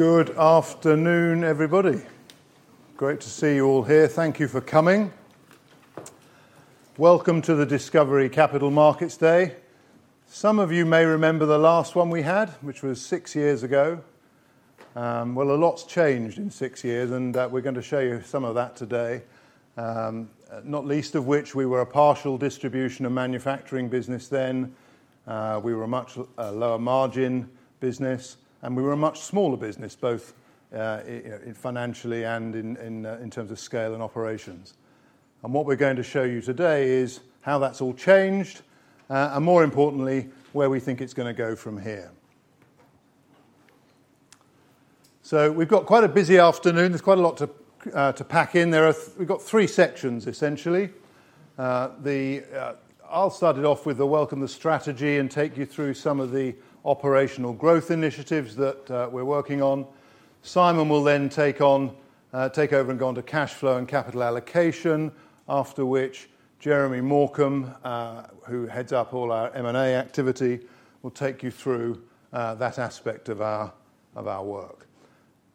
Good afternoon, everybody. Great to see you all here. Thank you for coming. Welcome to the DiscoverIE Capital Markets Day. Some of you may remember the last one we had, which was six years ago. Well, a lot's changed in six years, and we're going to show you some of that today. Not least of which, we were a partial distribution and manufacturing business then. We were a much lower margin business, and we were a much smaller business, both financially and in terms of scale and operations. What we're going to show you today is how that's all changed, and more importantly, where we think it's gonna go from here. We've got quite a busy afternoon. There's quite a lot to pack in. There are... We've got three sections, essentially. I'll start it off with the welcome strategy, and take you through some of the operational growth initiatives that we're working on. Simon will then take over and go on to cash flow and capital allocation, after which Jeremy Morcom, who heads up all our M&A activity, will take you through that aspect of our work.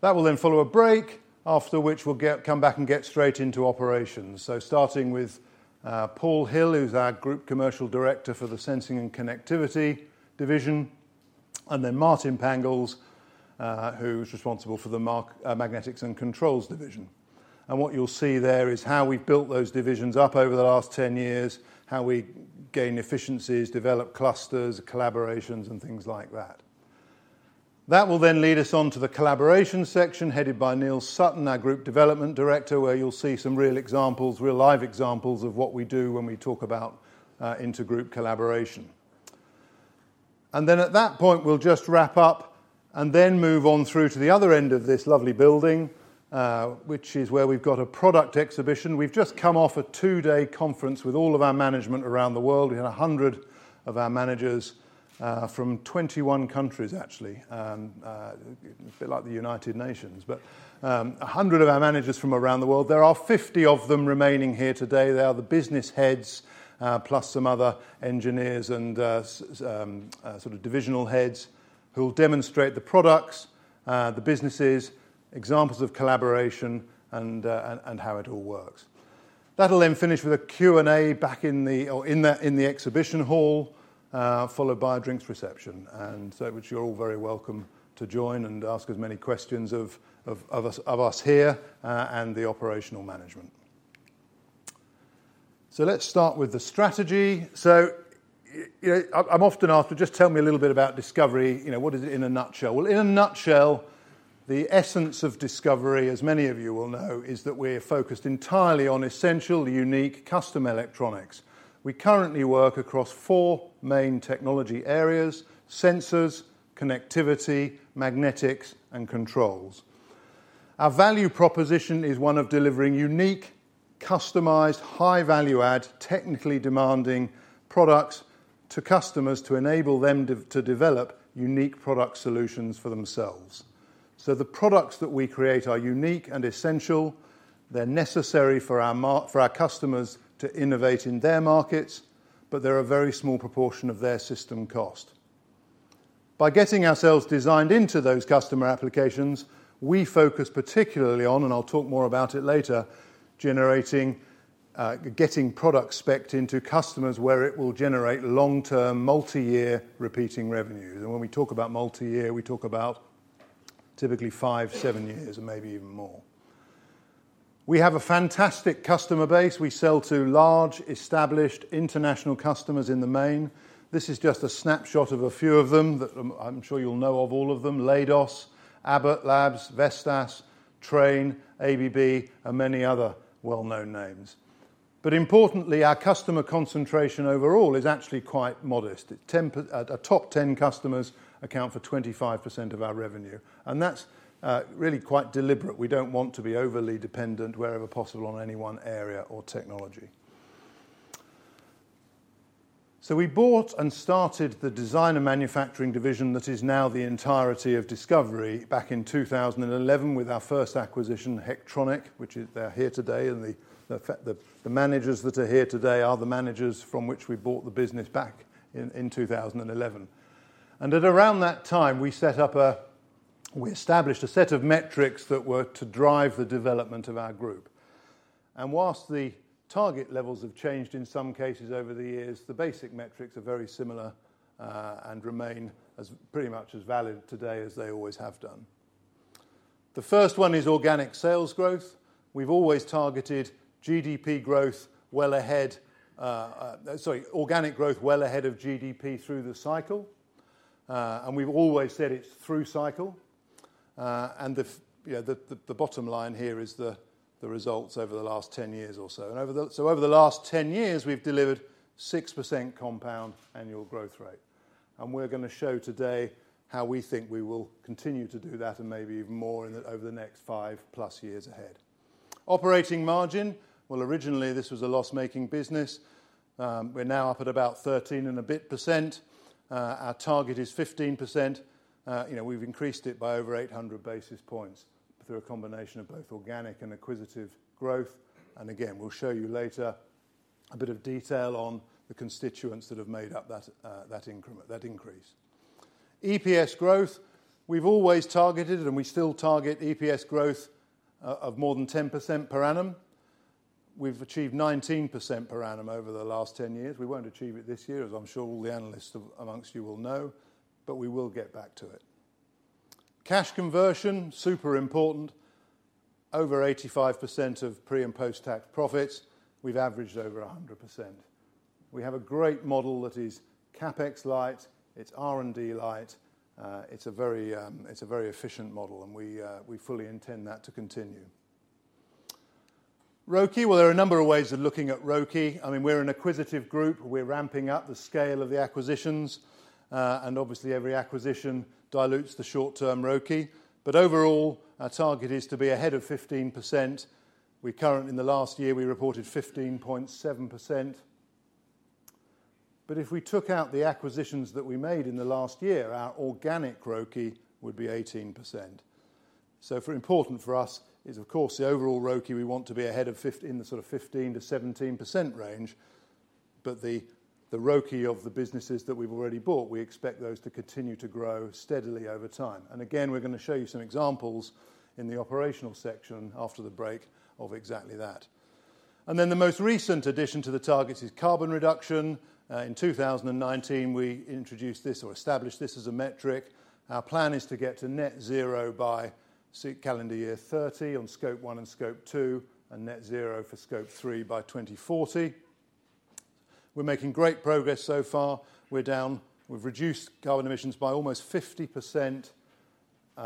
That will then follow a break, after which we'll come back and get straight into operations. So starting with Paul Hill, who's our Group Commercial Director for the Sensing and Connectivity division, and then Martin Pangels, who's responsible for the Magnetics and Controls division. And what you'll see there is how we've built those divisions up over the last 10 years, how we gain efficiencies, develop clusters, collaborations, and things like that. That will then lead us on to the collaboration section, headed by Neale Sutton, our Group Development Director, where you'll see some real examples, real live examples of what we do when we talk about inter-group collaboration. And then, at that point, we'll just wrap up and then move on through to the other end of this lovely building, which is where we've got a product exhibition. We've just come off a two-day conference with all of our management around the world. We had a hundred of our managers from 21 countries, actually, a bit like the United Nations. But a hundred of our managers from around the world. There are 50 of them remaining here today. They are the business heads, plus some other engineers and sort of divisional heads, who will demonstrate the products, the businesses, examples of collaboration, and how it all works. That'll then finish with a Q&A back in the exhibition hall, followed by a drinks reception, which you're all very welcome to join and ask as many questions of us here and the operational management. So let's start with the strategy. So I, I'm often asked to just tell me a little bit about DiscoverIE. You know, what is it in a nutshell? Well, in a nutshell, the essence of DiscoverIE, as many of you will know, is that we're focused entirely on essential, unique, custom electronics. We currently work across four main technology areas: sensors, connectivity, magnetics, and controls. Our value proposition is one of delivering unique, customized, high-value-add, technically demanding products to customers to enable them to to develop unique product solutions for themselves. So the products that we create are unique and essential. They're necessary for our for our customers to innovate in their markets, but they're a very small proportion of their system cost. By getting ourselves designed into those customer applications, we focus particularly on, and I'll talk more about it later, generating, getting product spec'd into customers where it will generate long-term, multi-year, repeating revenues. And when we talk about multi-year, we talk about typically five, seven years, and maybe even more. We have a fantastic customer base. We sell to large, established, international customers in the main. This is just a snapshot of a few of them, that, I'm sure you'll know of all of them: Leidos, Abbott Labs, Vestas, Trane, ABB, and many other well-known names, but importantly, our customer concentration overall is actually quite modest. Our top 10 customers account for 25% of our revenue, and that's really quite deliberate. We don't want to be overly dependent, wherever possible, on any one area or technology, so we bought and started the design and manufacturing division that is now the entirety of DiscoverIE back in 2011 with our first acquisition, Hectronic, which is, they're here today, and the managers that are here today are the managers from which we bought the business back in 2011. At around that time, we established a set of metrics that were to drive the development of our group. While the target levels have changed in some cases over the years, the basic metrics are very similar, and remain as pretty much as valid today as they always have done. The first one is organic sales growth. We've always targeted GDP growth well ahead. Sorry, organic growth well ahead of GDP through the cycle, and we've always said it's through cycle. You know, the bottom line here is the results over the last 10 years or so. Over the last 10 years, we've delivered 6% compound annual growth rate, and we're gonna show today how we think we will continue to do that, and maybe even more in the over the next 5+ years ahead. Operating margin. Originally, this was a loss-making business. We're now up at about 13% and a bit. Our target is 15%. You know, we've increased it by over 800 basis points through a combination of both organic and acquisitive growth. And again, we'll show you later a bit of detail on the constituents that have made up that increment, that increase. EPS growth. We've always targeted, and we still target EPS growth of more than 10% per annum. We've achieved 19% per annum over the last 10 years. We won't achieve it this year, as I'm sure all the analysts amongst you will know, but we will get back to it. Cash conversion, super important. Over 85% of pre and post-tax profits, we've averaged over 100%. We have a great model that is CapEx light, it's R&D light, it's a very efficient model, and we fully intend that to continue. ROCE, well, there are a number of ways of looking at ROCE. I mean, we're an acquisitive group. We're ramping up the scale of the acquisitions, and obviously, every acquisition dilutes the short-term ROCE. But overall, our target is to be ahead of 15%. We currently... In the last year, we reported 15.7%, but if we took out the acquisitions that we made in the last year, our organic ROCE would be 18%. So important for us is, of course, the overall ROCE. We want to be ahead of 15% in the sort of 15%-17% range, but the ROCE of the businesses that we've already bought, we expect those to continue to grow steadily over time. And again, we're going to show you some examples in the operational section after the break of exactly that. And then the most recent addition to the targets is carbon reduction. In 2019, we introduced this or established this as a metric. Our plan is to get to net zero by calendar year 2030 on Scope 1 and Scope 2, and net zero for Scope 3 by 2040. We're making great progress so far. We've reduced carbon emissions by almost 50%,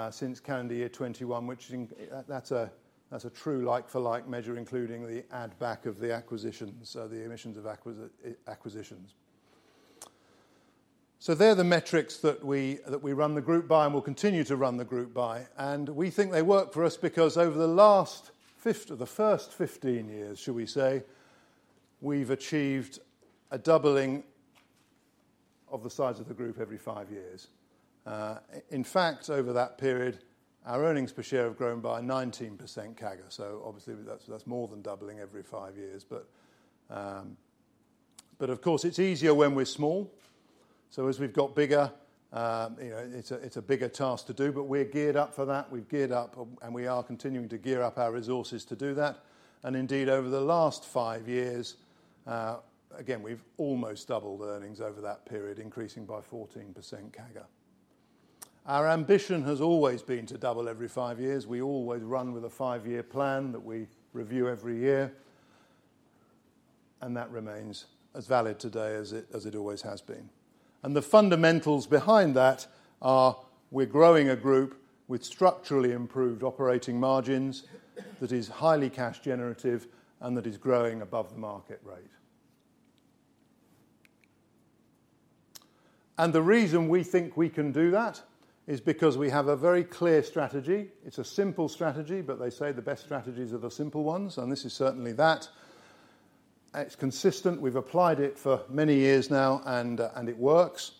since calendar year 2021, which in... That's a, that's a true like-for-like measure, including the add back of the acquisitions, the emissions of acquisitions. So they're the metrics that we run the group by and will continue to run the group by, and we think they work for us because over the last the first 15 years, should we say, we've achieved a doubling of the size of the group every five years. In fact, over that period, our earnings per share have grown by 19% CAGR, so obviously, that's more than doubling every five years. But, of course, it's easier when we're small. So as we've got bigger, you know, it's a bigger task to do, but we're geared up for that. We've geared up, and we are continuing to gear up our resources to do that. Indeed, over the last five years, again, we've almost doubled earnings over that period, increasing by 14% CAGR. Our ambition has always been to double every five years. We always run with a five-year plan that we review every year, and that remains as valid today as it always has been. The fundamentals behind that are, we're growing a group with structurally improved operating margins that is highly cash generative and that is growing above the market rate. The reason we think we can do that is because we have a very clear strategy. It's a simple strategy, but they say the best strategies are the simple ones, and this is certainly that. It's consistent. We've applied it for many years now, and it works.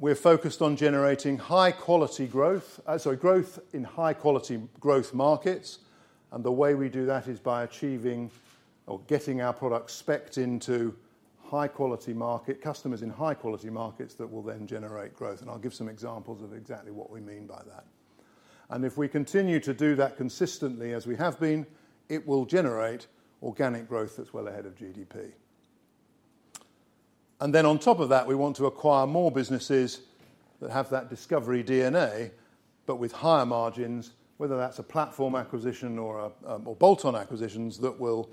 We're focused on generating high-quality growth... Sorry, growth in high-quality growth markets, and the way we do that is by achieving or getting our products specced into high-quality market customers in high-quality markets that will then generate growth, and I'll give some examples of exactly what we mean by that, and if we continue to do that consistently, as we have been, it will generate organic growth that's well ahead of GDP, and then on top of that, we want to acquire more businesses that have that DiscoverIE DNA, but with higher margins, whether that's a platform acquisition or a, or bolt-on acquisitions that will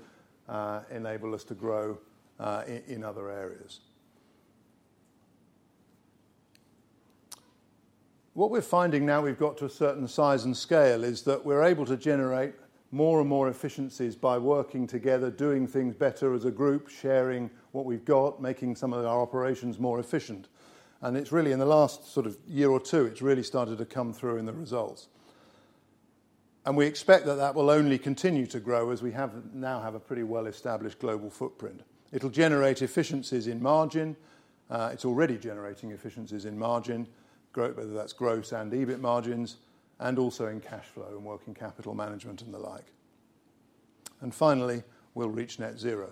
enable us to grow in other areas. What we're finding now we've got to a certain size and scale, is that we're able to generate more and more efficiencies by working together, doing things better as a group, sharing what we've got, making some of our operations more efficient. And it's really in the last sort of year or two, it's really started to come through in the results. And we expect that that will only continue to grow as we have, now have a pretty well-established global footprint. It'll generate efficiencies in margin. It's already generating efficiencies in margin, whether that's gross and EBIT margins, and also in cash flow and working capital management, and the like. And finally, we'll reach net zero.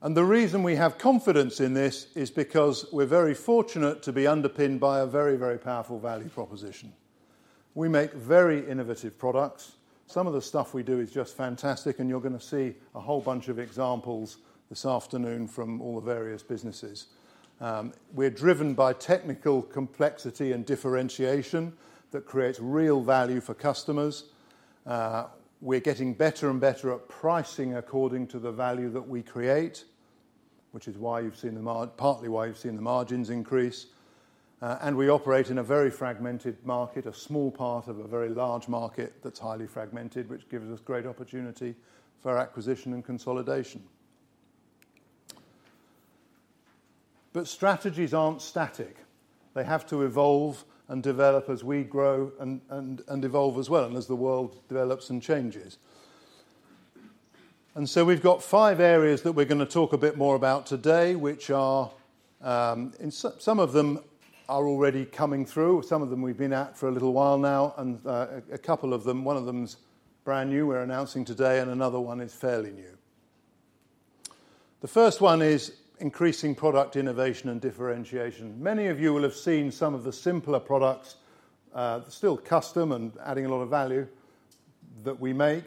And the reason we have confidence in this is because we're very fortunate to be underpinned by a very, very powerful value proposition. We make very innovative products. Some of the stuff we do is just fantastic, and you're going to see a whole bunch of examples this afternoon from all the various businesses. We're driven by technical complexity and differentiation that creates real value for customers. We're getting better and better at pricing according to the value that we create, which is partly why you've seen the margins increase, and we operate in a very fragmented market, a small part of a very large market that's highly fragmented, which gives us great opportunity for acquisition and consolidation, but strategies aren't static. They have to evolve and develop as we grow and evolve as well, and as the world develops and changes, and so we've got five areas that we're going to talk a bit more about today, which are-... And some of them are already coming through, some of them we've been at for a little while now, and a couple of them, one of them is brand new, we're announcing today, and another one is fairly new. The first one is increasing product innovation and differentiation. Many of you will have seen some of the simpler products, still custom and adding a lot of value, that we make,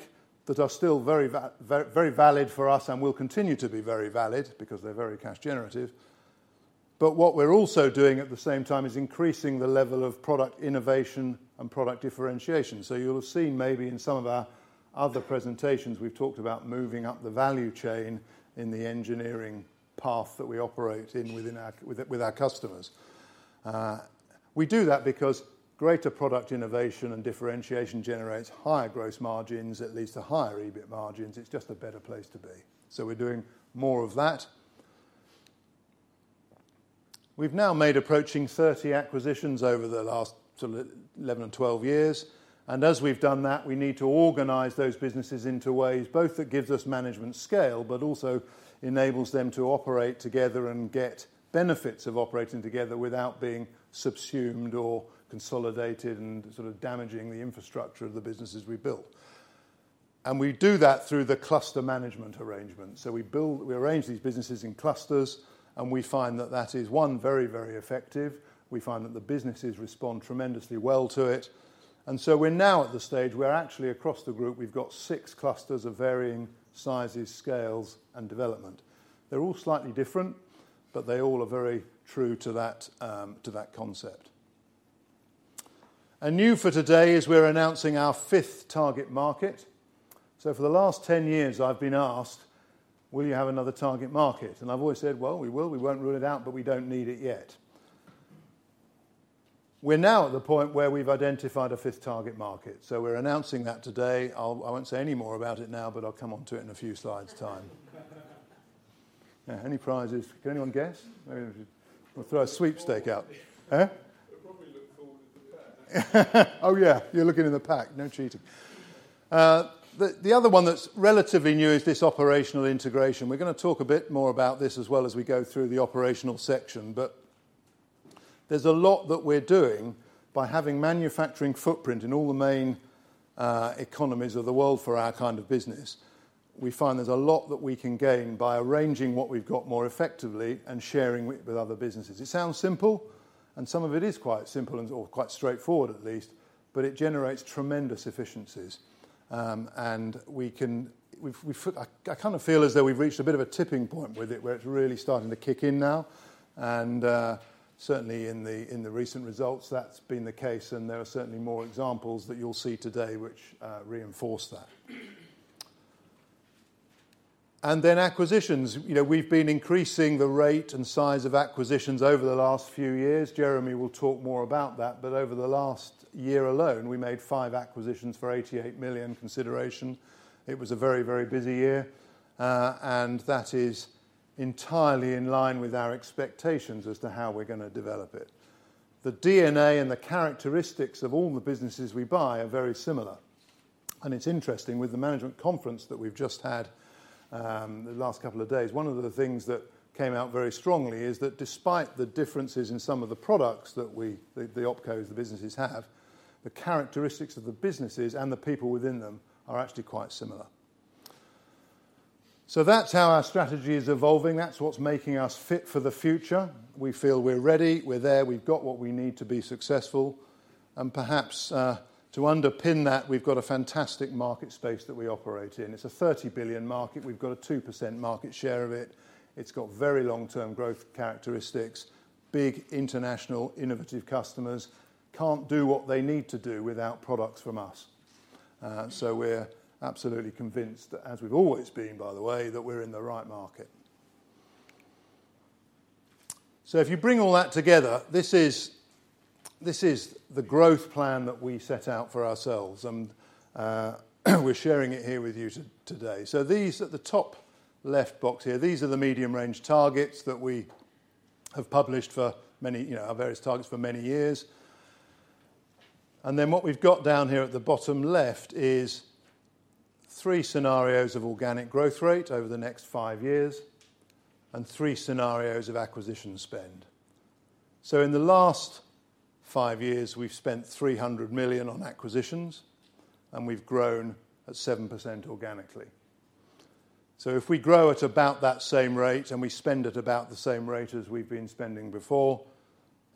that are still very, very valid for us and will continue to be very valid because they're very cash generative. But what we're also doing at the same time is increasing the level of product innovation and product differentiation. So you'll have seen maybe in some of our other presentations, we've talked about moving up the value chain in the engineering path that we operate in with our customers. We do that because greater product innovation and differentiation generates higher gross margins, it leads to higher EBIT margins, it's just a better place to be. So we're doing more of that. We've now made approaching 30 acquisitions over the last sort of 11, 12 years, and as we've done that, we need to organize those businesses into ways, both that gives us management scale, but also enables them to operate together and get benefits of operating together without being subsumed or consolidated and sort of damaging the infrastructure of the businesses we built. And we do that through the cluster management arrangement. So we arrange these businesses in clusters, and we find that that is, one, very, very effective. We find that the businesses respond tremendously well to it. We're now at the stage where actually across the group, we've got six clusters of varying sizes, scales, and development. They're all slightly different, but they all are very true to that, to that concept. New for today is we're announcing our fifth target market. For the last 10 years, I've been asked, "Will you have another target market?" I've always said, "Well, we will. We won't rule it out, but we don't need it yet." We're now at the point where we've identified a fifth target market, so we're announcing that today. I won't say any more about it now, but I'll come on to it in a few slides' time. Any prizes? Can anyone guess? Maybe we should throw a sweepstake out. Oh, yeah, you're looking in the pack. No cheating. The other one that's relatively new is this operational integration. We're going to talk a bit more about this as well as we go through the operational section, but there's a lot that we're doing by having manufacturing footprint in all the main economies of the world for our kind of business. We find there's a lot that we can gain by arranging what we've got more effectively and sharing with other businesses. It sounds simple, and some of it is quite simple and, or quite straightforward at least, but it generates tremendous efficiencies. And I kind of feel as though we've reached a bit of a tipping point with it, where it's really starting to kick in now, and certainly in the recent results, that's been the case, and there are certainly more examples that you'll see today which reinforce that, and then acquisitions. You know, we've been increasing the rate and size of acquisitions over the last few years. Jeremy will talk more about that, but over the last year alone, we made five acquisitions for 88 million consideration. It was a very, very busy year, and that is entirely in line with our expectations as to how we're going to develop it. The DNA and the characteristics of all the businesses we buy are very similar, and it's interesting, with the management conference that we've just had, the last couple of days, one of the things that came out very strongly is that despite the differences in some of the products that we, the OpCos, the businesses have, the characteristics of the businesses and the people within them are actually quite similar. So that's how our strategy is evolving. That's what's making us fit for the future. We feel we're ready, we're there, we've got what we need to be successful, and perhaps to underpin that, we've got a fantastic market space that we operate in. It's a 30 billion market. We've got a 2% market share of it. It's got very long-term growth characteristics, big international, innovative customers, can't do what they need to do without products from us. So we're absolutely convinced, as we've always been, by the way, that we're in the right market. So if you bring all that together, this is the growth plan that we set out for ourselves, and we're sharing it here with you today. So these at the top left box here, these are the medium-range targets that we have published for many, you know, our various targets for many years. And then what we've got down here at the bottom left is three scenarios of organic growth rate over the next five years, and three scenarios of acquisition spend. So in the last five years, we've spent 300 million on acquisitions, and we've grown at 7% organically. So if we grow at about that same rate and we spend at about the same rate as we've been spending before,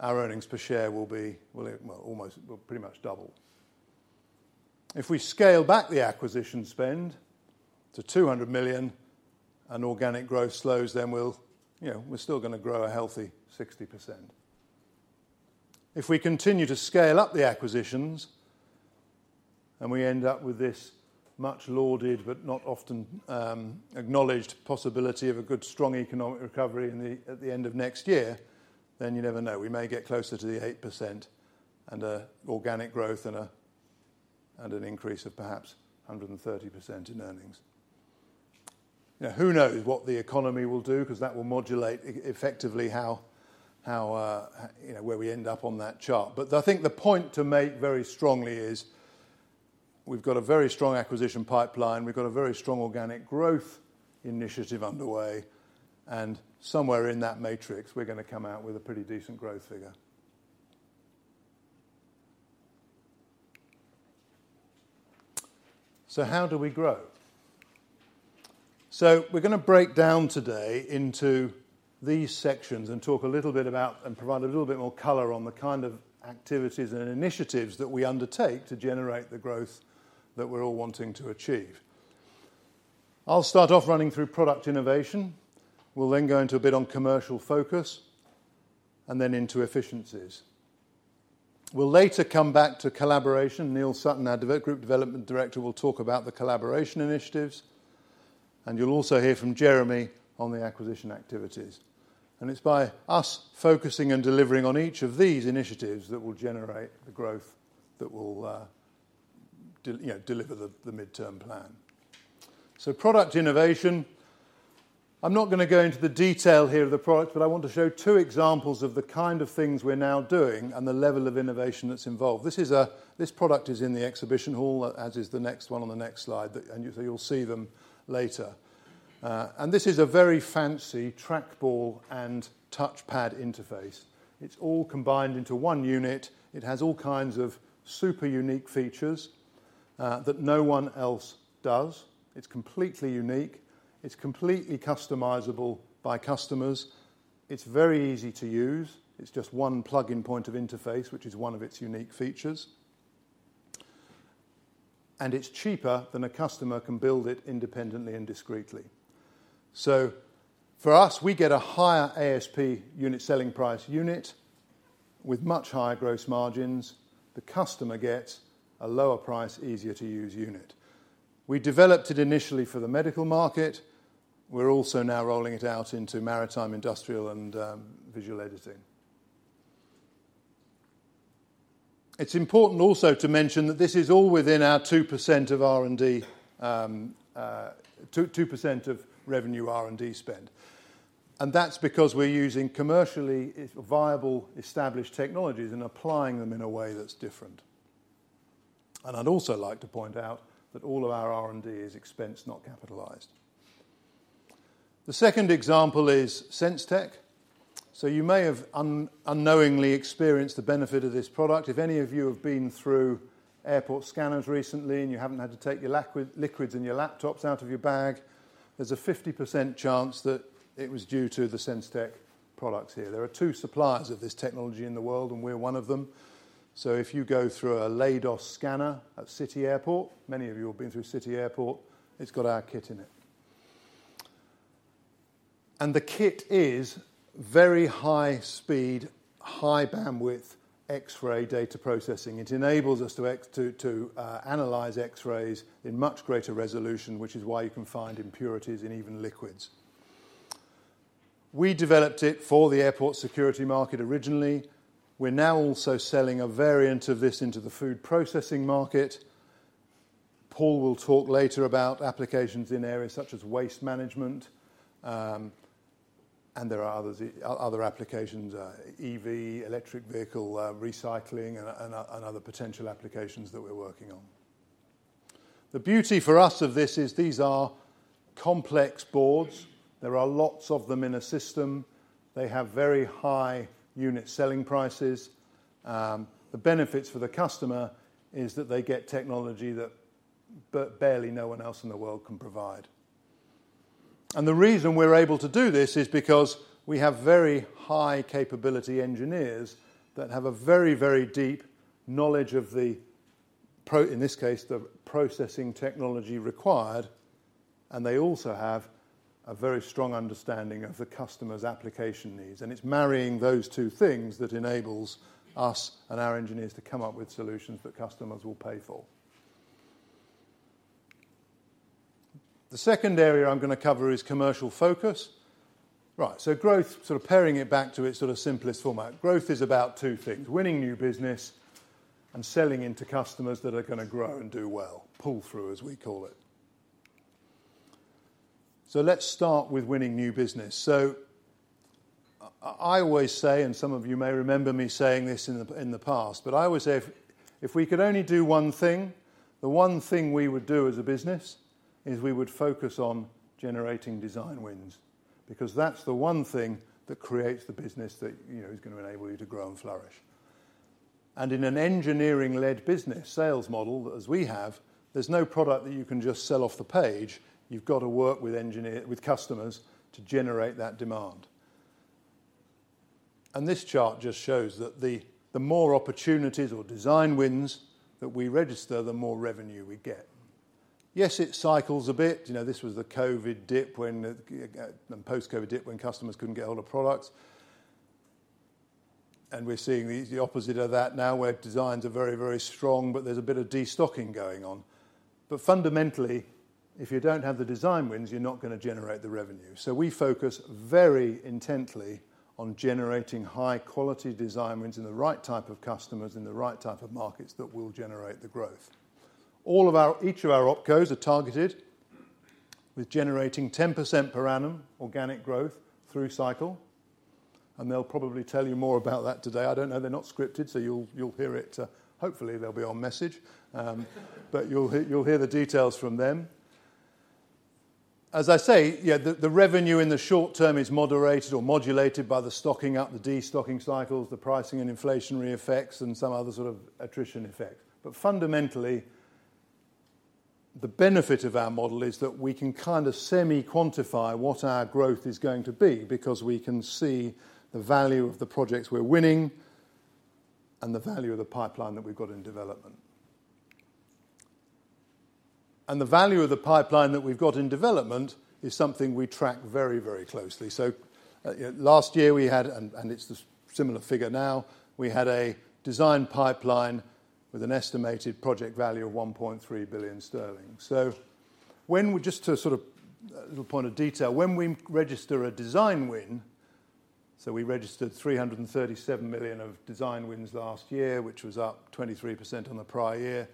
our earnings per share will be, well, almost, well, pretty much double. If we scale back the acquisition spend to 200 million and organic growth slows, then we'll, you know, we're still going to grow a healthy 60%. If we continue to scale up the acquisitions, and we end up with this much-lauded, but not often acknowledged possibility of a good, strong economic recovery in the, at the end of next year, then you never know, we may get closer to the 8% and organic growth and a, and an increase of perhaps 130% in earnings. Now, who knows what the economy will do? Because that will modulate effectively how you know where we end up on that chart. But I think the point to make very strongly is. We've got a very strong acquisition pipeline, we've got a very strong organic growth initiative underway, and somewhere in that matrix, we're gonna come out with a pretty decent growth figure. So how do we grow? So we're gonna break down today into these sections and talk a little bit about, and provide a little bit more color on the kind of activities and initiatives that we undertake to generate the growth that we're all wanting to achieve. I'll start off running through product innovation, we'll then go into a bit on commercial focus, and then into efficiencies. We'll later come back to collaboration. Neale Sutton, our Group Development Director, will talk about the collaboration initiatives, and you'll also hear from Jeremy on the acquisition activities. It's by us focusing and delivering on each of these initiatives that will generate the growth that will, you know, deliver the midterm plan. Product innovation. I'm not gonna go into the detail here of the product, but I want to show two examples of the kind of things we're now doing and the level of innovation that's involved. This product is in the exhibition hall, as is the next one on the next slide, and you'll see them later. This is a very fancy trackball and touchpad interface. It's all combined into one unit. It has all kinds of super unique features that no one else does. It's completely unique. It's completely customizable by customers. It's very easy to use. It's just one plug-in point of interface, which is one of its unique features, and it's cheaper than a customer can build it independently and discreetly. So for us, we get a higher ASP unit selling price unit with much higher gross margins. The customer gets a lower price, easier to use unit. We developed it initially for the medical market. We're also now rolling it out into maritime, industrial, and visual editing. It's important also to mention that this is all within our 2% of revenue R&D spend, and that's because we're using commercially viable, established technologies and applying them in a way that's different. And I'd also like to point out that all of our R&D is expense, not capitalized. The second example is Sens-Tech. You may have unknowingly experienced the benefit of this product. If any of you have been through airport scanners recently, and you haven't had to take your liquids and your laptops out of your bag, there's a 50% chance that it was due to the Sens-Tech products here. There are two suppliers of this technology in the world, and we're one of them. If you go through a Leidos scanner at City Airport, many of you have been through City Airport, it's got our kit in it. The kit is very high speed, high bandwidth X-ray data processing. It enables us to analyze X-rays in much greater resolution, which is why you can find impurities in even liquids. We developed it for the airport security market originally. We're now also selling a variant of this into the food processing market. Paul will talk later about applications in areas such as waste management, and there are others, other applications, EV, electric vehicle, recycling, and other potential applications that we're working on. The beauty for us of this is, these are complex boards. There are lots of them in a system. They have very high unit selling prices. The benefits for the customer is that they get technology that barely no one else in the world can provide. The reason we're able to do this is because we have very high capability engineers that have a very, very deep knowledge of the process, in this case, the processing technology required, and they also have a very strong understanding of the customer's application needs. It's marrying those two things that enables us and our engineers to come up with solutions that customers will pay for. The second area I'm gonna cover is commercial focus. Right, so growth, sort of paring it back to its sort of simplest format. Growth is about two things: winning new business and selling into customers that are gonna grow and do well, pull through, as we call it. Let's start with winning new business. I always say, and some of you may remember me saying this in the past, but I always say, if we could only do one thing, the one thing we would do as a business is we would focus on generating design wins, because that's the one thing that creates the business that, you know, is gonna enable you to grow and flourish. In an engineering-led business sales model, as we have, there's no product that you can just sell off the page. You've got to work with customers to generate that demand. This chart just shows that the more opportunities or design wins that we register, the more revenue we get. Yes, it cycles a bit. You know, this was the COVID dip when the post-COVID dip when customers couldn't get hold of products, and we're seeing the opposite of that now, where designs are very, very strong, but there's a bit of destocking going on. But fundamentally, if you don't have the design wins, you're not gonna generate the revenue. So we focus very intently on generating high-quality design wins in the right type of customers, in the right type of markets that will generate the growth. All of our... Each of our OpCos are targeted with generating 10% per annum organic growth through cycle, and they'll probably tell you more about that today. I don't know, they're not scripted, so you'll hear it, hopefully they'll be on message. But you'll hear the details from them. As I say, yeah, the revenue in the short term is moderated or modulated by the stocking up, the de-stocking cycles, the pricing and inflationary effects, and some other sort of attrition effect. But fundamentally, the benefit of our model is that we can kind of semi-quantify what our growth is going to be, because we can see the value of the projects we're winning and the value of the pipeline that we've got in development. And the value of the pipeline that we've got in development is something we track very, very closely. Yeah, last year we had a design pipeline with an estimated project value of 1.3 billion sterling, and it's a similar figure now. Just to sort of a little point of detail, when we register a design win, we registered 337 million of design wins last year, which was up 23% on the prior year.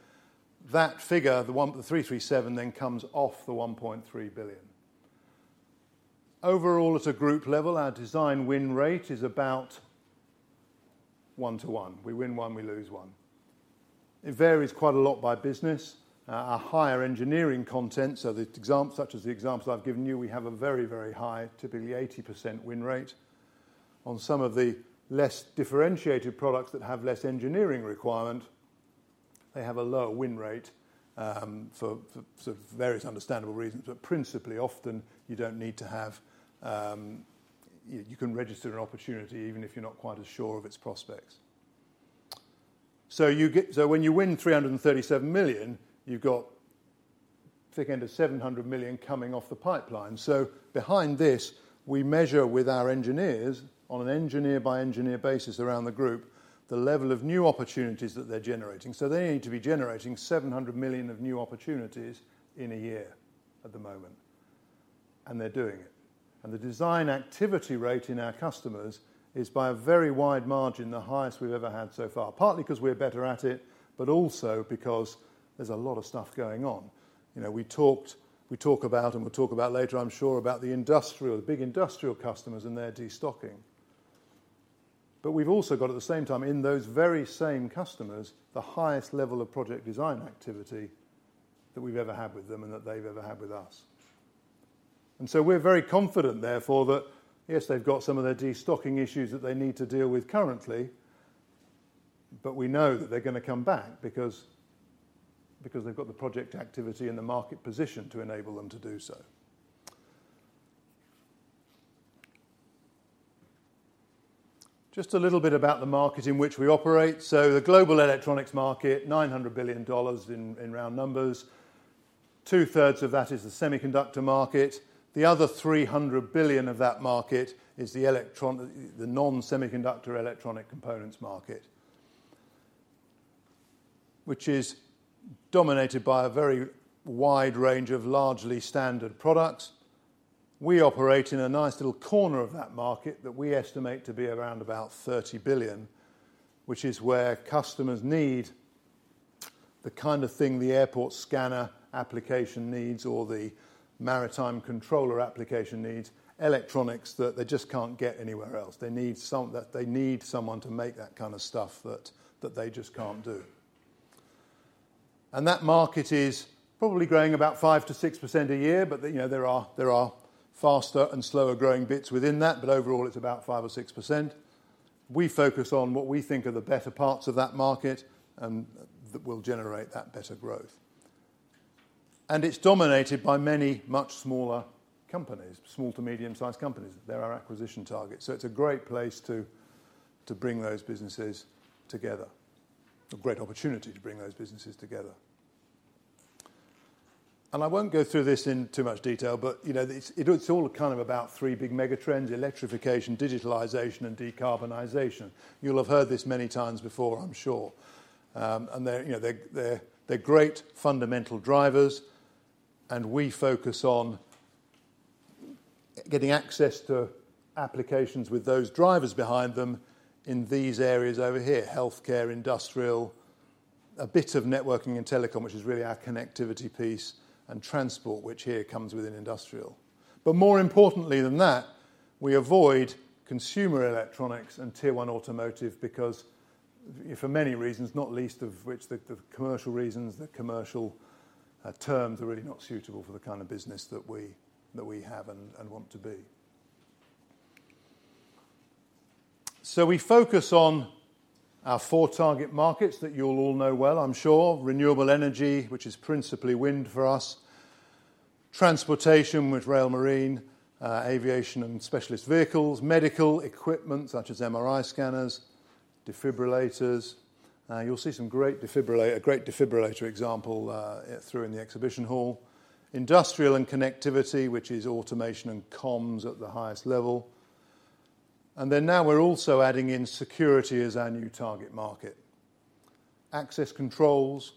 That figure, the 1.3 billion, the 337, then comes off the 1.3 billion. Overall, at a group level, our design win rate is about one to one. We win one, we lose one. It varies quite a lot by business. A higher engineering content, such as the example I have given you, we have a very, very high, typically 80% win rate. On some of the less differentiated products that have less engineering requirement, they have a lower win rate for sort of various understandable reasons, but principally, often you don't need to have. You can register an opportunity even if you're not quite as sure of its prospects. So when you win 337 million, you've got thick end of 700 million coming off the pipeline. So behind this, we measure with our engineers, on an engineer-by-engineer basis around the group, the level of new opportunities that they're generating. So they need to be generating 700 million of new opportunities in a year at the moment, and they're doing it. The design activity rate in our customers is, by a very wide margin, the highest we've ever had so far, partly 'cause we're better at it, but also because there's a lot of stuff going on. You know, we talked, we talk about, and we'll talk about later, I'm sure, about the industrial, the big industrial customers and their de-stocking, but we've also got, at the same time, in those very same customers, the highest level of project design activity that we've ever had with them and that they've ever had with us, so we're very confident, therefore, that, yes, they've got some of their de-stocking issues that they need to deal with currently, but we know that they're gonna come back because, because they've got the project activity and the market position to enable them to do so. Just a little bit about the market in which we operate. So the global electronics market, $900 billion in round numbers. 2/3 of that is the semiconductor market. The other $300 billion of that market is the non-semiconductor electronic components market, which is dominated by a very wide range of largely standard products. We operate in a nice little corner of that market that we estimate to be around about $30 billion, which is where customers need the kind of thing the airport scanner application needs or the maritime controller application needs, electronics that they just can't get anywhere else. They need some, they need someone to make that kind of stuff that they just can't do. That market is probably growing about 5-6% a year, but, you know, there are, there are faster and slower growing bits within that, but overall, it's about 5 or 6%. We focus on what we think are the better parts of that market and that will generate that better growth. It's dominated by many much smaller companies, small to medium-sized companies. They're our acquisition targets, so it's a great place to bring those businesses together, a great opportunity to bring those businesses together. I won't go through this in too much detail, but, you know, it's all kind of about three big megatrends: electrification, digitalization, and decarbonization. You'll have heard this many times before, I'm sure. And they're, you know, great fundamental drivers, and we focus on getting access to applications with those drivers behind them in these areas over here: healthcare, industrial, a bit of networking and telecom, which is really our connectivity piece, and transport, which here comes within industrial. But more importantly than that, we avoid consumer electronics and Tier One automotive because for many reasons, not least of which the commercial reasons, the commercial terms are really not suitable for the kind of business that we have and want to be. So we focus on our four target markets that you'll all know well, I'm sure. Renewable energy, which is principally wind for us. Transportation, with rail, marine, aviation, and specialist vehicles. Medical equipment, such as MRI scanners, defibrillators. You'll see some great defibrillator, a great defibrillator example, through in the exhibition hall. Industrial and connectivity, which is automation and comms at the highest level. Then now we're also adding in security as our new target market. Access controls,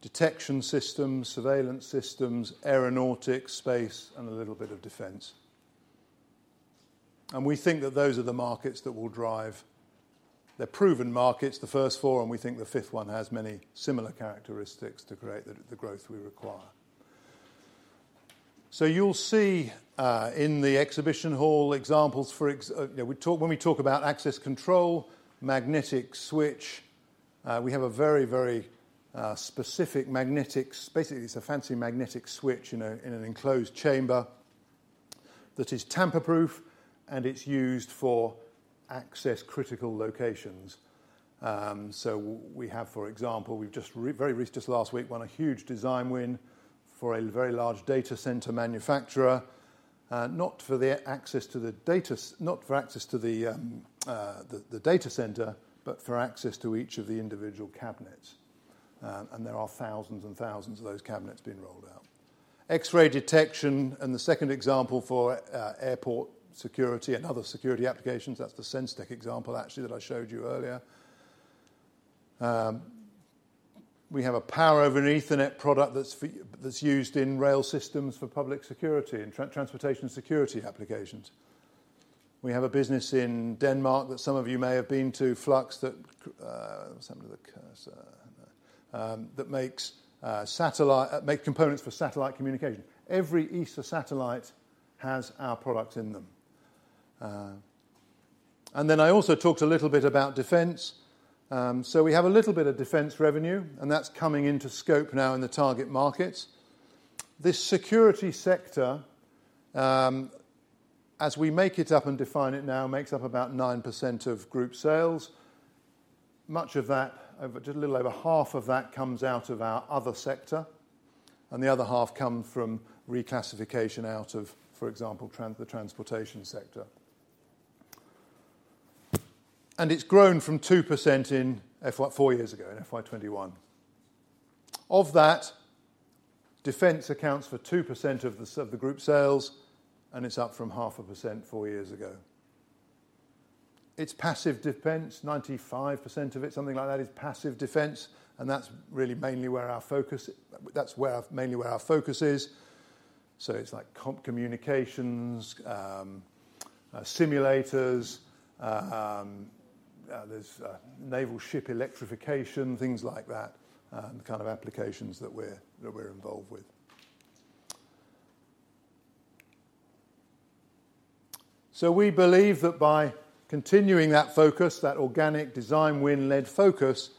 detection systems, surveillance systems, aeronautics, space, and a little bit of defense, and we think that those are the markets that will drive. They're proven markets, the first four, and we think the fifth one has many similar characteristics to create the growth we require. You'll see in the exhibition hall, examples. You know, when we talk about access control, magnetic switch, we have a very, very specific magnetic, basically, it's a fancy magnetic switch in a, in an enclosed chamber that is tamper-proof, and it's used for access critical locations. So we have, for example, we've just recently, just last week, won a huge design win for a very large data center manufacturer, not for the access to the data... not for access to the data center, but for access to each of the individual cabinets. And there are thousands and thousands of those cabinets being rolled out. X-ray detection, and the second example for airport security and other security applications, that's the Sens-Tech example actually that I showed you earlier. We have a power over Ethernet product that's used in rail systems for public security, in transportation security applications. We have a business in Denmark that some of you may have been to, Flux, that makes components for satellite communication. Every ESA satellite has our product in them. And then I also talked a little bit about defense. So we have a little bit of defense revenue, and that's coming into scope now in the target markets. This security sector, as we make it up and define it now, makes up about 9% of group sales. Much of that, just a little over half of that comes out of our other sector, and the other half come from reclassification out of, for example, transportation sector. And it's grown from 2% in FY 2021 four years ago. Of that, defense accounts for 2% of the group sales, and it's up from 0.5% four years ago. It's passive defense. 95% of it, something like that, is passive defense, and that's really mainly where our focus is. So it's like comp communications, simulators, there's naval ship electrification, things like that, the kind of applications that we're involved with. So we believe that by continuing that focus, that organic design win-led focus,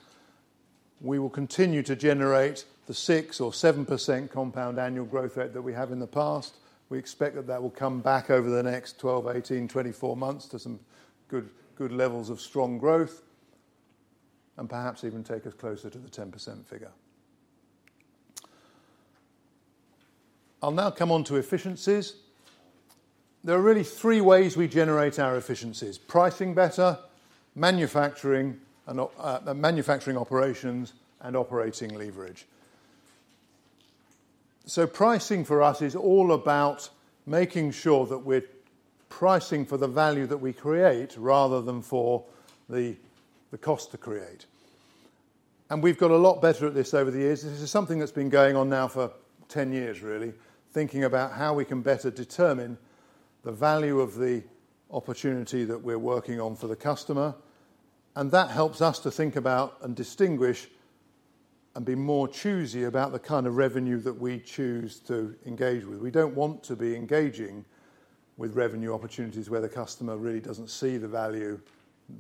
we will continue to generate the 6% or 7% compound annual growth rate that we have in the past. We expect that that will come back over the next 12, 18, 24 months to some good levels of strong growth, and perhaps even take us closer to the 10% figure. I'll now come on to efficiencies. There are really three ways we generate our efficiencies: pricing better, manufacturing, manufacturing operations, and operating leverage. Pricing for us is all about making sure that we're pricing for the value that we create rather than for the cost to create. We've got a lot better at this over the years. This is something that's been going on now for 10 years, really, thinking about how we can better determine the value of the opportunity that we're working on for the customer, and that helps us to think about and distinguish and be more choosy about the kind of revenue that we choose to engage with. We don't want to be engaging with revenue opportunities where the customer really doesn't see the value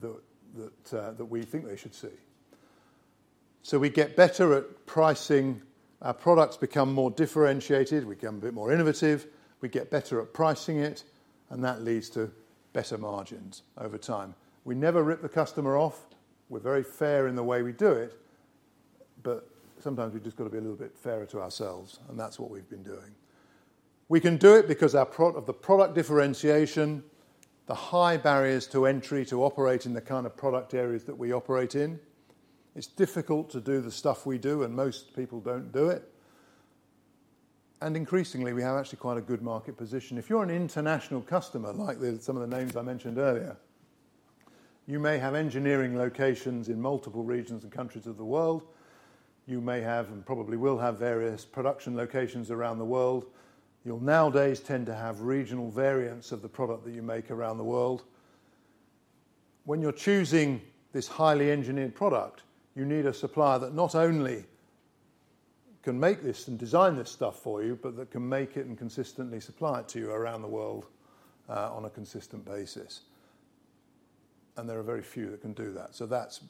that we think they should see. We get better at pricing. Our products become more differentiated, we become a bit more innovative, we get better at pricing it, and that leads to better margins over time. We never rip the customer off. We're very fair in the way we do it, but sometimes we've just got to be a little bit fairer to ourselves, and that's what we've been doing. We can do it because of our product differentiation, the high barriers to entry to operate in the kind of product areas that we operate in. It's difficult to do the stuff we do, and most people don't do it, and increasingly, we have actually quite a good market position. If you're an international customer, like some of the names I mentioned earlier, you may have engineering locations in multiple regions and countries of the world. You may have, and probably will have, various production locations around the world. You'll nowadays tend to have regional variants of the product that you make around the world. When you're choosing this highly engineered product, you need a supplier that not only can make this and design this stuff for you, but that can make it and consistently supply it to you around the world, on a consistent basis, and there are very few that can do that. So that's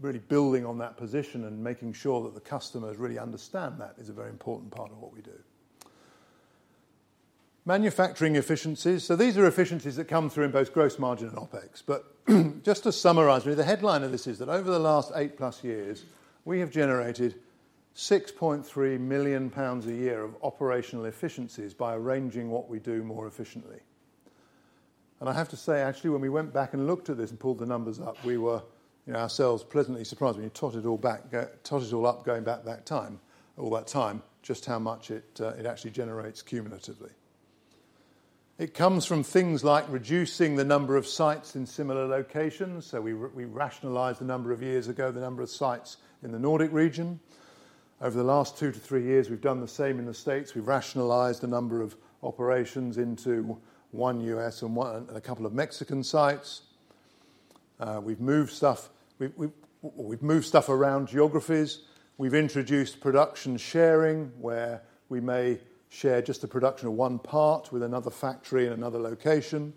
really building on that position and making sure that the customers really understand that is a very important part of what we do. Manufacturing efficiencies. So these are efficiencies that come through in both gross margin and OpEx. But just to summarize, really, the headline of this is that over the last 8+ years, we have generated 6.3 million pounds a year of operational efficiencies by arranging what we do more efficiently. I have to say, actually, when we went back and looked at this and pulled the numbers up, we were, you know, ourselves pleasantly surprised when you tot it all back, tot it all up, going back that time, all that time, just how much it actually generates cumulatively. It comes from things like reducing the number of sites in similar locations, so we rationalized a number of years ago the number of sites in the Nordic region. Over the last two to three years, we've done the same in the States. We've rationalized a number of operations into one U.S. and one, and a couple of Mexican sites. We've moved stuff, we've moved stuff around geographies. We've introduced production sharing, where we may share just the production of one part with another factory in another location.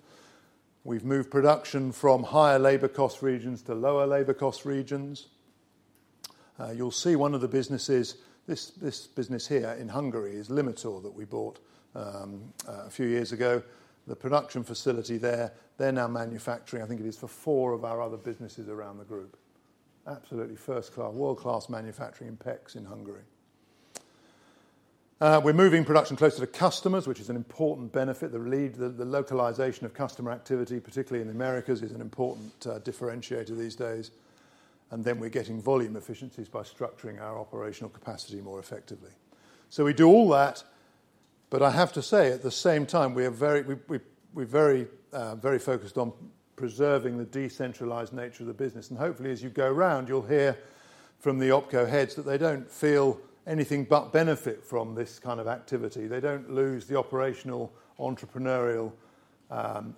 We've moved production from higher labor cost regions to lower labor cost regions. You'll see one of the businesses, this business here in Hungary, is Limitor, that we bought a few years ago. The production facility there, they're now manufacturing, I think it is, for four of our other businesses around the group. Absolutely first-class, world-class manufacturing in Pécs, in Hungary. We're moving production closer to customers, which is an important benefit. The localization of customer activity, particularly in the Americas, is an important differentiator these days. And then we're getting volume efficiencies by structuring our operational capacity more effectively. So we do all that, but I have to say, at the same time, we are very focused on preserving the decentralized nature of the business. Hopefully, as you go around, you'll hear from the OpCo heads that they don't feel anything but benefit from this kind of activity. They don't lose the operational, entrepreneurial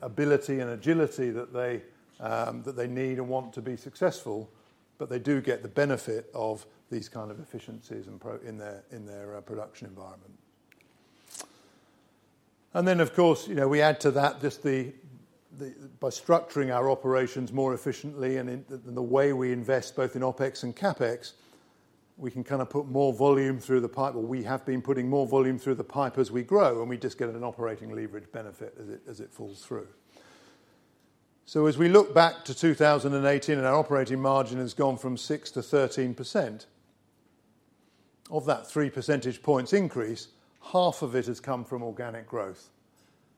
ability and agility that they need and want to be successful, but they do get the benefit of these kind of efficiencies and processes in their production environment. Then, of course, you know, we add to that just by structuring our operations more efficiently and in the way we invest, both in OpEx and CapEx, we can kind of put more volume through the pipe. We have been putting more volume through the pipe as we grow, and we just get an operating leverage benefit as it falls through. As we look back to 2018, our operating margin has gone from 6% to 13%. Of that 3 percentage points increase, half of it has come from organic growth,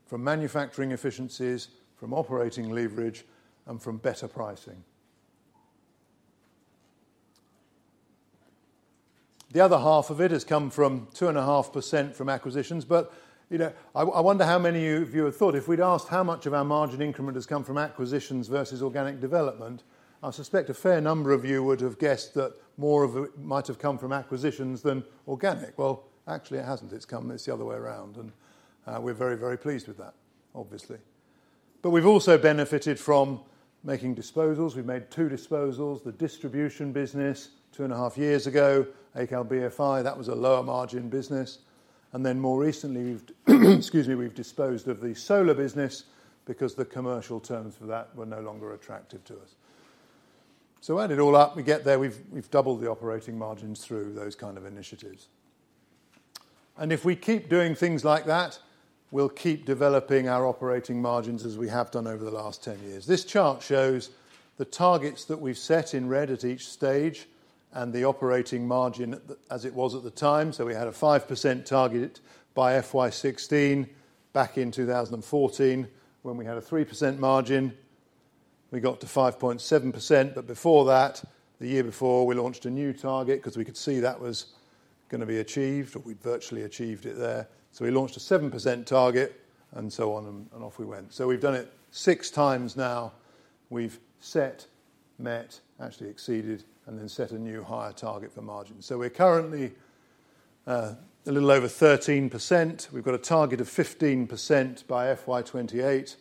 from manufacturing efficiencies, from operating leverage, and from better pricing. The other half of it has come from 2.5% from acquisitions. But you know, I wonder how many of you have thought, if we'd asked how much of our margin increment has come from acquisitions versus organic development. I suspect a fair number of you would have guessed that more of it might have come from acquisitions than organic. Well, actually, it hasn't. It's come... It's the other way around, and we're very, very pleased with that, obviously. But we've also benefited from making disposals. We've made two disposals. The distribution business, two and a half years ago, Acal BFi, that was a lower margin business, and then more recently, excuse me, we've disposed of the solar business because the commercial terms for that were no longer attractive to us, so add it all up, we get there. We've doubled the operating margins through those kind of initiatives, and if we keep doing things like that, we'll keep developing our operating margins, as we have done over the last 10 years. This chart shows the targets that we've set in red at each stage, and the operating margin at the time, as it was at the time, so we had a 5% target by FY 2016 back in 2014, when we had a 3% margin. We got to 5.7%, but before that, the year before, we launched a new target, 'cause we could see that was gonna be achieved, or we'd virtually achieved it there. So we launched a 7% target, and so on, and off we went. So we've done it six times now. We've set, met, actually exceeded, and then set a new higher target for margin. So we're currently a little over 13%. We've got a target of 15% by FY 2028.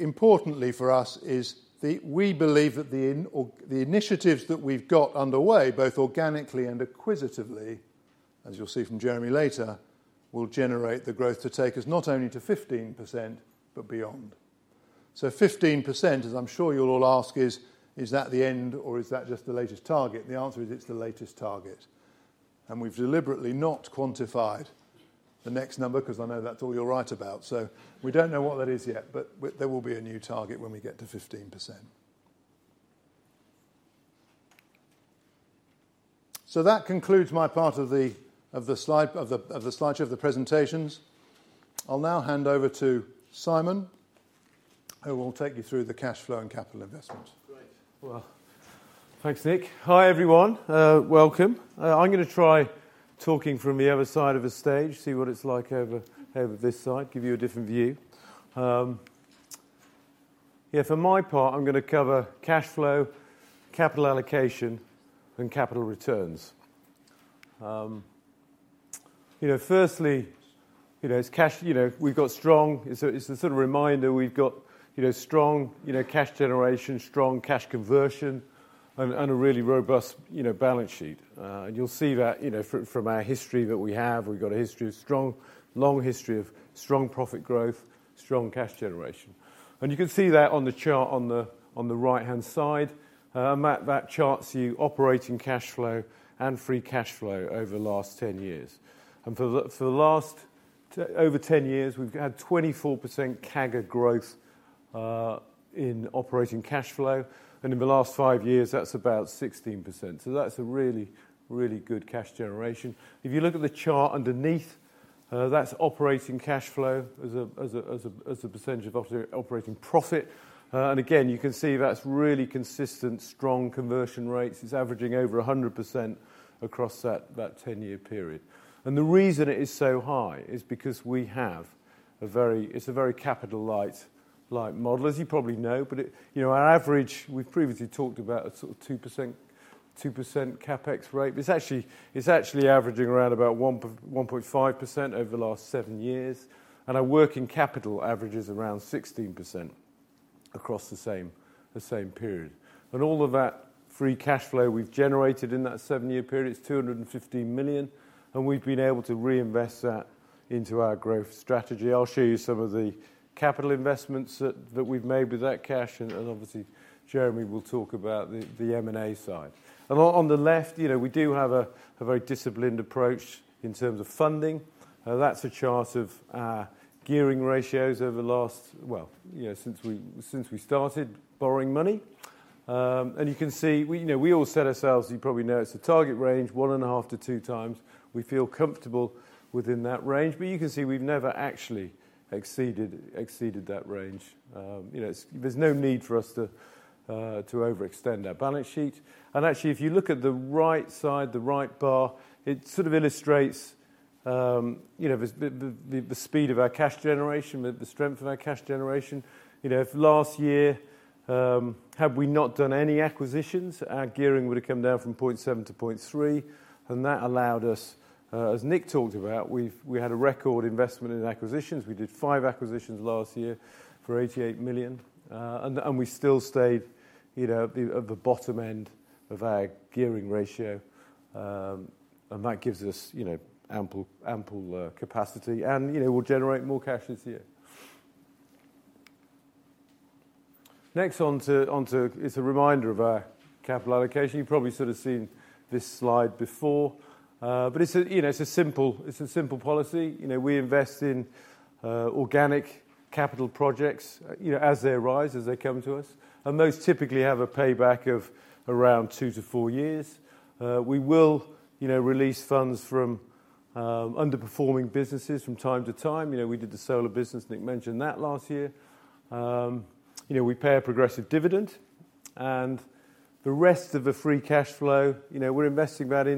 Importantly for us is that we believe that the initiatives that we've got underway, both organically and acquisitively, as you'll see from Jeremy later, will generate the growth to take us not only to 15%, but beyond. 15%, as I'm sure you'll all ask, is that the end or is that just the latest target? The answer is, it's the latest target. We've deliberately not quantified the next number, 'cause I know that's all you'll write about. We don't know what that is yet, but there will be a new target when we get to 15%. That concludes my part of the slide, the slideshow, the presentations. I'll now hand over to Simon, who will take you through the cash flow and capital investment. Great. Well, thanks, Nick. Hi, everyone, welcome. I'm gonna try talking from the other side of the stage, see what it's like over this side, give you a different view. For my part, I'm gonna cover cash flow, capital allocation, and capital returns. You know, firstly, cash. We've got strong cash generation, strong cash conversion, and a really robust balance sheet. It's a sort of reminder. And you'll see that from our history. We've got a long history of strong profit growth, strong cash generation. And you can see that on the chart on the right-hand side. And that chart shows you operating cash flow and free cash flow over the last 10 years. For the last over 10 years, we've had 24% CAGR growth in operating cash flow, and in the last five years, that's about 16%. That's a really good cash generation. If you look at the chart underneath, that's operating cash flow as a percentage of operating profit. And again, you can see that's really consistent, strong conversion rates. It's averaging over 100% across that 10-year period. The reason it is so high is because it's a very capital light model, as you probably know. But you know, our average, we've previously talked about a sort of 2% CapEx rate. It's actually averaging around about 1.5% over the last seven years, and our working capital average is around 16% across the same period, and all of that free cash flow we've generated in that seven-year period is 250 million, and we've been able to reinvest that into our growth strategy. I'll show you some of the capital investments that we've made with that cash, and obviously Jeremy will talk about the M&A side. On the left, you know, we do have a very disciplined approach in terms of funding. That's a chart of our gearing ratios over the last... since we started borrowing money. And you can see, we, you know, we all set ourselves, you probably know, it's a target range, 1.5x or 2x. We feel comfortable within that range, but you can see we've never actually exceeded that range. You know, there's no need for us to overextend our balance sheet. And actually, if you look at the right side, the right bar, it sort of illustrates, you know, the speed of our cash generation, the strength of our cash generation. You know, if last year, had we not done any acquisitions, our gearing would have come down from point seven to point three, and that allowed us, as Nick talked about, we had a record investment in acquisitions. We did five acquisitions last year for 88 million, and we still stayed, you know, at the bottom end of our gearing ratio. And that gives us, you know, ample capacity, and, you know, we'll generate more cash this year. Next on to... It's a reminder of our capital allocation. You've probably sort of seen this slide before, but it's a, you know, it's a simple policy. You know, we invest in organic capital projects, you know, as they arise, as they come to us, and those typically have a payback of around 2-4 years. We will, you know, release funds from underperforming businesses from time to time. You know, we did the solar business, Nick mentioned that, last year. You know, we pay a progressive dividend, and the rest of the free cash flow, you know, we're investing that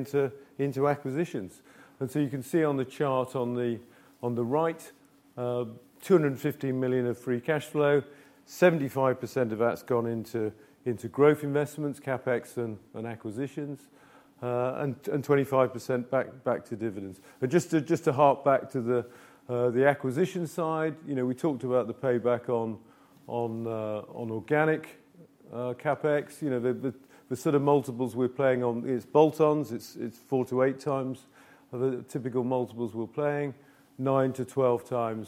into acquisitions. And so you can see on the chart on the right, 250 million of free cash flow, 75% of that's gone into growth investments, CapEx and acquisitions, and 25% back to dividends. But just to harp back to the acquisition side, you know, we talked about the payback on organic CapEx. You know, the sort of multiples we're playing on, it's bolt-ons, it's 4-8x are the typical multiples we're playing, 9-12x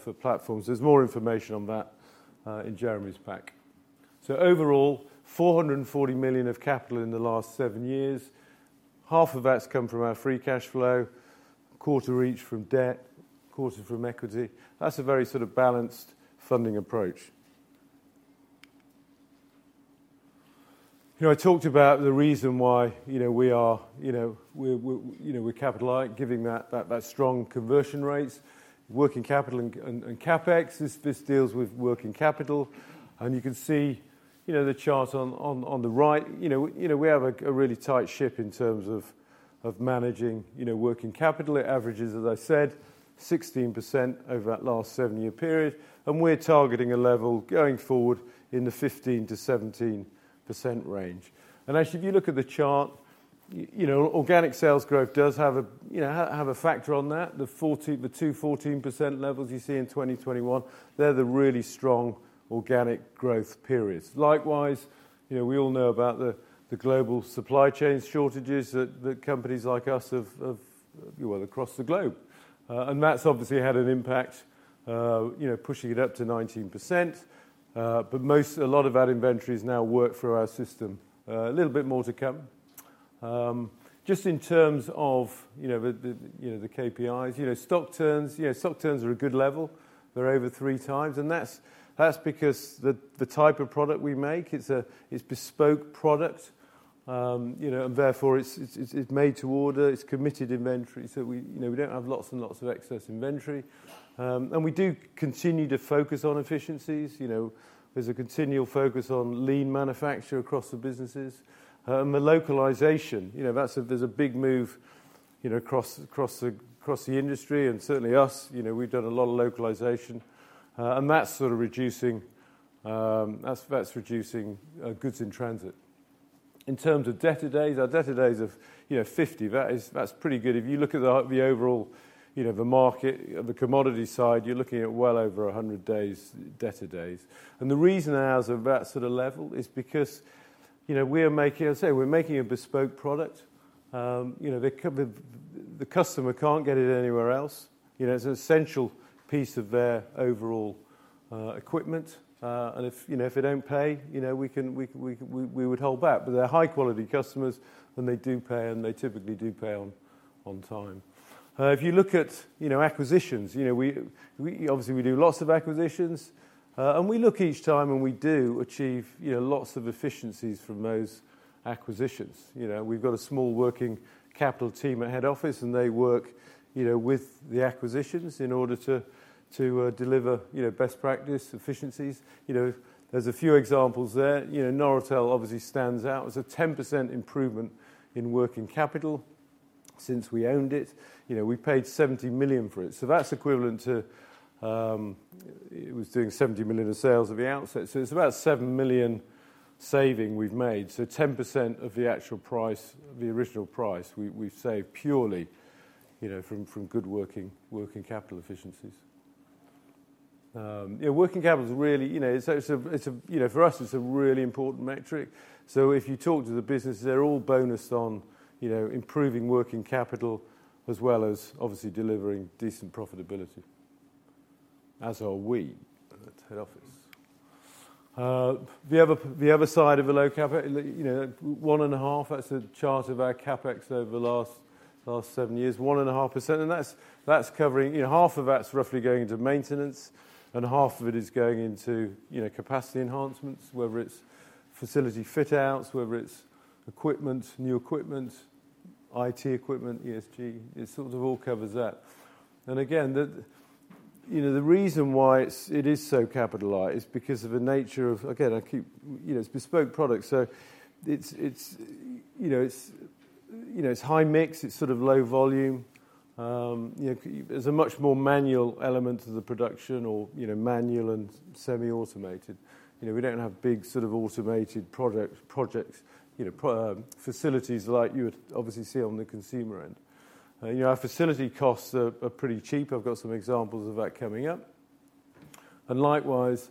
for platforms. There's more information on that in Jeremy's pack. So overall, 440 million of capital in the last seven years. Half of that's come from our free cash flow, a quarter each from debt, a quarter from equity. That's a very sort of balanced funding approach. You know, I talked about the reason why, you know, we are, you know, we're capital light, given that strong conversion rates. Working capital and CapEx, this deals with working capital, and you can see, you know, the chart on the right. You know, we have a really tight ship in terms of managing, you know, working capital. It averages, as I said, 16% over that last seven-year period, and we're targeting a level going forward in the 15%-17% range. Actually, if you look at the chart, you know, organic sales growth does have a you know have a factor on that. The 4, the 2%-14% levels you see in 2021, they're the really strong organic growth periods. Likewise, you know, we all know about the global supply chain shortages that companies like us have well across the globe. And that's obviously had an impact you know pushing it up to 19%. But most, a lot of our inventories now work through our system. A little bit more to come. Just in terms of you know the KPIs you know stock turns you know stock turns are a good level. They're over three times, and that's because the type of product we make, it's a bespoke product. You know, and therefore, it's made to order. It's committed inventory, so we, you know, we don't have lots and lots of excess inventory. And we do continue to focus on efficiencies. You know, there's a continual focus on lean manufacture across the businesses. And the localization, you know, that's a, there's a big move, you know, across the industry and certainly us. You know, we've done a lot of localization, and that's sort of reducing goods in transit. In terms of debtor days, our debtor days are, you know, 50. That is, that's pretty good. If you look at the overall, you know, the market, the commodity side, you're looking at well over 100 days, debtor days. The reason ours are at that sort of level is because, you know, we are making, as I say, we're making a bespoke product. You know, the, the customer can't get it anywhere else. You know, it's an essential piece of their overall equipment. And if, you know, if they don't pay, you know, we can, we would hold back. But they're high-quality customers, and they do pay, and they typically do pay on time. If you look at, you know, acquisitions, you know, we obviously do lots of acquisitions, and we look each time, and we do achieve, you know, lots of efficiencies from those acquisitions. You know, we've got a small working capital team at head office, and they work, you know, with the acquisitions in order to, to, deliver, you know, best practice efficiencies. You know, there's a few examples there. You know, Noratel obviously stands out. It's a 10% improvement in working capital since we owned it, you know, we paid 70 million for it. So that's equivalent to, it was doing 70 million of sales at the outset, so it's about 7 million saving we've made. So 10% of the actual price, the original price, we, we've saved purely, you know, from, from good working, working capital efficiencies. Yeah, working capital is really, you know, so it's a, it's a, you know, for us, it's a really important metric. So if you talk to the businesses, they're all bonused on, you know, improving working capital as well as obviously delivering decent profitability, as are we at head office. The other side of a low CapEx, you know, 1.5%, that's a chart of our CapEx over the last seven years. 1.5%, and that's covering, you know, half of that's roughly going into maintenance, and half of it is going into, you know, capacity enhancements, whether it's facility fit outs, whether it's equipment, new equipment, IT equipment, ESG, it sort of all covers that. And again, the, you know, the reason why it's, it is so capitalized is because of the nature of. Again, I keep, you know, it's bespoke products, so it's, it's, you know, it's, you know, it's high mix, it's sort of low volume. You know, there's a much more manual element to the production or, you know, manual and semi-automated. You know, we don't have big sort of automated production facilities like you would obviously see on the consumer end. You know, our facility costs are pretty cheap. I've got some examples of that coming up. And likewise,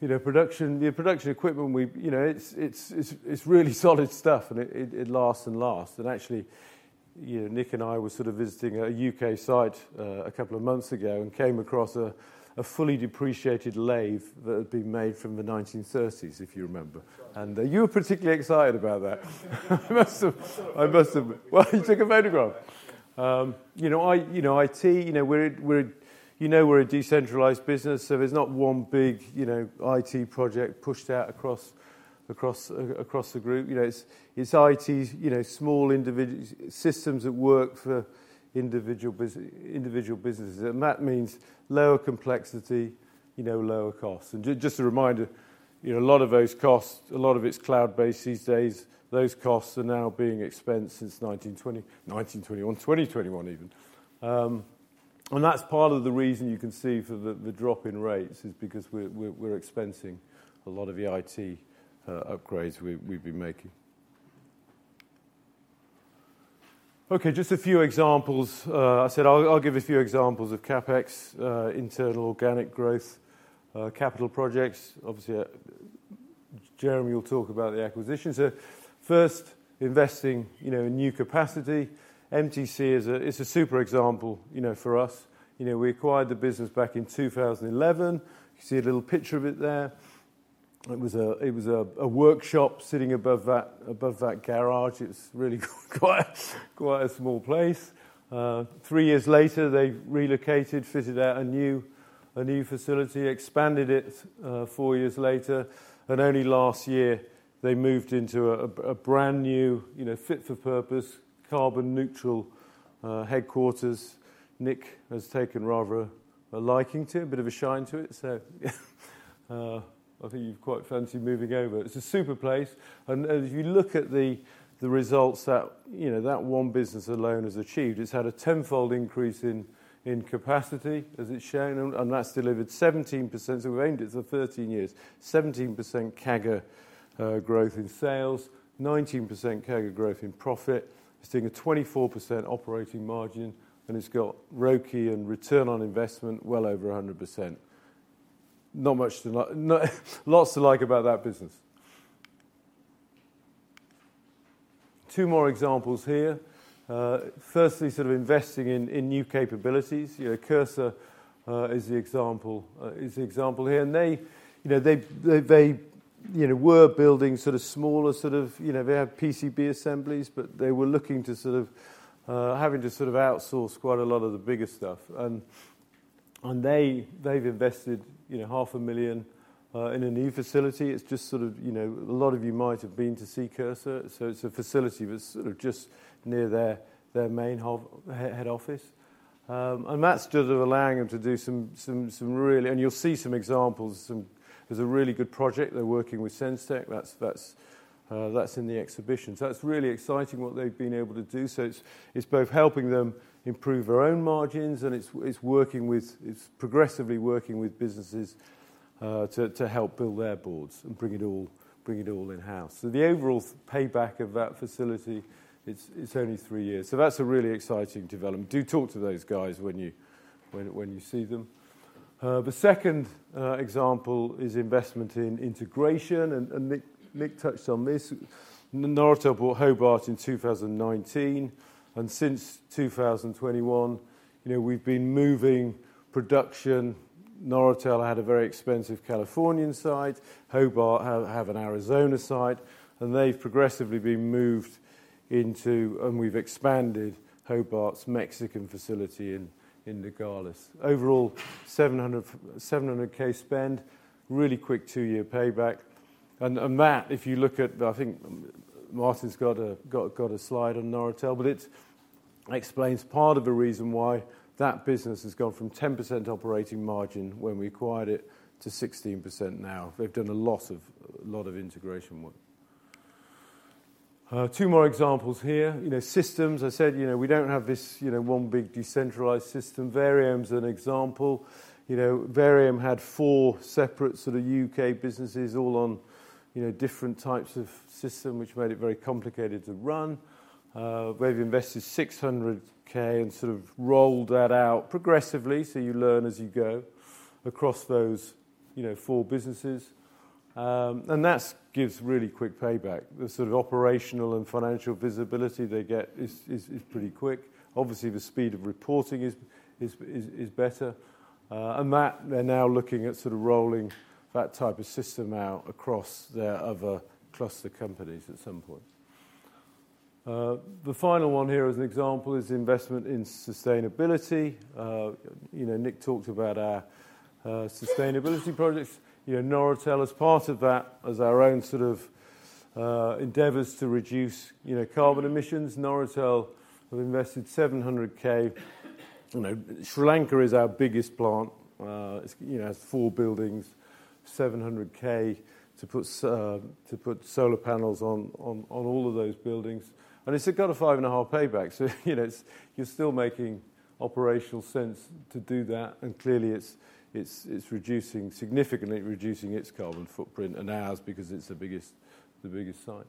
you know, the production equipment, we, you know, it's really solid stuff, and it lasts and lasts. And actually, you know, Nick and I were sort of visiting a U.K. site a couple of months ago and came across a fully depreciated lathe that had been made in the 1930s, if you remember. And you were particularly excited about that. I must have... Well, you took a photograph. You know, IT, you know, we're a decentralized business, so there's not one big IT project pushed out across the group. You know, it's IT, you know, small individual systems that work for individual businesses, and that means lower complexity, you know, lower costs. Just a reminder, you know, a lot of those costs, a lot of it's cloud-based these days. Those costs are now being expensed since 1920, 2021 even. And that's part of the reason you can see for the drop in rates, is because we're expensing a lot of the IT upgrades we've been making. Okay, just a few examples. I said I'll give a few examples of CapEx, internal organic growth, capital projects. Obviously, Jeremy will talk about the acquisitions. So first, investing, you know, in new capacity. MTC is a super example, you know, for us. You know, we acquired the business back in 2011. You see a little picture of it there. It was a workshop sitting above that garage. It's really quite a small place. Three years later, they relocated, fitted out a new facility, expanded it, four years later, and only last year, they moved into a brand-new, you know, fit-for-purpose, carbon-neutral headquarters. Nick has taken rather a liking to a bit of a shine to it, so I think he'd quite fancy moving over. It's a super place, and as you look at the results that, you know, that one business alone has achieved, it's had a tenfold increase in capacity, as it's shown, and that's delivered 17%. So we've aimed it for 13 years. 17% CAGR growth in sales, 19% CAGR growth in profit. It's doing a 24% operating margin, and it's got ROCE and return on investment well over 100%. Not much to like, lots to like about that business. Two more examples here. Firstly, sort of investing in new capabilities. You know, Cursor is the example here, and they, you know, were building sort of smaller, you know, they had PCB assemblies, but they were looking to sort of having to sort of outsource quite a lot of the bigger stuff. And they, they've invested, you know, 500,000 in a new facility. It's just sort of, you know, a lot of you might have been to see Cursor, so it's a facility that's sort of just near their main head office. And that's just allowing them to do some really. And you'll see some examples. There's a really good project. They're working with Sens-Tech. That's in the exhibition. So that's really exciting what they've been able to do. It's both helping them improve their own margins, and it's progressively working with businesses to help build their boards and bring it all in-house. The overall payback of that facility, it's only three years. That's a really exciting development. Do talk to those guys when you see them. The second example is investment in integration, and Nick touched on this. Noratel bought Hobart in 2019, and since 2021, you know, we've been moving production. Noratel had a very expensive Californian site, Hobart have an Arizona site, and they've progressively been moved into, and we've expanded Hobart's Mexican facility in Nogales. Overall, $700,000 spend, really quick two-year payback. And that, if you look at, I think Martin's got a slide on Noratel, but it explains part of the reason why that business has gone from 10% operating margin when we acquired it, to 16% now. They've done a lot of integration work. Two more examples here. You know, systems, I said, you know, we don't have this, you know, one big decentralized system. Variohm is an example. You know, Variohm had four separate sort of U.K. businesses all on, you know, different types of system, which made it very complicated to run. We've invested 600K and sort of rolled that out progressively, so you learn as you go across those, you know, four businesses. And that's gives really quick payback. The sort of operational and financial visibility they get is pretty quick. Obviously, the speed of reporting is better, and that they're now looking at sort of rolling that type of system out across their other cluster companies at some point. The final one here as an example is investment in sustainability. You know, Nick talked about our sustainability projects. You know, Noratel, as part of that, as our own sort of endeavors to reduce, you know, carbon emissions, Noratel have invested $700,000. You know, Sri Lanka is our biggest plant. It, you know, has four buildings, $700,000 to put solar panels on all of those buildings, and it's got a five and a half payback. So you know, it's you're still making operational sense to do that, and clearly, it's reducing, significantly reducing its carbon footprint and ours because it's the biggest site.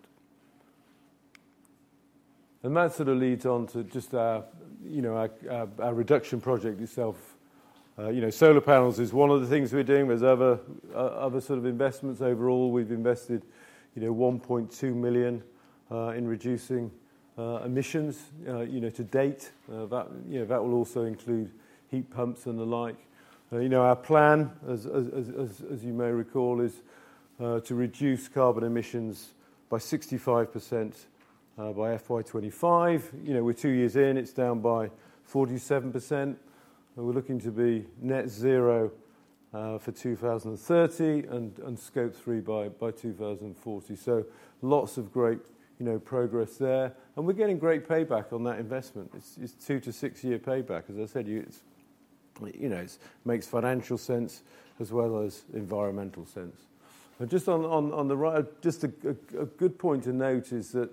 And that sort of leads on to just our, you know, our reduction project itself. You know, solar panels is one of the things we're doing. There's other sort of investments. Overall, we've invested, you know, 1.2 million in reducing emissions, you know, to date. That will also include heat pumps and the like. You know, our plan, as you may recall, is to reduce carbon emissions by 65% by FY 2025. You know, we're two years in, it's down by 47%, and we're looking to be net zero for 2030 and Scope 3 by 2040. So lots of great, you know, progress there, and we're getting great payback on that investment. It's two to six-year payback. As I said, it's, you know, it's makes financial sense as well as environmental sense. But just on the right, just a good point to note is that,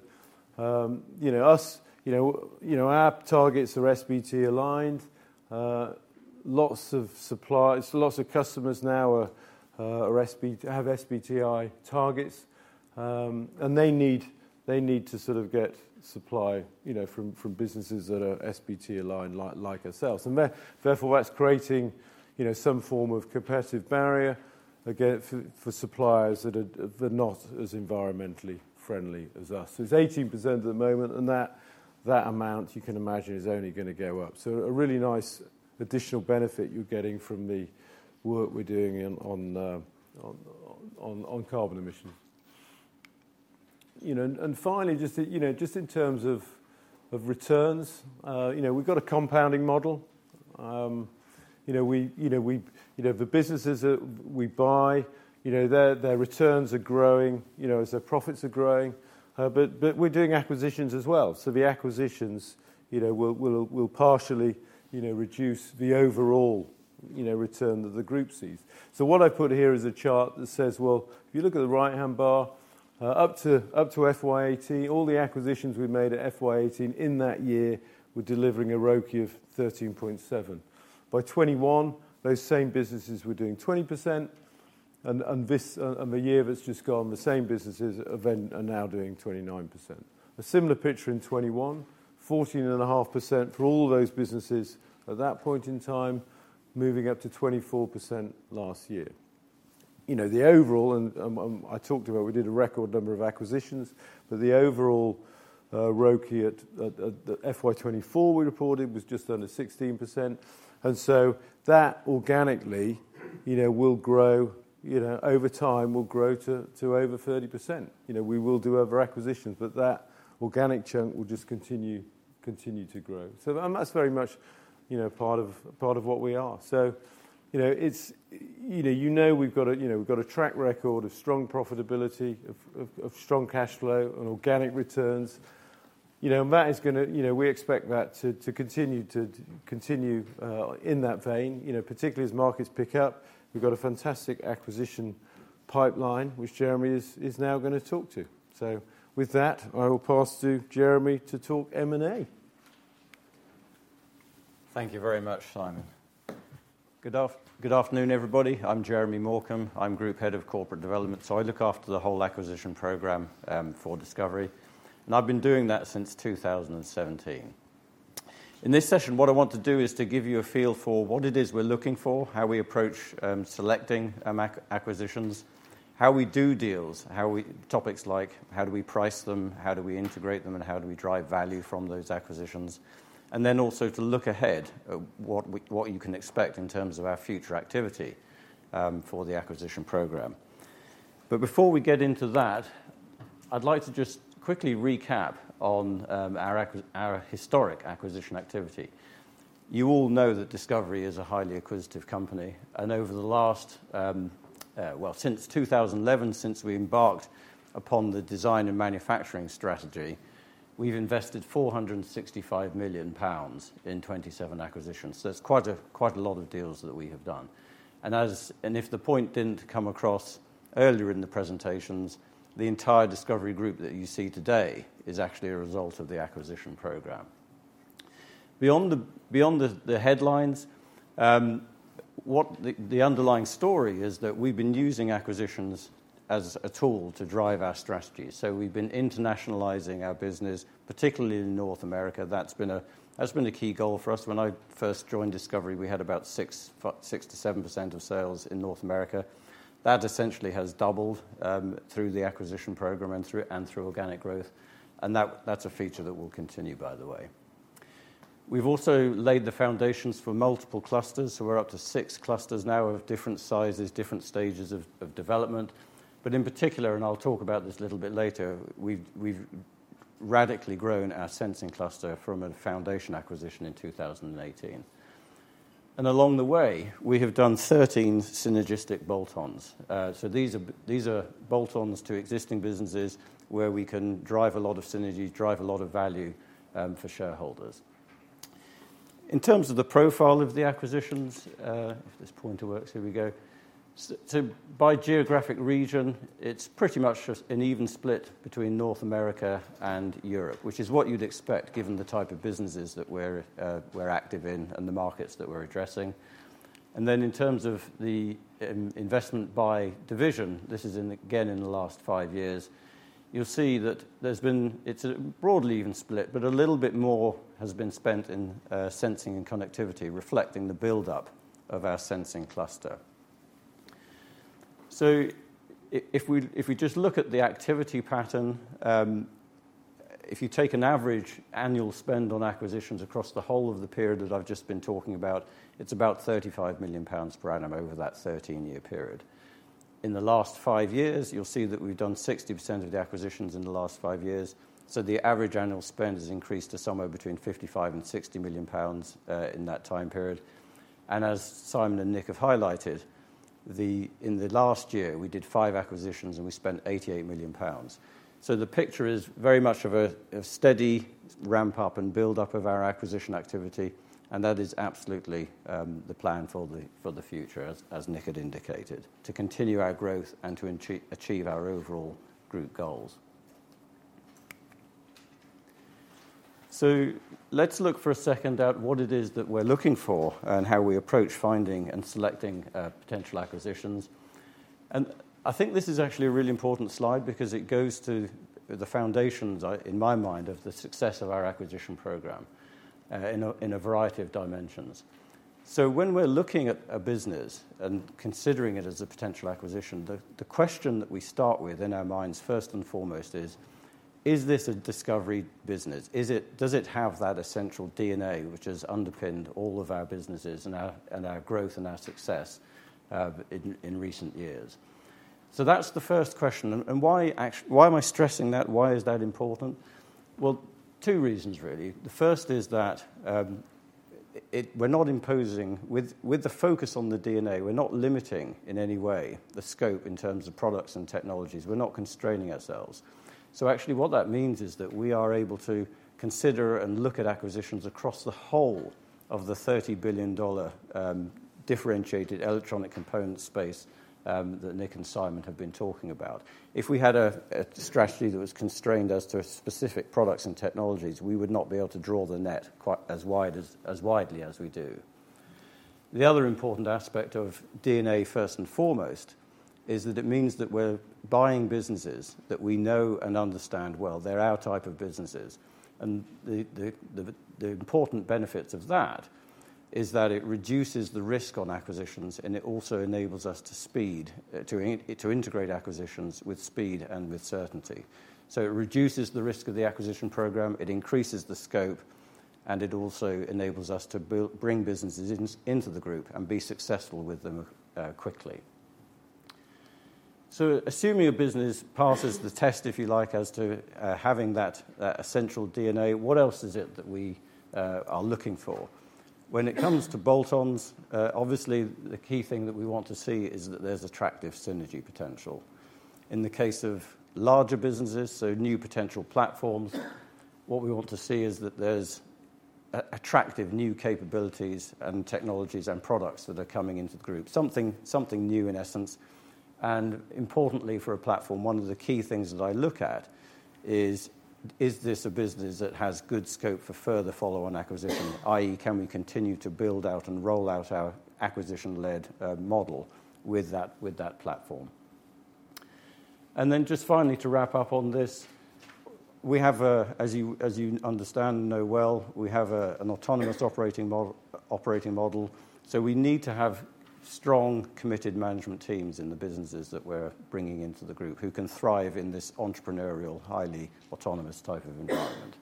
you know, our targets are SBTi aligned. Lots of suppliers, lots of customers now have SBTi targets, and they need to sort of get supply, you know, from businesses that are SBTi aligned, like ourselves. Therefore, that's creating, you know, some form of competitive barrier against for suppliers that are not as environmentally friendly as us. It's 18% at the moment, and that amount, you know, is only gonna go up. So a really nice additional benefit you're getting from the work we're doing in on carbon emissions. You know, and finally, just, you know, just in terms of returns, you know, we've got a compounding model. You know, the businesses that we buy, you know, their returns are growing, you know, as their profits are growing, but we're doing acquisitions as well. So the acquisitions, you know, will partially, you know, reduce the overall, you know, return that the group sees. What I've put here is a chart that says, well, if you look at the right-hand bar, up to FY 2018, all the acquisitions we've made at FY 2018 in that year were delivering a ROCE of 13.7%. By 2021, those same businesses were doing 20%, and the year that's just gone, the same businesses are now doing 29%. A similar picture in 2021, 14.5% for all those businesses at that point in time, moving up to 24% last year. You know, the overall, and I talked about, we did a record number of acquisitions, but the overall ROCE at FY 2024, we reported, was just under 16%. And so that organically, you know, will grow, you know, over time, will grow to over 30%. You know, we will do other acquisitions, but that organic chunk will just continue to grow. So that, and that's very much, you know, part of what we are. So, you know, it's, you know, you know we've got a, you know, we've got a track record of strong profitability, of strong cash flow and organic returns. You know, and that is gonna... You know, we expect that to continue in that vein, you know, particularly as markets pick up. We've got a fantastic acquisition pipeline, which Jeremy is now gonna talk to you. So with that, I will pass to Jeremy to talk M&A. Thank you very much, Simon. Good afternoon, everybody. I'm Jeremy Morcom. I'm Group Head of Corporate Development, so I look after the whole acquisition program for DiscoverIE, and I've been doing that since 2017. In this session, what I want to do is to give you a feel for what it is we're looking for, how we approach selecting acquisitions, how we do deals, topics like, how do we price them, how do we integrate them, and how do we drive value from those acquisitions? And then also to look ahead at what we, what you can expect in terms of our future activity for the acquisition program. But before we get into that, I'd like to just quickly recap on our historic acquisition activity.... You all know that DiscoverIE is a highly acquisitive company, and over the last since 2011, since we embarked upon the design and manufacturing strategy, we've invested 465 million pounds in 27 acquisitions. It's quite a lot of deals that we have done. And if the point didn't come across earlier in the presentations, the entire DiscoverIE group that you see today is actually a result of the acquisition program. Beyond the headlines, the underlying story is that we've been using acquisitions as a tool to drive our strategy. We've been internationalizing our business, particularly in North America. That's been a key goal for us. When I first joined DiscoverIE, we had about 6%-7% of sales in North America. That essentially has doubled through the acquisition program and through organic growth, and that's a feature that will continue, by the way. We've also laid the foundations for multiple clusters, so we're up to six clusters now of different sizes, different stages of development, but in particular, and I'll talk about this a little bit later, we've radically grown our sensing cluster from a foundation acquisition in 2018, and along the way, we have done 13 synergistic bolt-ons, so these are bolt-ons to existing businesses where we can drive a lot of synergies, drive a lot of value for shareholders. In terms of the profile of the acquisitions, if this pointer works, here we go. So by geographic region, it's pretty much just an even split between North America and Europe, which is what you'd expect, given the type of businesses that we're active in and the markets that we're addressing. And then in terms of the investment by division, this is, again, in the last five years, you'll see that there's been. It's a broadly even split, but a little bit more has been spent in sensing and connectivity, reflecting the buildup of our sensing cluster. So if we just look at the activity pattern, if you take an average annual spend on acquisitions across the whole of the period that I've just been talking about, it's about 35 million pounds per annum over that 13-year period. In the last 5 years, you'll see that we've done 60% of the acquisitions in the last 5 years, so the average annual spend has increased to somewhere between 55 million and 60 million pounds in that time period, and as Simon and Nick have highlighted, in the last year, we did 5 acquisitions, and we spent 88 million pounds, so the picture is very much of a steady ramp-up and build-up of our acquisition activity, and that is absolutely the plan for the future, as Nick had indicated, to continue our growth and to achieve our overall group goals, so let's look for a second at what it is that we're looking for and how we approach finding and selecting potential acquisitions. I think this is actually a really important slide because it goes to the foundations, in my mind, of the success of our acquisition program, in a variety of dimensions. When we're looking at a business and considering it as a potential acquisition, the question that we start with in our minds, first and foremost, is: Is this a DiscoverIE business? Does it have that essential DNA which has underpinned all of our businesses and our growth and our success, in recent years? That's the first question. Why am I stressing that? Why is that important? Two reasons, really. The first is that we're not imposing. With the focus on the DNA, we're not limiting in any way the scope in terms of products and technologies. We're not constraining ourselves. So actually, what that means is that we are able to consider and look at acquisitions across the whole of the $30 billion differentiated electronic component space that Nick and Simon have been talking about. If we had a strategy that was constrained as to specific products and technologies, we would not be able to draw the net quite as wide as, as widely as we do. The other important aspect of DNA, first and foremost, is that it means that we're buying businesses that we know and understand well. They're our type of businesses, and the important benefits of that is that it reduces the risk on acquisitions, and it also enables us to speed to integrate acquisitions with speed and with certainty. It reduces the risk of the acquisition program, it increases the scope, and it also enables us to build, bring businesses into the group and be successful with them, quickly. Assuming a business passes the test, if you like, as to having that essential DNA, what else is it that we are looking for? When it comes to bolt-ons, obviously, the key thing that we want to see is that there's attractive synergy potential. In the case of larger businesses, so new potential platforms, what we want to see is that there's attractive new capabilities and technologies and products that are coming into the group. Something new, in essence. And importantly, for a platform, one of the key things that I look at is: Is this a business that has good scope for further follow-on acquisition, i.e., can we continue to build out and roll out our acquisition-led model with that platform? And then just finally to wrap up on this, we have, as you understand and know well, an autonomous operating model, so we need to have strong, committed management teams in the businesses that we're bringing into the group, who can thrive in this entrepreneurial, highly autonomous type of environment.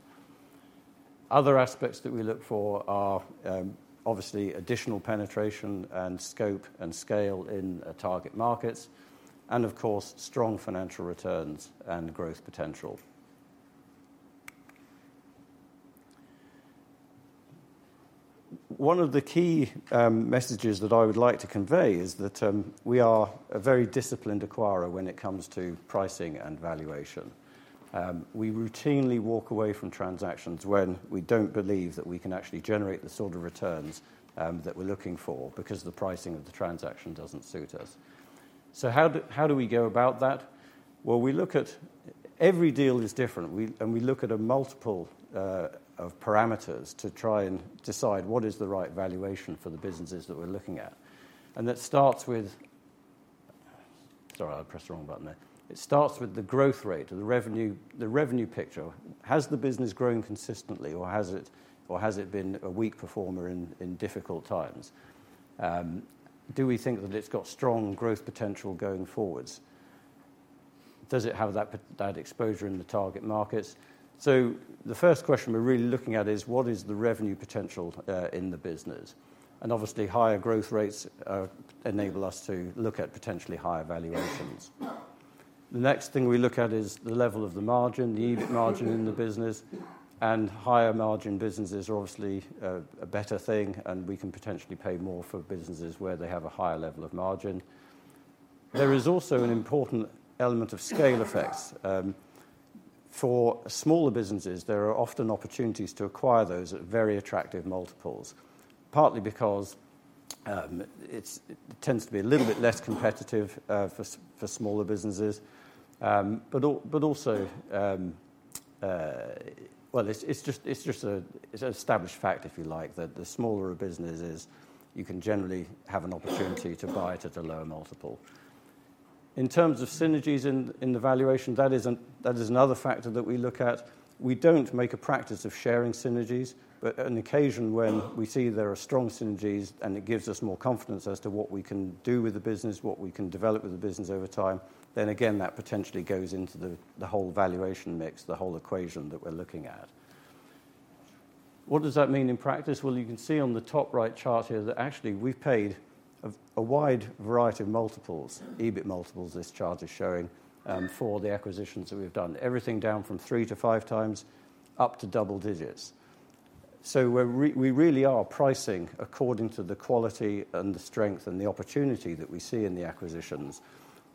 Other aspects that we look for are obviously additional penetration and scope and scale in target markets, and of course, strong financial returns and growth potential. One of the key messages that I would like to convey is that we are a very disciplined acquirer when it comes to pricing and valuation. We routinely walk away from transactions when we don't believe that we can actually generate the sort of returns that we're looking for because the pricing of the transaction doesn't suit us. So how do we go about that? Well, every deal is different. And we look at a multiple of parameters to try and decide what is the right valuation for the businesses that we're looking at. And that starts with... Sorry, I pressed the wrong button there. It starts with the growth rate or the revenue, the revenue picture. Has the business grown consistently, or has it been a weak performer in, in difficult times? Do we think that it's got strong growth potential going forwards? Does it have that exposure in the target markets? So the first question we're really looking at is: what is the revenue potential in the business? And obviously, higher growth rates enable us to look at potentially higher valuations. The next thing we look at is the level of the margin, the EBIT margin in the business, and higher margin businesses are obviously a better thing, and we can potentially pay more for businesses where they have a higher level of margin. There is also an important element of scale effects. For smaller businesses, there are often opportunities to acquire those at very attractive multiples, partly because it tends to be a little bit less competitive for smaller businesses. But also, well, it's just an established fact, if you like, that the smaller a business is, you can generally have an opportunity to buy it at a lower multiple. In terms of synergies in the valuation, that is another factor that we look at. We don't make a practice of sharing synergies, but on occasion, when we see there are strong synergies, and it gives us more confidence as to what we can do with the business, what we can develop with the business over time, then again, that potentially goes into the whole valuation mix, the whole equation that we're looking at. What does that mean in practice? Well, you can see on the top right chart here that actually, we've paid a wide variety of multiples, EBIT multiples, this chart is showing for the acquisitions that we've done. Everything down from three to five times, up to double digits. So we really are pricing according to the quality and the strength and the opportunity that we see in the acquisitions.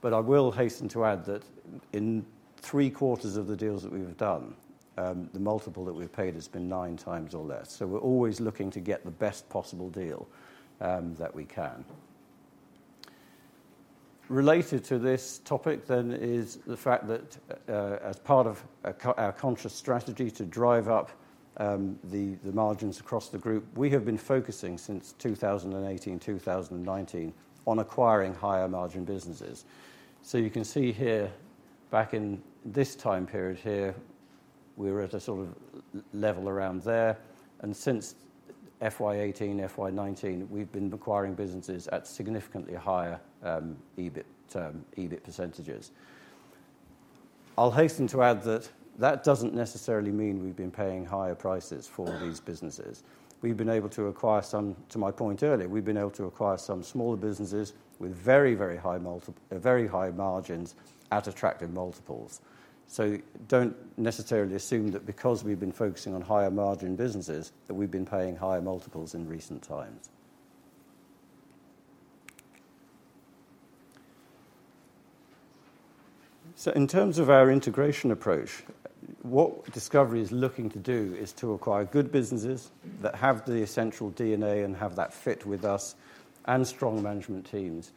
I will hasten to add that in three-quarters of the deals that we've done, the multiple that we've paid has been nine times or less, so we're always looking to get the best possible deal that we can. Related to this topic then, is the fact that, as part of our conscious strategy to drive up the margins across the group, we have been focusing since 2018, 2019, on acquiring higher-margin businesses. You can see here, back in this time period here, we were at a sort of level around there, and since FY 2018, FY 2019, we've been acquiring businesses at significantly higher EBIT percentages. I'll hasten to add that that doesn't necessarily mean we've been paying higher prices for these businesses. We've been able to acquire some... To my point earlier, we've been able to acquire some smaller businesses with very, very high multiple- very high margins at attractive multiples. So don't necessarily assume that because we've been focusing on higher-margin businesses, that we've been paying higher multiples in recent times. So in terms of our integration approach, what DiscoverIE is looking to do is to acquire good businesses that have the essential DNA and have that fit with us and strong management teams,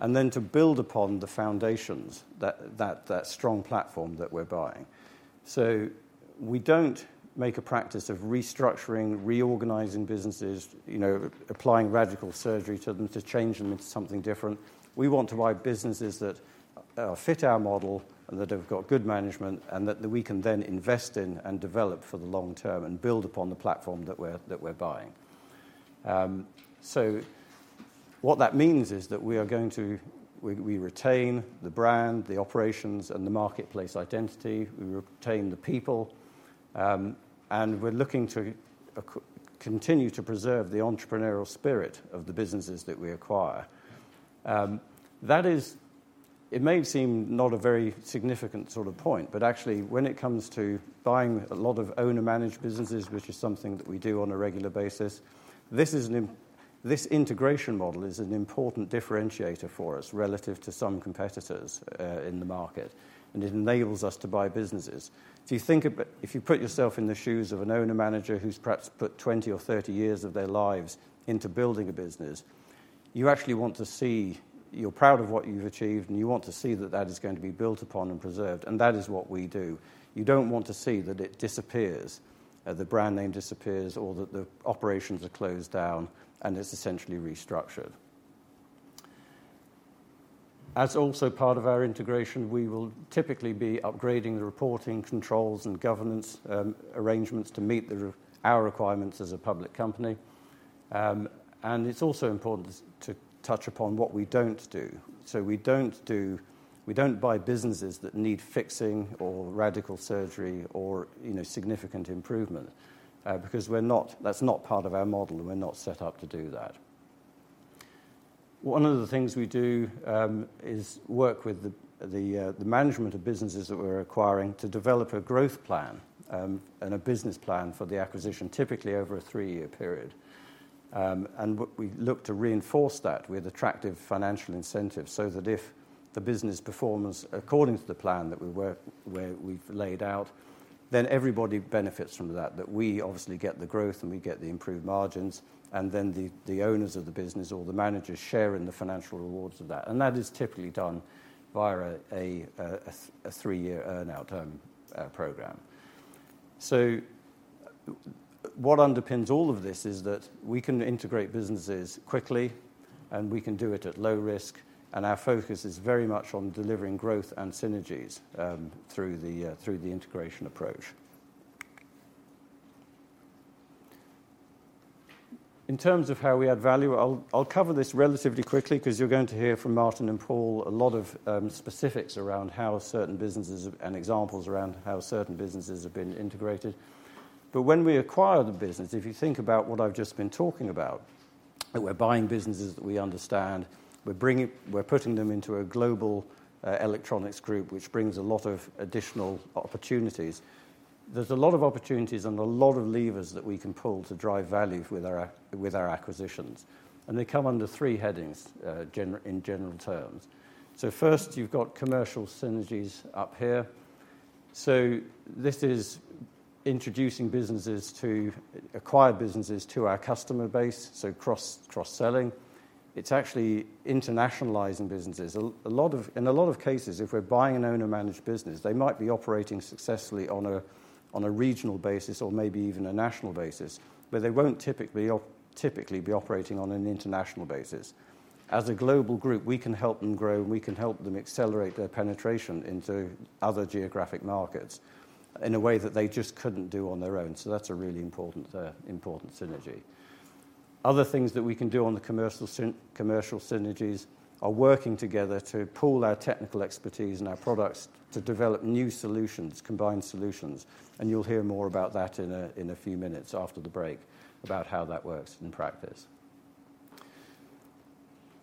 and then to build upon the foundations that strong platform that we're buying. So we don't make a practice of restructuring, reorganizing businesses, you know, applying radical surgery to them to change them into something different. We want to buy businesses that fit our model and that have got good management, and that we can then invest in and develop for the long term and build upon the platform that we're buying, so what that means is that we are going to retain the brand, the operations, and the marketplace identity. We retain the people, and we're looking to continue to preserve the entrepreneurial spirit of the businesses that we acquire. It may seem not a very significant sort of point, but actually, when it comes to buying a lot of owner-managed businesses, which is something that we do on a regular basis, this integration model is an important differentiator for us relative to some competitors in the market, and it enables us to buy businesses. If you think of it, if you put yourself in the shoes of an owner-manager who's perhaps put 20 or 30 years of their lives into building a business, you actually want to see... You're proud of what you've achieved, and you want to see that that is going to be built upon and preserved, and that is what we do. You don't want to see that it disappears, the brand name disappears, or that the operations are closed down and is essentially restructured. As also part of our integration, we will typically be upgrading the reporting controls and governance, arrangements to meet our requirements as a public company, and it's also important to touch upon what we don't do. So we don't buy businesses that need fixing or radical surgery or, you know, significant improvement, because we're not. That's not part of our model. We're not set up to do that. One of the things we do is work with the management of businesses that we're acquiring to develop a growth plan and a business plan for the acquisition, typically over a three-year period and what we look to reinforce that with attractive financial incentives, so that if the business performs according to the plan that we work, where we've laid out, then everybody benefits from that. That we obviously get the growth, and we get the improved margins, and then the owners of the business or the managers share in the financial rewards of that. That is typically done via a three-year earn-out program. So what underpins all of this is that we can integrate businesses quickly, and we can do it at low risk, and our focus is very much on delivering growth and synergies through the integration approach. In terms of how we add value, I'll cover this relatively quickly 'cause you're going to hear from Martin and Paul a lot of specifics and examples around how certain businesses have been integrated. But when we acquire the business, if you think about what I've just been talking about, that we're buying businesses that we understand, we're bringing... We're putting them into a global electronics group, which brings a lot of additional opportunities. There's a lot of opportunities and a lot of levers that we can pull to drive value with our acquisitions, and they come under three headings in general terms. So first, you've got commercial synergies up here. So this is introducing acquired businesses to our customer base, so cross-selling. It's actually internationalizing businesses. In a lot of cases, if we're buying an owner-managed business, they might be operating successfully on a regional basis or maybe even a national basis, but they won't typically be operating on an international basis. As a global group, we can help them grow, and we can help them accelerate their penetration into other geographic markets in a way that they just couldn't do on their own. So that's a really important synergy. Other things that we can do on the commercial synergies are working together to pool our technical expertise and our products to develop new solutions, combined solutions, and you'll hear more about that in a few minutes after the break, about how that works in practice.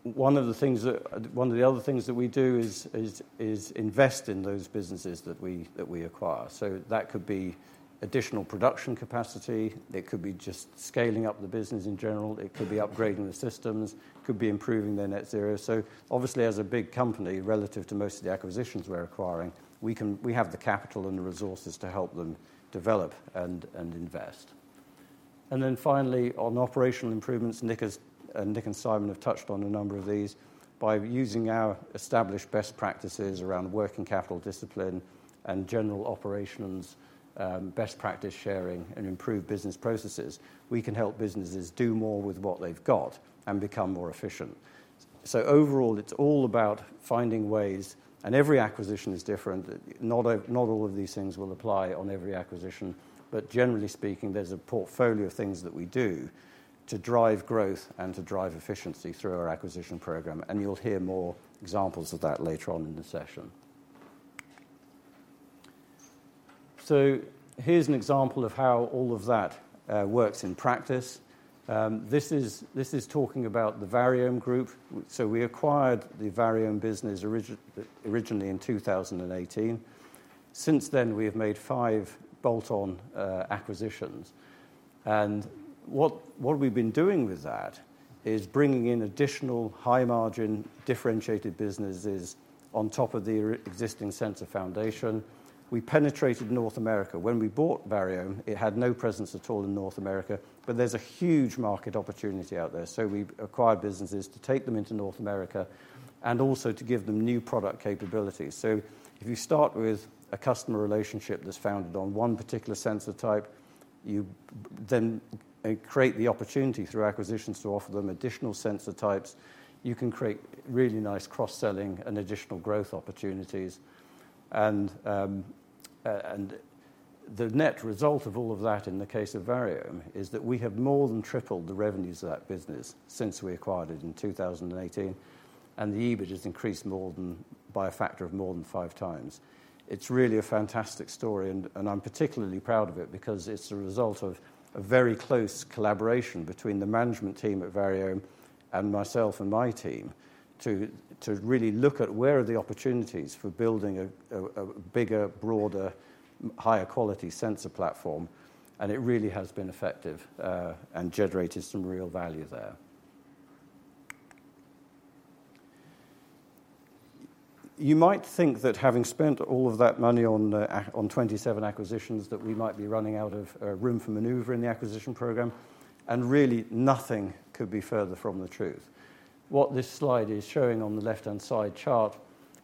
One of the other things that we do is invest in those businesses that we acquire. So that could be additional production capacity. It could be just scaling up the business in general. It could be upgrading the systems. It could be improving their net zero. So obviously, as a big company, relative to most of the acquisitions we're acquiring, we have the capital and the resources to help them develop and invest. And then finally, on operational improvements, Nick has, Nick and Simon have touched on a number of these. By using our established best practices around working capital discipline and general operations, best practice sharing, and improved business processes, we can help businesses do more with what they've got and become more efficient. So overall, it's all about finding ways, and every acquisition is different. Not all of these things will apply on every acquisition, but generally speaking, there's a portfolio of things that we do to drive growth and to drive efficiency through our acquisition program, and you'll hear more examples of that later on in the session. So here's an example of how all of that works in practice. This is talking about the Variohm group. So we acquired the Variohm business originally in 2018. Since then, we have made five bolt-on acquisitions, and what we've been doing with that is bringing in additional high-margin, differentiated businesses on top of the existing sensor foundation. We penetrated North America. When we bought Variohm, it had no presence at all in North America, but there's a huge market opportunity out there. So we've acquired businesses to take them into North America and also to give them new product capabilities. So if you start with a customer relationship that's founded on one particular sensor type, you then create the opportunity through acquisitions to offer them additional sensor types. You can create really nice cross-selling and additional growth opportunities. The net result of all of that, in the case of Variohm, is that we have more than tripled the revenues of that business since we acquired it in 2018, and the EBIT has increased more than, by a factor of more than five times. It's really a fantastic story, and I'm particularly proud of it because it's the result of a very close collaboration between the management team at Variohm and myself and my team to really look at where are the opportunities for building a bigger, broader, higher quality sensor platform, and it really has been effective, and generated some real value there. You might think that having spent all of that money on 27 acquisitions, that we might be running out of room for maneuver in the acquisition program, and really, nothing could be further from the truth. What this slide is showing on the left-hand side chart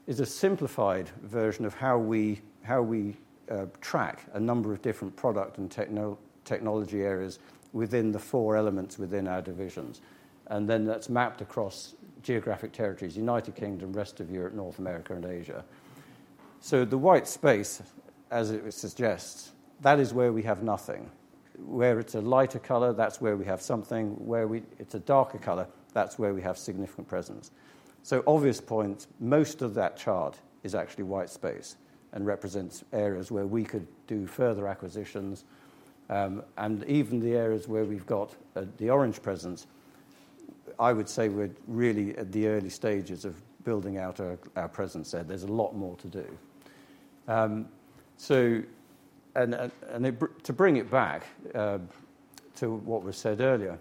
is a simplified version of how we track a number of different product and technology areas within the four elements within our divisions, and then that's mapped across geographic territories: United Kingdom, rest of Europe, North America, and Asia. So the white space, as it suggests, that is where we have nothing. Where it's a lighter color, that's where we have something. Where it's a darker color, that's where we have significant presence. So obvious point, most of that chart is actually white space and represents areas where we could do further acquisitions. And even the areas where we've got the orange presence, I would say we're really at the early stages of building out our presence there. There's a lot more to do. So, to bring it back to what was said earlier,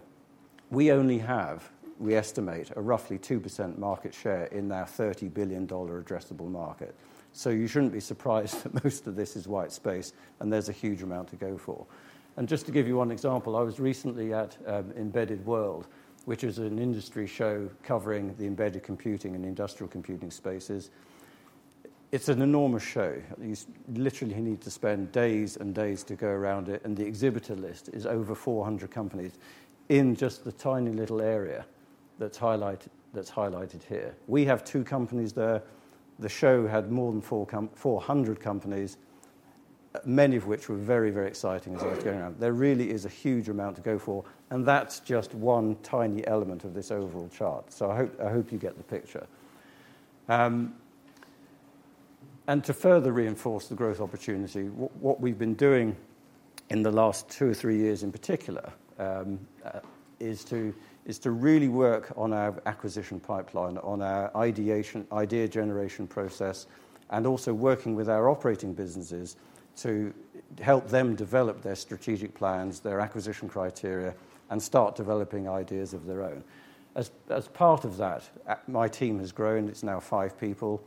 we only have. We estimate a roughly 2% market share in our $30 billion addressable market. So you shouldn't be surprised that most of this is white space, and there's a huge amount to go for. And just to give you one example, I was recently at Embedded World, which is an industry show covering the embedded computing and industrial computing spaces. It's an enormous show. You literally need to spend days and days to go around it, and the exhibitor list is over 400 companies in just the tiny little area that's highlighted here. We have two companies there. The show had more than 400 companies, many of which were very, very exciting as I was going around. There really is a huge amount to go for, and that's just one tiny element of this overall chart. So I hope, I hope you get the picture, and to further reinforce the growth opportunity, what we've been doing in the last two or three years in particular is to really work on our acquisition pipeline, on our ideation, idea generation process, and also working with our operating businesses to help them develop their strategic plans, their acquisition criteria, and start developing ideas of their own. As part of that, my team has grown. It's now five people.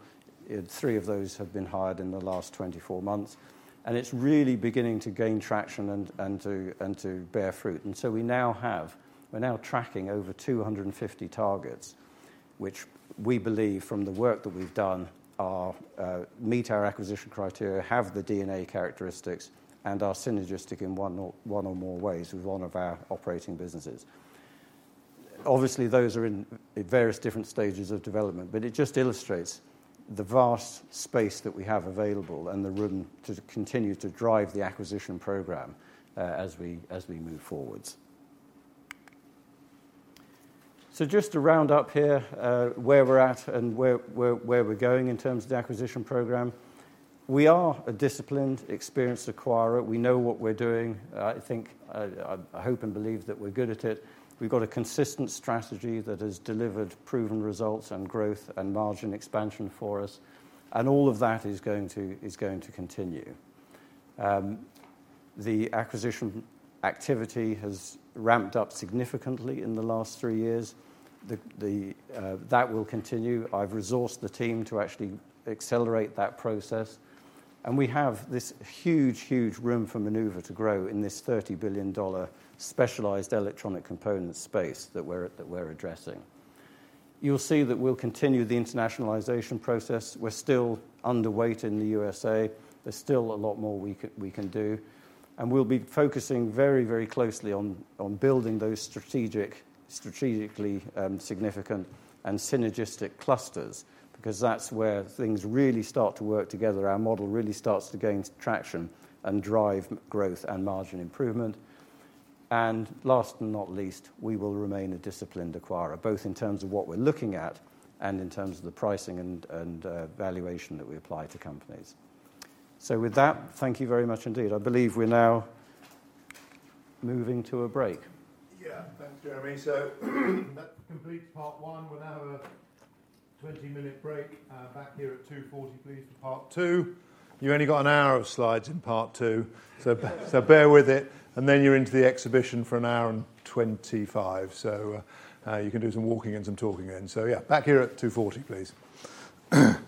Three of those have been hired in the last 24 months, and it's really beginning to gain traction and to bear fruit. And so we now have, we're now tracking over 250 targets, which we believe from the work that we've done, are meet our acquisition criteria, have the DNA characteristics, and are synergistic in one or more ways with one of our operating businesses. Obviously, those are in various different stages of development, but it just illustrates the vast space that we have available and the room to continue to drive the acquisition program, as we move forward. Just to round up here, where we're at and where we're going in terms of the acquisition program. We are a disciplined, experienced acquirer. We know what we're doing. I think I hope and believe that we're good at it. We've got a consistent strategy that has delivered proven results and growth and margin expansion for us, and all of that is going to continue. The acquisition activity has ramped up significantly in the last three years. That will continue. I've resourced the team to actually accelerate that process, and we have this huge room for maneuver to grow in this $30 billion specialized electronic component space that we're addressing. You'll see that we'll continue the internationalization process. We're still underweight in the USA. There's still a lot more we can do, and we'll be focusing very, very closely on building those strategic, strategically significant and synergistic clusters, because that's where things really start to work together. Our model really starts to gain traction and drive growth and margin improvement, and last but not least, we will remain a disciplined acquirer, both in terms of what we're looking at and in terms of the pricing and valuation that we apply to companies, so with that, thank you very much indeed. I believe we're now moving to a break. Yeah. Thanks, Jeremy. So that completes part one. We'll have a 20-minute break. Back here at 2:40 P.M., please, for part two. You only got an hour of slides in part two, so bear with it, and then you're into the exhibition for 1 hour and 25 minutes. So, you can do some walking and some talking then. So yeah, back here at 2:40 P.M., please. ...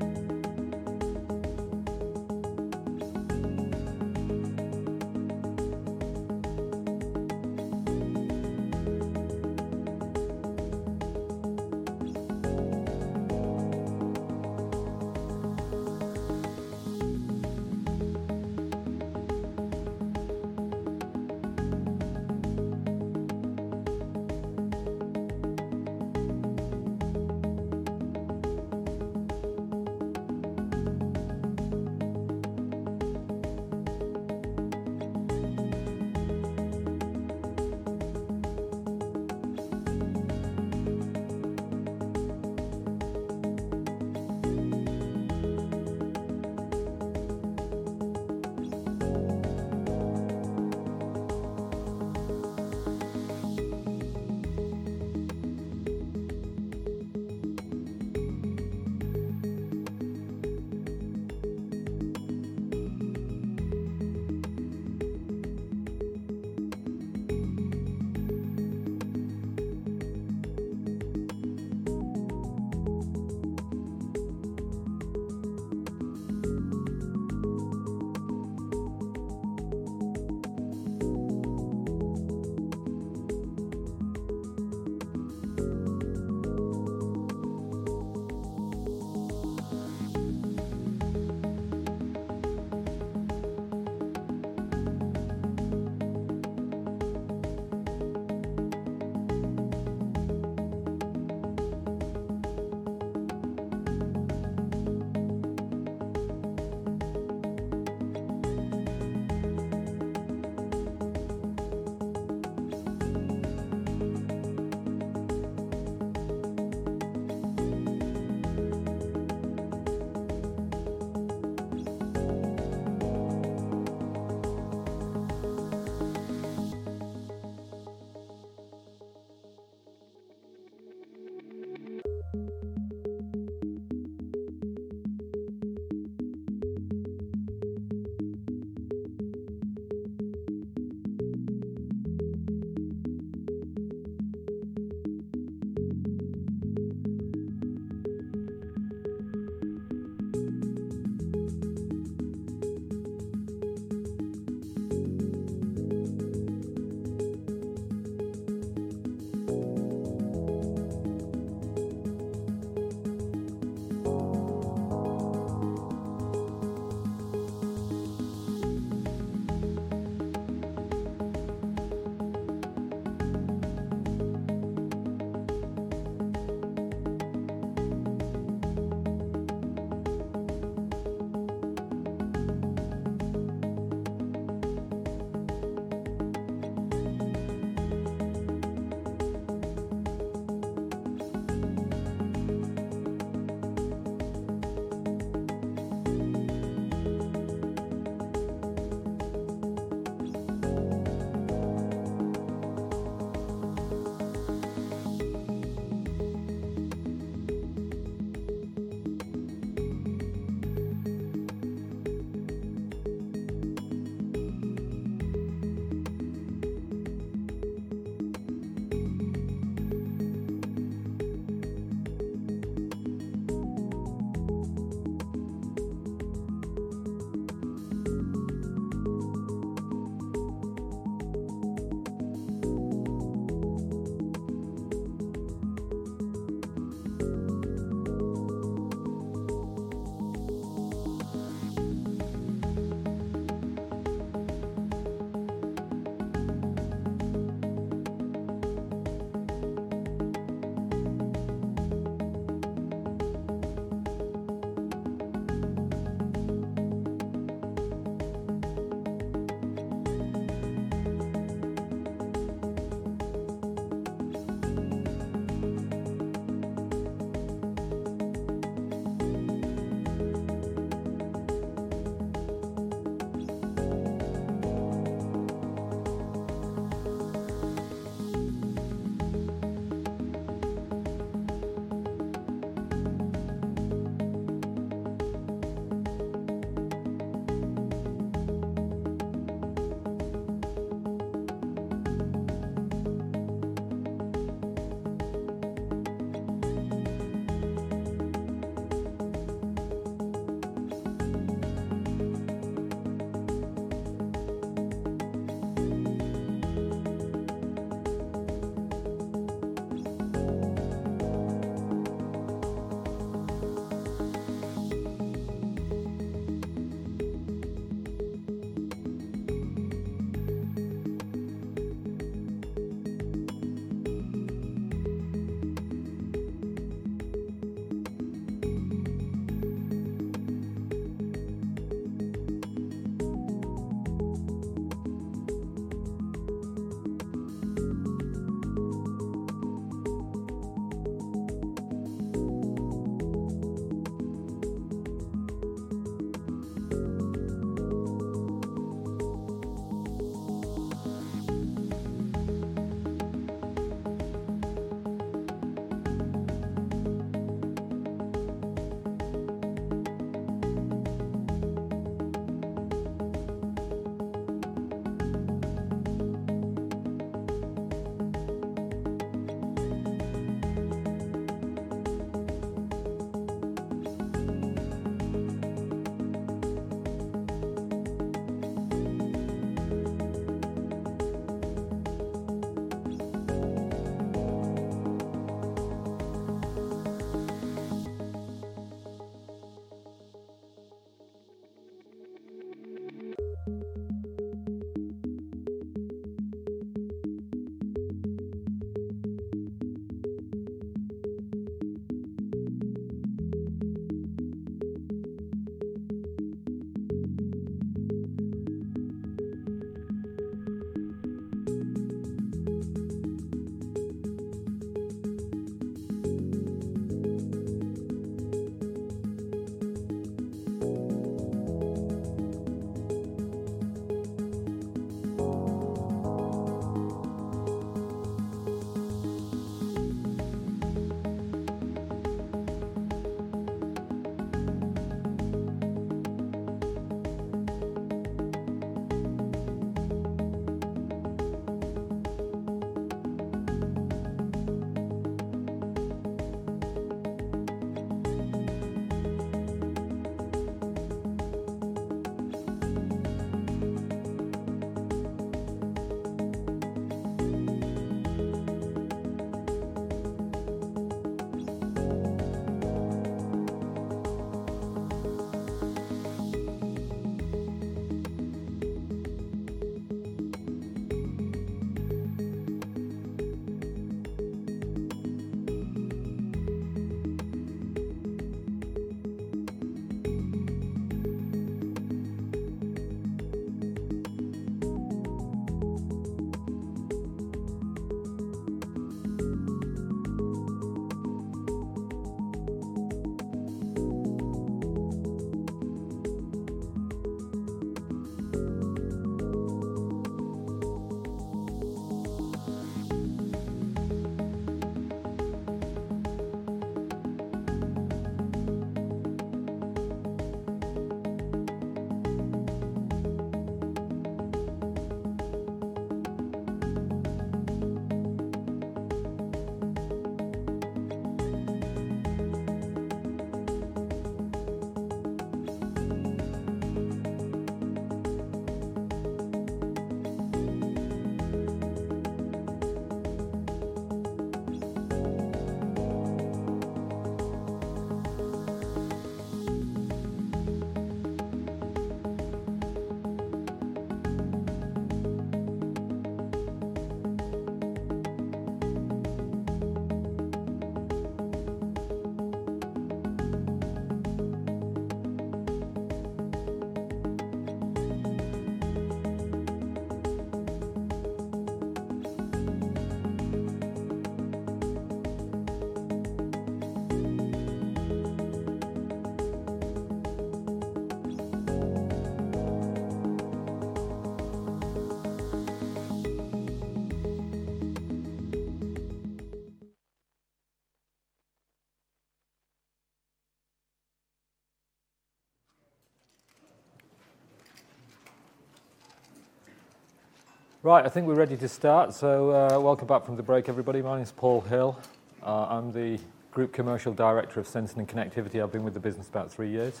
Right, I think we're ready to start. Welcome back from the break, everybody. My name is Paul Hill. I'm the Group Commercial Director of Sensing and Connectivity. I've been with the business about three years.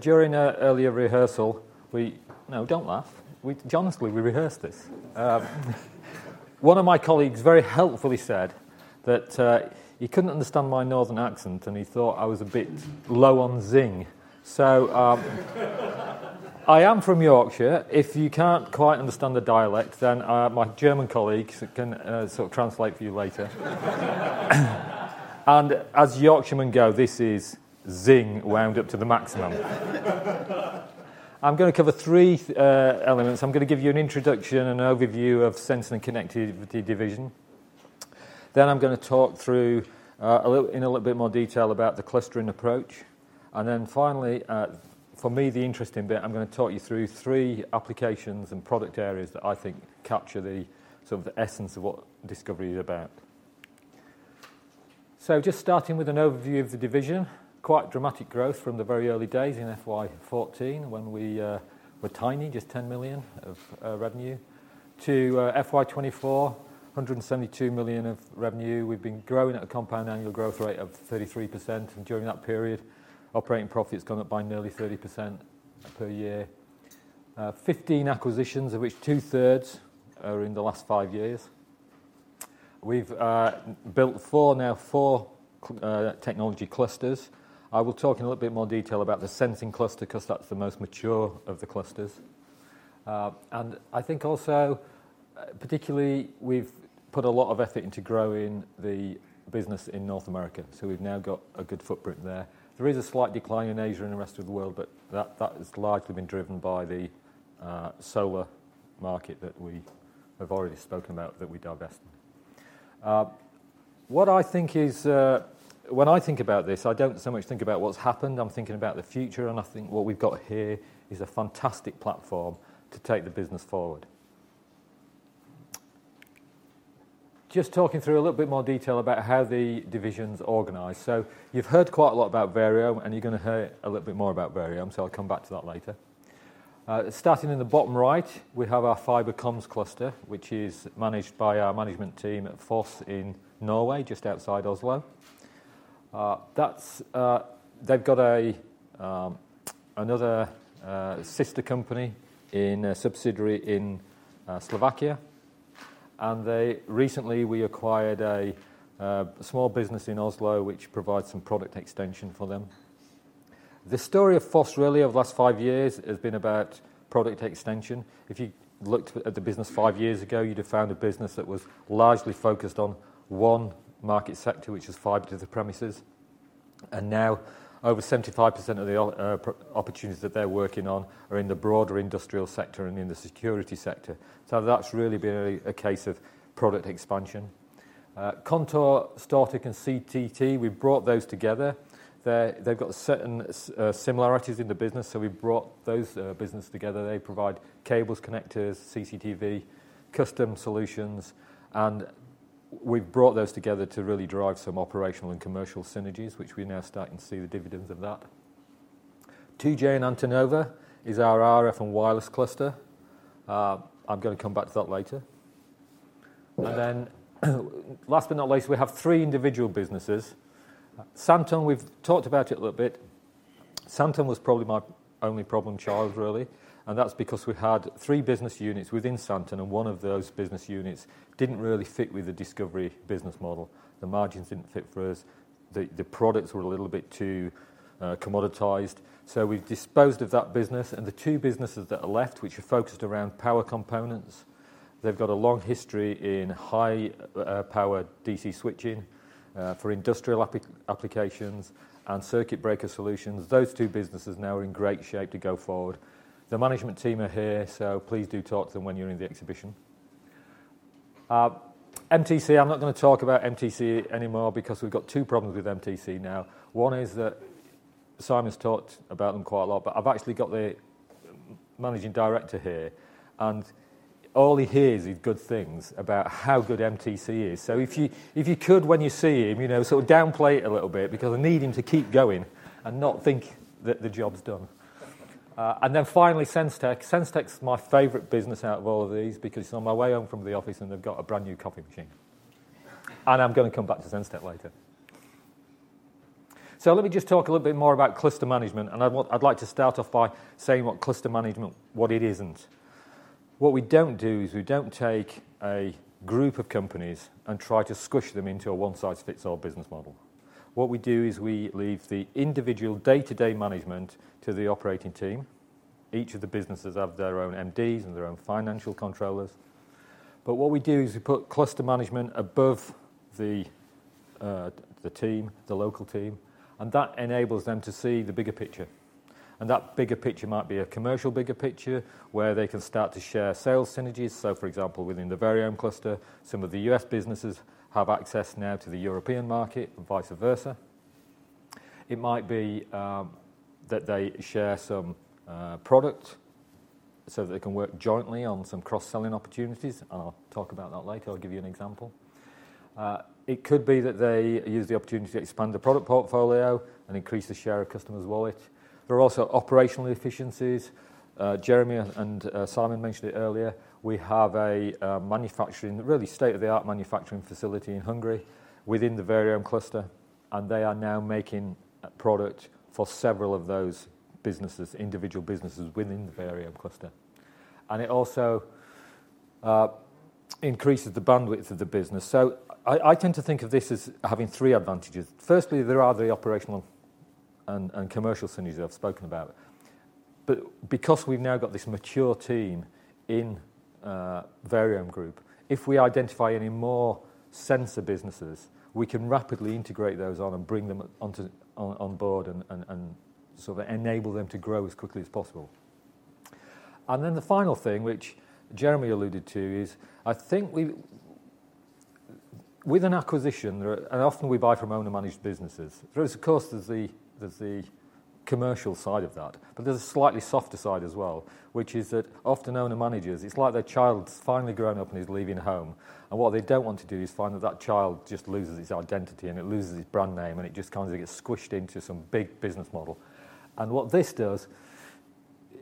During a earlier rehearsal, we-- No, don't laugh. We, honestly, we rehearsed this. One of my colleagues very helpfully said that he couldn't understand my northern accent, and he thought I was a bit low on zing. I am from Yorkshire. If you can't quite understand the dialect, then my German colleagues can sort of translate for you later, and as Yorkshiremen go, this is zing wound up to the maximum. I'm gonna cover three elements. I'm gonna give you an introduction and overview of Sensing and Connectivity division. Then I'm gonna talk through a little bit more detail about the clustering approach. And then finally, for me, the interesting bit, I'm gonna talk you through three applications and product areas that I think capture some of the essence of what DiscoverIE is about. So just starting with an overview of the division, quite dramatic growth from the very early days in FY 2014, when we were tiny, just 10 million of revenue, to FY 2024, 172 million of revenue. We've been growing at a compound annual growth rate of 33%, and during that period, operating profit has gone up by nearly 30% per year. 15 acquisitions, of which 2/3s are in the last five years. We've built four, now four, technology clusters. I will talk in a little bit more detail about the sensing cluster, 'cause that's the most mature of the clusters, and I think also, particularly, we've put a lot of effort into growing the business in North America, so we've now got a good footprint there. There is a slight decline in Asia and the rest of the world, but that has largely been driven by the solar market that we have already spoken about, that we divested. When I think about this, I don't so much think about what's happened, I'm thinking about the future, and I think what we've got here is a fantastic platform to take the business forward. Just talking through a little bit more detail about how the division's organized. So you've heard quite a lot about Variohm, and you're gonna hear a little bit more about Variohm, so I'll come back to that later. Starting in the bottom right, we have our Fiber Comms cluster, which is managed by our management team at Foss in Norway, just outside Oslo. That's. They've got another sister company, a subsidiary in Slovakia, and we acquired a small business in Oslo, which provides some product extension for them. The story of Foss really over the last five years has been about product extension. If you looked at the business five years ago, you'd have found a business that was largely focused on one market sector, which is fiber to the premises. And now, over 75% of the opportunities that they're working on are in the broader industrial sector and in the security sector. So that's really been a case of product expansion. Contour, Stortech, and CTT, we've brought those together. They've got certain similarities in the business, so we've brought those business together. They provide cables, connectors, CCTV, custom solutions, and we've brought those together to really drive some operational and commercial synergies, which we're now starting to see the dividends of that. TJ and Antenova is our RF and wireless cluster. I'm gonna come back to that later. And then, last but not least, we have three individual businesses. Santon, we've talked about it a little bit. Santon was probably my only problem child, really, and that's because we had three business units within Santon, and one of those business units didn't really fit with the DiscoverIE business model. The margins didn't fit for us. The products were a little bit too commoditized. So we've disposed of that business, and the two businesses that are left, which are focused around power components, they've got a long history in high power DC switching for industrial applications and circuit breaker solutions. Those two businesses now are in great shape to go forward. The management team are here, so please do talk to them when you're in the exhibition. MTC, I'm not gonna talk about MTC anymore because we've got two problems with MTC now. One is that Simon's talked about them quite a lot, but I've actually got the Managing Director here, and all he hears is good things about how good MTC is. So if you, if you could, when you see him, you know, sort of downplay it a little bit because I need him to keep going and not think that the job's done. And then finally, Sens-Tech. Sens-Tech's my favorite business out of all of these because on my way home from the office, and they've got a brand-new coffee machine. And I'm gonna come back to Sens-Tech later. So let me just talk a little bit more about cluster management, and I want, I'd like to start off by saying what cluster management, what it isn't. What we don't do is we don't take a group of companies and try to squish them into a one-size-fits-all business model. What we do is we leave the individual day-to-day management to the operating team. Each of the businesses have their own MDs and their own financial controllers. But what we do is we put cluster management above the, the team, the local team, and that enables them to see the bigger picture. And that bigger picture might be a commercial bigger picture, where they can start to share sales synergies. So, for example, within the Variohm cluster, some of the U.S. businesses have access now to the European market and vice versa. It might be, that they share some, product, so they can work jointly on some cross-selling opportunities. I'll talk about that later. I'll give you an example. It could be that they use the opportunity to expand the product portfolio and increase the share of customers' wallet. There are also operational efficiencies. Jeremy and Simon mentioned it earlier. We have a manufacturing, really state-of-the-art manufacturing facility in Hungary within the Variohm cluster, and they are now making product for several of those businesses, individual businesses within the Variohm cluster. And it also increases the bandwidth of the business. So I tend to think of this as having three advantages. Firstly, there are the operational and commercial synergies I've spoken about. But because we've now got this mature team in Variohm Group, if we identify any more sensor businesses, we can rapidly integrate those on and bring them on board and sort of enable them to grow as quickly as possible. And then the final thing, which Jeremy alluded to, is I think with an acquisition, there are. And often we buy from owner-managed businesses. There is, of course, the commercial side of that, but there's a slightly softer side as well, which is that often owner-managers, it's like their child's finally grown up, and he's leaving home, and what they don't want to do is find that child just loses his identity, and it loses his brand name, and it just kind of gets squished into some big business model. What this does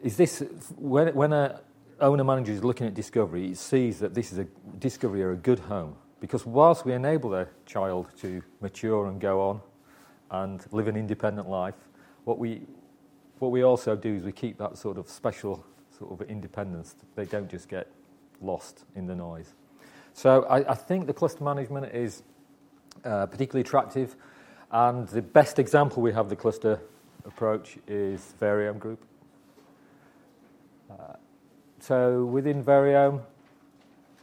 is this: when a owner-manager is looking at DiscoverIE, he sees that this is a DiscoverIE are a good home because whilst we enable their child to mature and go on and live an independent life, what we also do is we keep that sort of special sort of independence. They don't just get lost in the noise. So I think the cluster management is particularly attractive, and the best example we have of the cluster approach is Variohm Group. So within Variohm,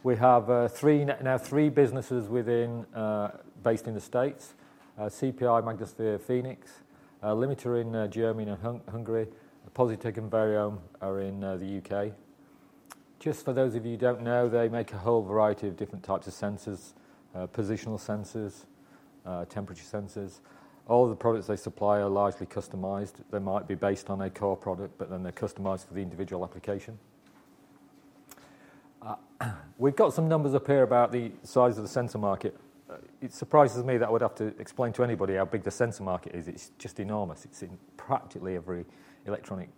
we have now three businesses within based in the States, CPI, Magnasphere, Phoenix, Limitor in Germany and Hungary, Positek and Variohm are in the U.K. Just for those of you who don't know, they make a whole variety of different types of sensors, positional sensors, temperature sensors. All the products they supply are largely customized. They might be based on a core product, but then they're customized for the individual application. We've got some numbers up here about the size of the sensor market. It surprises me that I would have to explain to anybody how big the sensor market is. It's just enormous. It's in practically every electronic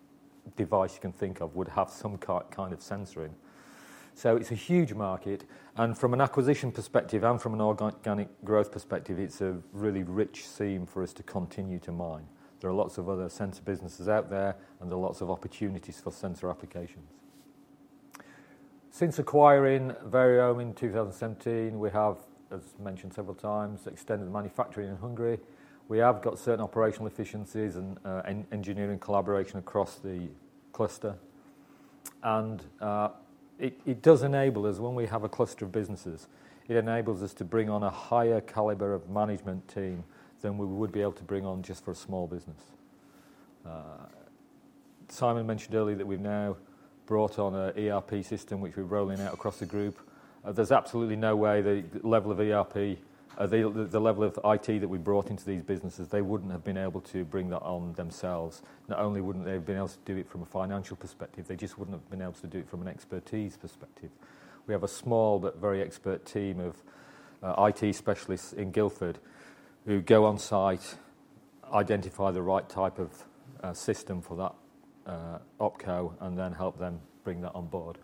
device you can think of would have some kind of sensing. So it's a huge market, and from an acquisition perspective and from an organic growth perspective, it's a really rich seam for us to continue to mine. There are lots of other sensor businesses out there, and there are lots of opportunities for sensor applications. Since acquiring Variohm in 2017, we have, as mentioned several times, extended manufacturing in Hungary. We have got certain operational efficiencies and engineering collaboration across the cluster. And it does enable us, when we have a cluster of businesses, it enables us to bring on a higher caliber of management team than we would be able to bring on just for a small business. Simon mentioned earlier that we've now brought on an ERP system, which we're rolling out across the group. There's absolutely no way the level of ERP, the level of IT that we brought into these businesses, they wouldn't have been able to bring that on themselves. Not only wouldn't they have been able to do it from a financial perspective, they just wouldn't have been able to do it from an expertise perspective. We have a small but very expert team of IT specialists in Guildford who go on-site, identify the right type of system for that OpCo, and then help them bring that on board...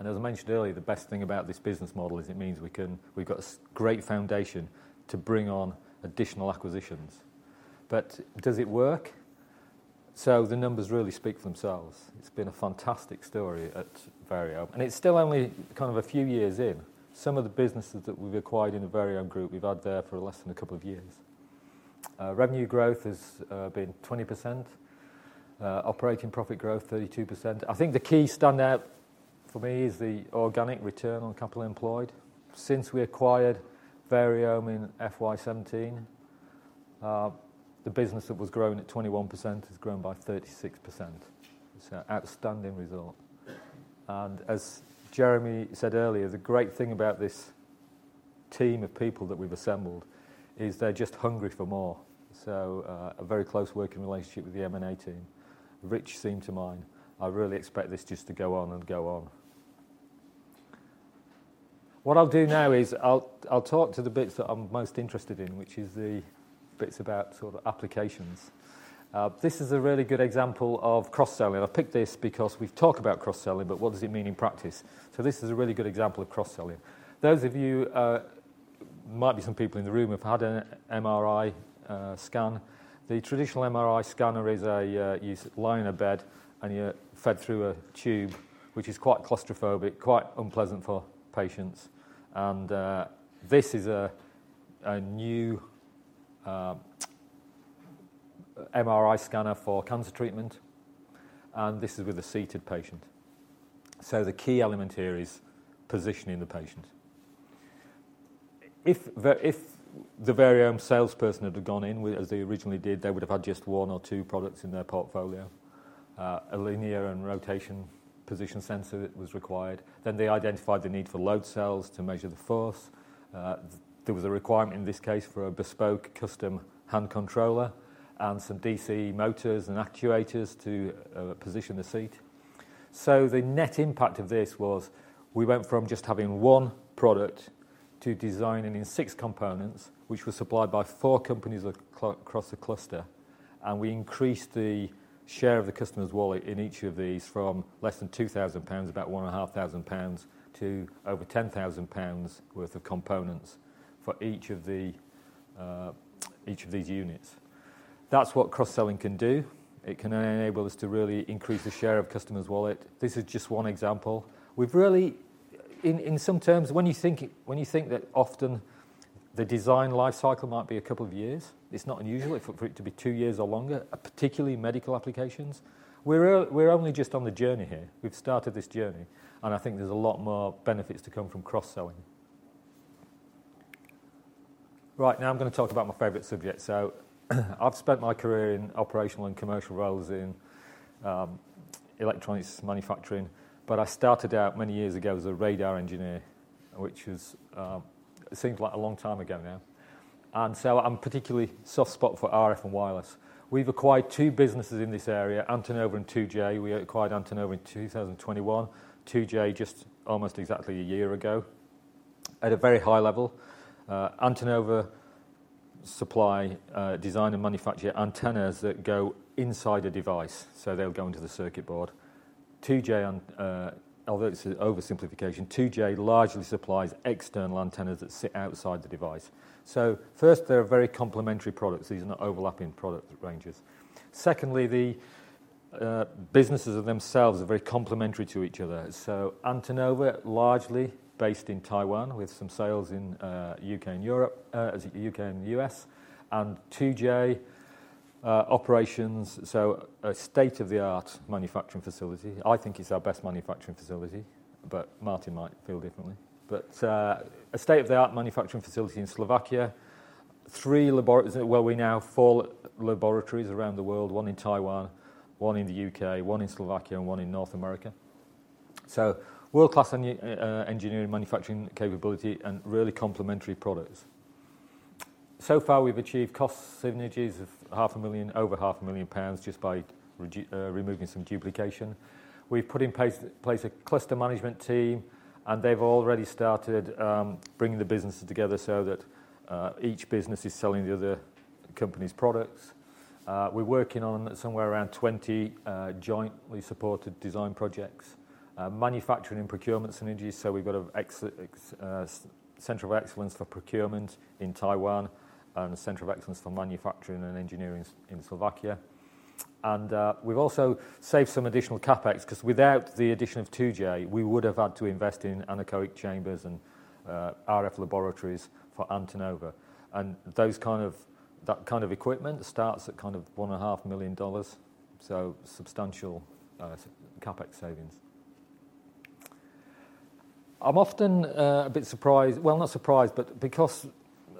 and as I mentioned earlier, the best thing about this business model is it means we've got a great foundation to bring on additional acquisitions. But does it work? So the numbers really speak for themselves. It's been a fantastic story at Variohm, and it's still only kind of a few years in. Some of the businesses that we've acquired in the Variohm Group, we've had there for less than a couple of years. Revenue growth has been 20%. Operating profit growth 32%. I think the key stand out for me is the organic return on capital employed. Since we acquired Variohm in FY 2017, the business that was growing at 21% has grown by 36%. It's an outstanding result, and as Jeremy said earlier, the great thing about this team of people that we've assembled is they're just hungry for more, so a very close working relationship with the M&A team, which seems to me. I really expect this just to go on and go on. What I'll do now is I'll talk to the bits that I'm most interested in, which is the bits about sort of applications. This is a really good example of cross-selling. I've picked this because we've talked about cross-selling, but what does it mean in practice? So this is a really good example of cross-selling. Those of you might be some people in the room, have had an MRI scan. The traditional MRI scanner is a, you lie in a bed, and you're fed through a tube, which is quite claustrophobic, quite unpleasant for patients. And, this is a, a new, MRI scanner for cancer treatment, and this is with a seated patient. So the key element here is positioning the patient. If the Variohm salesperson had gone in as they originally did, they would have had just one or two products in their portfolio. A linear and rotation position sensor was required. Then they identified the need for load cells to measure the force. There was a requirement in this case for a bespoke custom hand controller and some DC motors and actuators to position the seat. So the net impact of this was we went from just having one product to designing six components, which were supplied by four companies across the cluster, and we increased the share of the customer's wallet in each of these from less than 2,000 pounds, about 1,500 pounds, to over 10,000 pounds worth of components for each of these units. That's what cross-selling can do. It can enable us to really increase the share of customers' wallet. This is just one example. We've really in some terms, when you think that often the design life cycle might be a couple of years, it's not unusual for it to be two years or longer, particularly medical applications. We're only just on the journey here. We've started this journey, and I think there's a lot more benefits to come from cross-selling. Right now, I'm gonna talk about my favorite subject. I've spent my career in operational and commercial roles in electronics manufacturing, but I started out many years ago as a radar engineer, which seems like a long time ago now. I have a particular soft spot for RF and wireless. We've acquired two businesses in this area, Antenova and 2J. We acquired Antenova in 2021, 2J just almost exactly a year ago. At a very high level, Antenova supply design and manufacture antennas that go inside a device, so they'll go into the circuit board. 2J, although this is oversimplification, 2J largely supplies external antennas that sit outside the device. So first, they're very complementary products. These are not overlapping product ranges. Secondly, the businesses themselves are very complementary to each other. So Antenova, largely based in Taiwan, with some sales in U.K. and Europe, as U.K. and U.S., and 2J operations. So a state-of-the-art manufacturing facility. I think it's our best manufacturing facility, but Martin might feel differently. But a state-of-the-art manufacturing facility in Slovakia. Three laboratories, well, we now four laboratories around the world, one in Taiwan, one in the U.K., one in Slovakia, and one in North America. So world-class engineering manufacturing capability and really complementary products. So far, we've achieved cost synergies of 500,000, over 500,000 pounds just by removing some duplication. We've put in place a cluster management team, and they've already started bringing the businesses together so that each business is selling the other company's products. We're working on somewhere around 20 jointly supported design projects, manufacturing and procurement synergies. So we've got a center of excellence for procurement in Taiwan and a center of excellence for manufacturing and engineering in Slovakia, and we've also saved some additional CapEx, 'cause without the addition of 2J, we would have had to invest in anechoic chambers and RF laboratories for Antenova, and those kind of equipment starts at kind of $1.5 million, so substantial CapEx savings. I'm often a bit surprised. Well, not surprised, but because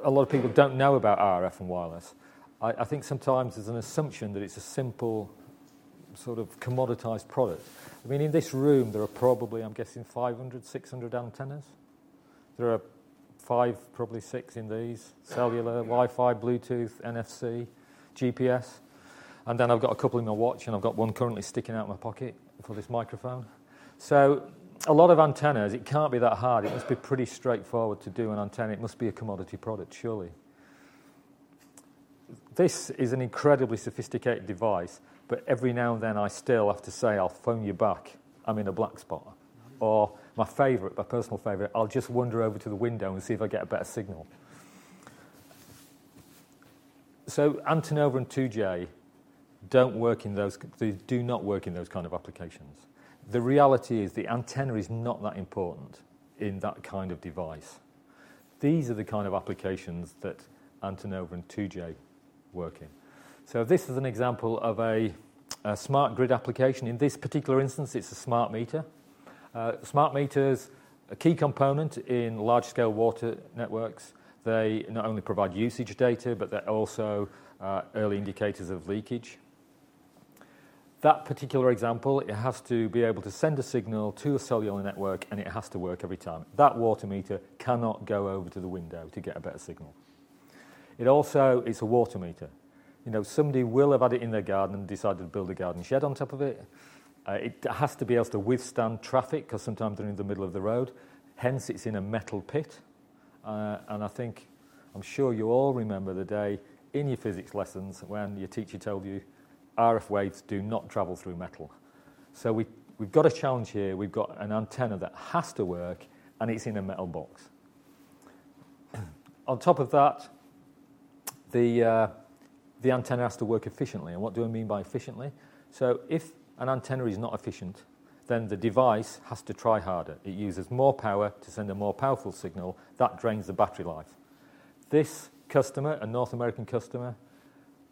a lot of people don't know about RF and wireless, I think sometimes there's an assumption that it's a simple, sort of commoditized product. I mean, in this room, there are probably, I'm guessing, 500-600 antennas. There are 5, probably 6, in these: cellular, Wi-Fi, Bluetooth, NFC, GPS, and then I've got a couple in my watch, and I've got one currently sticking out of my pocket for this microphone. So a lot of antennas, it can't be that hard. It must be pretty straightforward to do an antenna. It must be a commodity product, surely? This is an incredibly sophisticated device, but every now and then, I still have to say, "I'll phone you back. I'm in a black spot." Or my favorite, my personal favorite, "I'll just wander over to the window and see if I get a better signal." So Antenova and 2J don't work in those. They do not work in those kind of applications. The reality is the antenna is not that important in that kind of device. These are the kind of applications that Antenova and 2J work in. So this is an example of a smart grid application. In this particular instance, it's a smart meter. Smart meters, a key component in large-scale water networks. They not only provide usage data, but they're also early indicators of leakage. That particular example, it has to be able to send a signal to a cellular network, and it has to work every time. That water meter cannot go over to the window to get a better signal. It also is a water meter. You know, somebody will have had it in their garden and decided to build a garden shed on top of it. It has to be able to withstand traffic 'cause sometimes they're in the middle of the road, hence it's in a metal pit. And I think, I'm sure you all remember the day in your physics lessons when your teacher told you, "RF waves do not travel through metal." So we've got a challenge here. We've got an antenna that has to work, and it's in a metal box. On top of that, the antenna has to work efficiently. And what do I mean by efficiently? So if an antenna is not efficient, then the device has to try harder. It uses more power to send a more powerful signal that drains the battery life. This customer, a North American customer,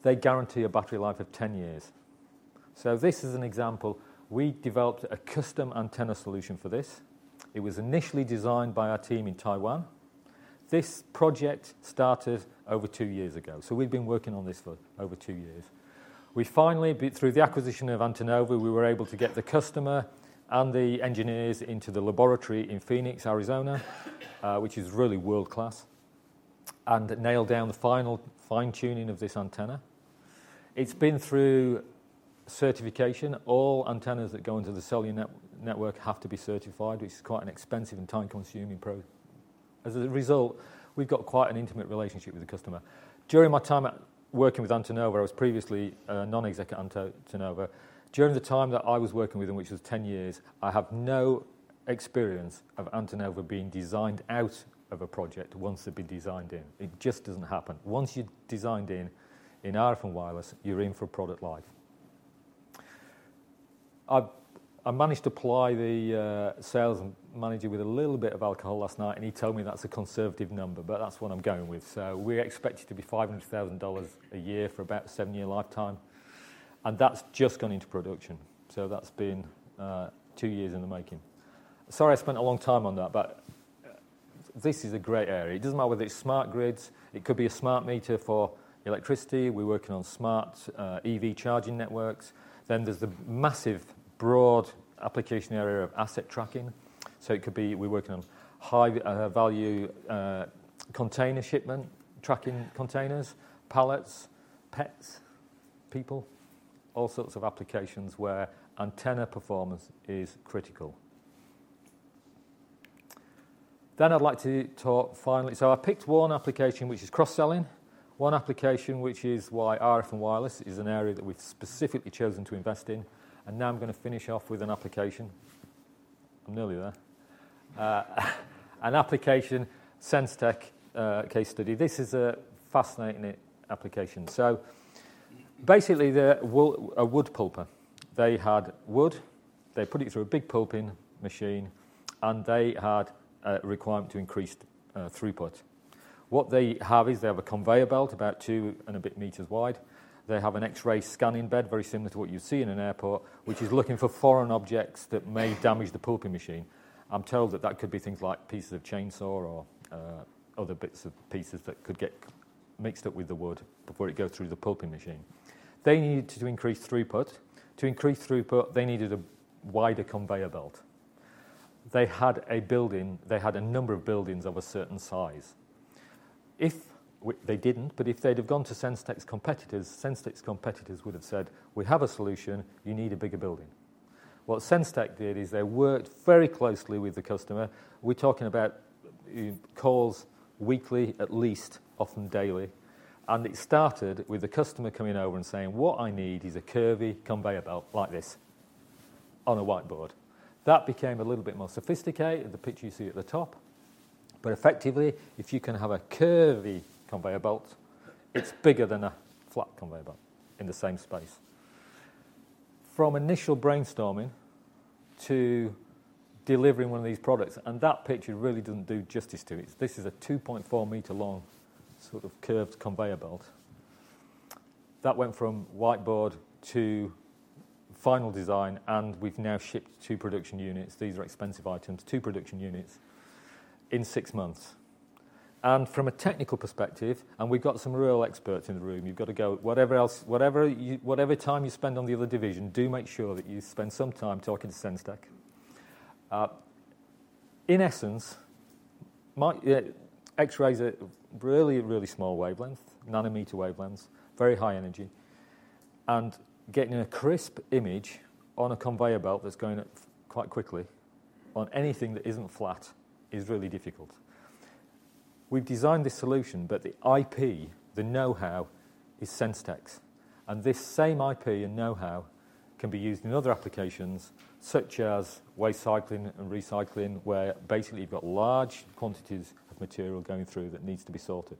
they guarantee a battery life of 10 years. So this is an example. We developed a custom antenna solution for this. It was initially designed by our team in Taiwan. This project started over 2 years ago, so we've been working on this for over 2 years. We finally, through the acquisition of Antenova, we were able to get the customer and the engineers into the laboratory in Phoenix, Arizona, which is really world-class, and nailed down the final fine-tuning of this antenna. It's been through certification. All antennas that go into the cellular network have to be certified, which is quite an expensive and time-consuming process. As a result, we've got quite an intimate relationship with the customer. During my time working with Antenova, I was previously a non-executive at Antenova. During the time that I was working with them, which was 10 years, I have no experience of Antenova being designed out of a project once they've been designed in. It just doesn't happen. Once you're designed in, in RF and wireless, you're in for product life. I managed to ply the sales manager with a little bit of alcohol last night, and he told me that's a conservative number, but that's what I'm going with, so we're expected to be $500,000 a year for about a 7-year lifetime, and that's just gone into production, so that's been 2 years in the making. Sorry, I spent a long time on that, but this is a great area. It doesn't matter whether it's smart grids. It could be a smart meter for electricity. We're working on smart EV charging networks. Then there's the massive, broad application area of asset tracking. So it could be we're working on high value container shipment, tracking containers, pallets, pets, people, all sorts of applications where antenna performance is critical. Then I'd like to talk finally. So I picked one application, which is cross-selling, one application which is why RF and wireless is an area that we've specifically chosen to invest in. And now I'm gonna finish off with an application. I'm nearly there. An application, Sens-Tech case study. This is a fascinating application. So basically, they rework wood, a wood pulper. They had wood, they put it through a big pulping machine, and they had a requirement to increase throughput. What they have is they have a conveyor belt about two and a bit meters wide. They have an X-ray scanning bed, very similar to what you'd see in an airport, which is looking for foreign objects that may damage the pulping machine. I'm told that that could be things like pieces of chainsaw or other bits of pieces that could get mixed up with the wood before it goes through the pulping machine. They needed to increase throughput. To increase throughput, they needed a wider conveyor belt. They had a building. They had a number of buildings of a certain size. If they didn't, but if they'd have gone to Sens-Tech's competitors, Sens-Tech's competitors would have said, "We have a solution. You need a bigger building." What Sens-Tech did is they worked very closely with the customer. We're talking about calls weekly, at least, often daily. It started with the customer coming over and saying: What I need is a curvy conveyor belt like this, on a whiteboard. That became a little bit more sophisticated, the picture you see at the top. But effectively, if you can have a curvy conveyor belt, it's bigger than a flat conveyor belt in the same space. From initial brainstorming to delivering one of these products, and that picture really doesn't do justice to it. This is a 2.4-meter long sort of curved conveyor belt. That went from whiteboard to final design, and we've now shipped two production units. These are expensive items. Two production units in six months. And from a technical perspective, and we've got some real experts in the room, you've got to go whatever else, whatever time you spend on the other division, do make sure that you spend some time talking to Sens-Tech. In essence, X-rays are really, really small wavelength, nanometer wavelengths, very high energy... and getting a crisp image on a conveyor belt that's going quite quickly on anything that isn't flat is really difficult. We've designed this solution, but the IP, the know-how, is Sens-Tech's. And this same IP and know-how can be used in other applications such as waste cycling and recycling, where basically you've got large quantities of material going through that needs to be sorted.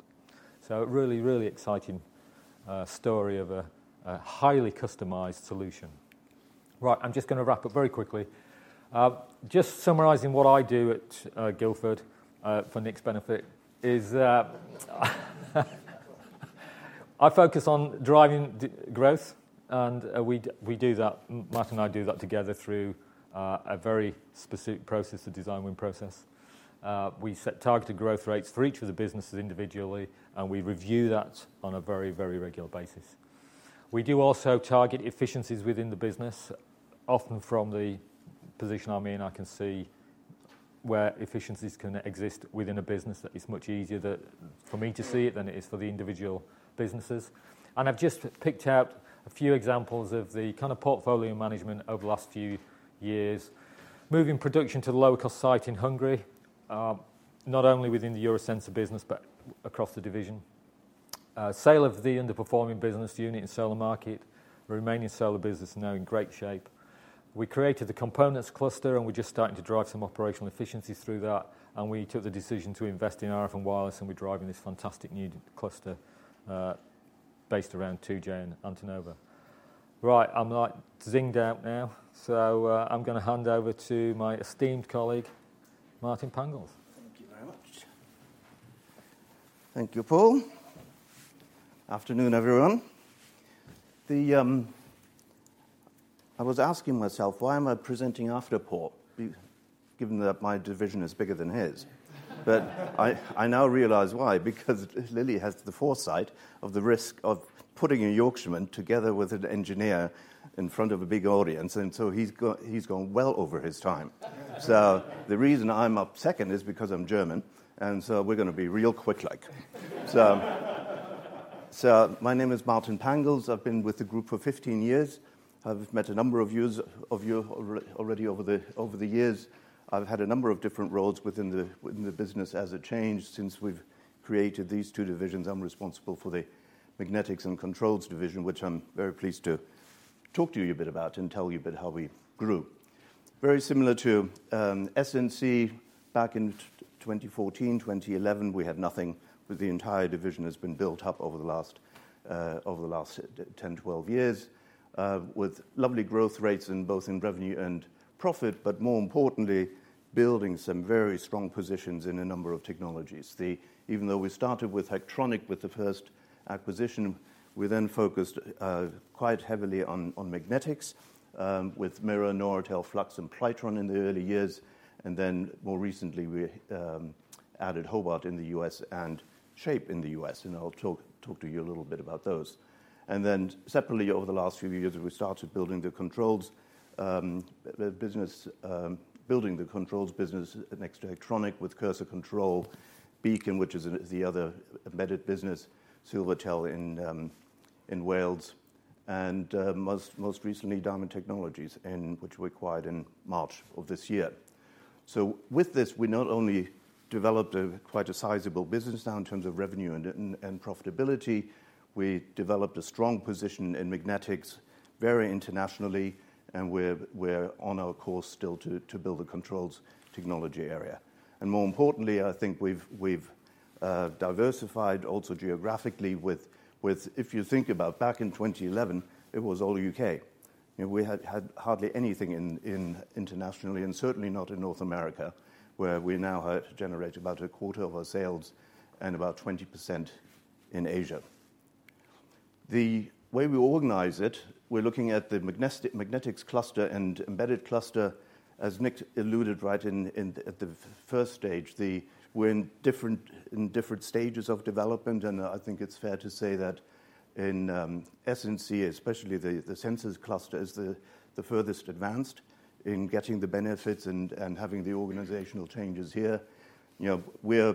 So a really, really exciting story of a highly customized solution. Right, I'm just gonna wrap up very quickly. Just summarizing what I do at Guildford for Nick's benefit is that I focus on driving the growth, and we do that, Martin and I do that together through a very specific process, a design win process. We set targeted growth rates for each of the businesses individually, and we review that on a very, very regular basis. We do also target efficiencies within the business. Often from the position I'm in, I can see where efficiencies can exist within a business. It's much easier for me to see it than it is for the individual businesses. I've just picked out a few examples of the kind of portfolio management over the last few years. Moving production to a low-cost site in Hungary, not only within the EuroSensor business, but across the division. Sale of the underperforming business unit in solar market. The remaining solar business is now in great shape. We created a components cluster, and we're just starting to drive some operational efficiencies through that, and we took the decision to invest in RF and wireless, and we're driving this fantastic new cluster, based around 2J and Antenova. Right, I'm like zinged out now, so, I'm gonna hand over to my esteemed colleague, Martin Pangels. Thank you very much. Thank you, Paul. Afternoon, everyone. I was asking myself, "Why am I presenting after Paul? Given that my division is bigger than his." But I now realize why. Because Lili has the foresight of the risk of putting a Yorkshireman together with an engineer in front of a big audience, and so he's gone well over his time. So the reason I'm up second is because I'm German, and so we're gonna be real quick like. So my name is Martin Pangels. I've been with the group for 15 years. I've met a number of you already over the years. I've had a number of different roles within the business as it changed. Since we've created these two divisions, I'm responsible for the Magnetics and Controls division, which I'm very pleased to talk to you a bit about and tell you a bit how we grew. Very similar to S&C, back in 2014, 2011, we had nothing, but the entire division has been built up over the last 10, 12 years. With lovely growth rates in both revenue and profit, but more importantly, building some very strong positions in a number of technologies. Even though we started with Hectronic with the first acquisition, we then focused quite heavily on magnetics, with Myrra, Noratel, Flux and Plitron in the early years, and then more recently, we added Hobart in the U.S. and Shape in the U.S., and I'll talk to you a little bit about those. And then separately, over the last few years, we started building the controls business next to Hectronic with Cursor Controls, Beacon, which is the other embedded business, Silvertel in Wales, and most recently, Diamond Technologies, which we acquired in March of this year. So with this, we not only developed quite a sizable business now in terms of revenue and profitability, we developed a strong position in magnetics very internationally, and we're on our course still to build a controls technology area. More importantly, I think we've diversified also geographically. If you think about back in 2011, it was all U.K. You know, we had hardly anything internationally and certainly not in North America, where we now generate about a quarter of our sales and about 20% in Asia. The way we organize it, we're looking at the magnetic, magnetics cluster and embedded cluster, as Nick alluded, right at the first stage, the... We're in different stages of development, and I think it's fair to say that in S&C, especially the sensors cluster, is the furthest advanced in getting the benefits and having the organizational changes here. You know, we're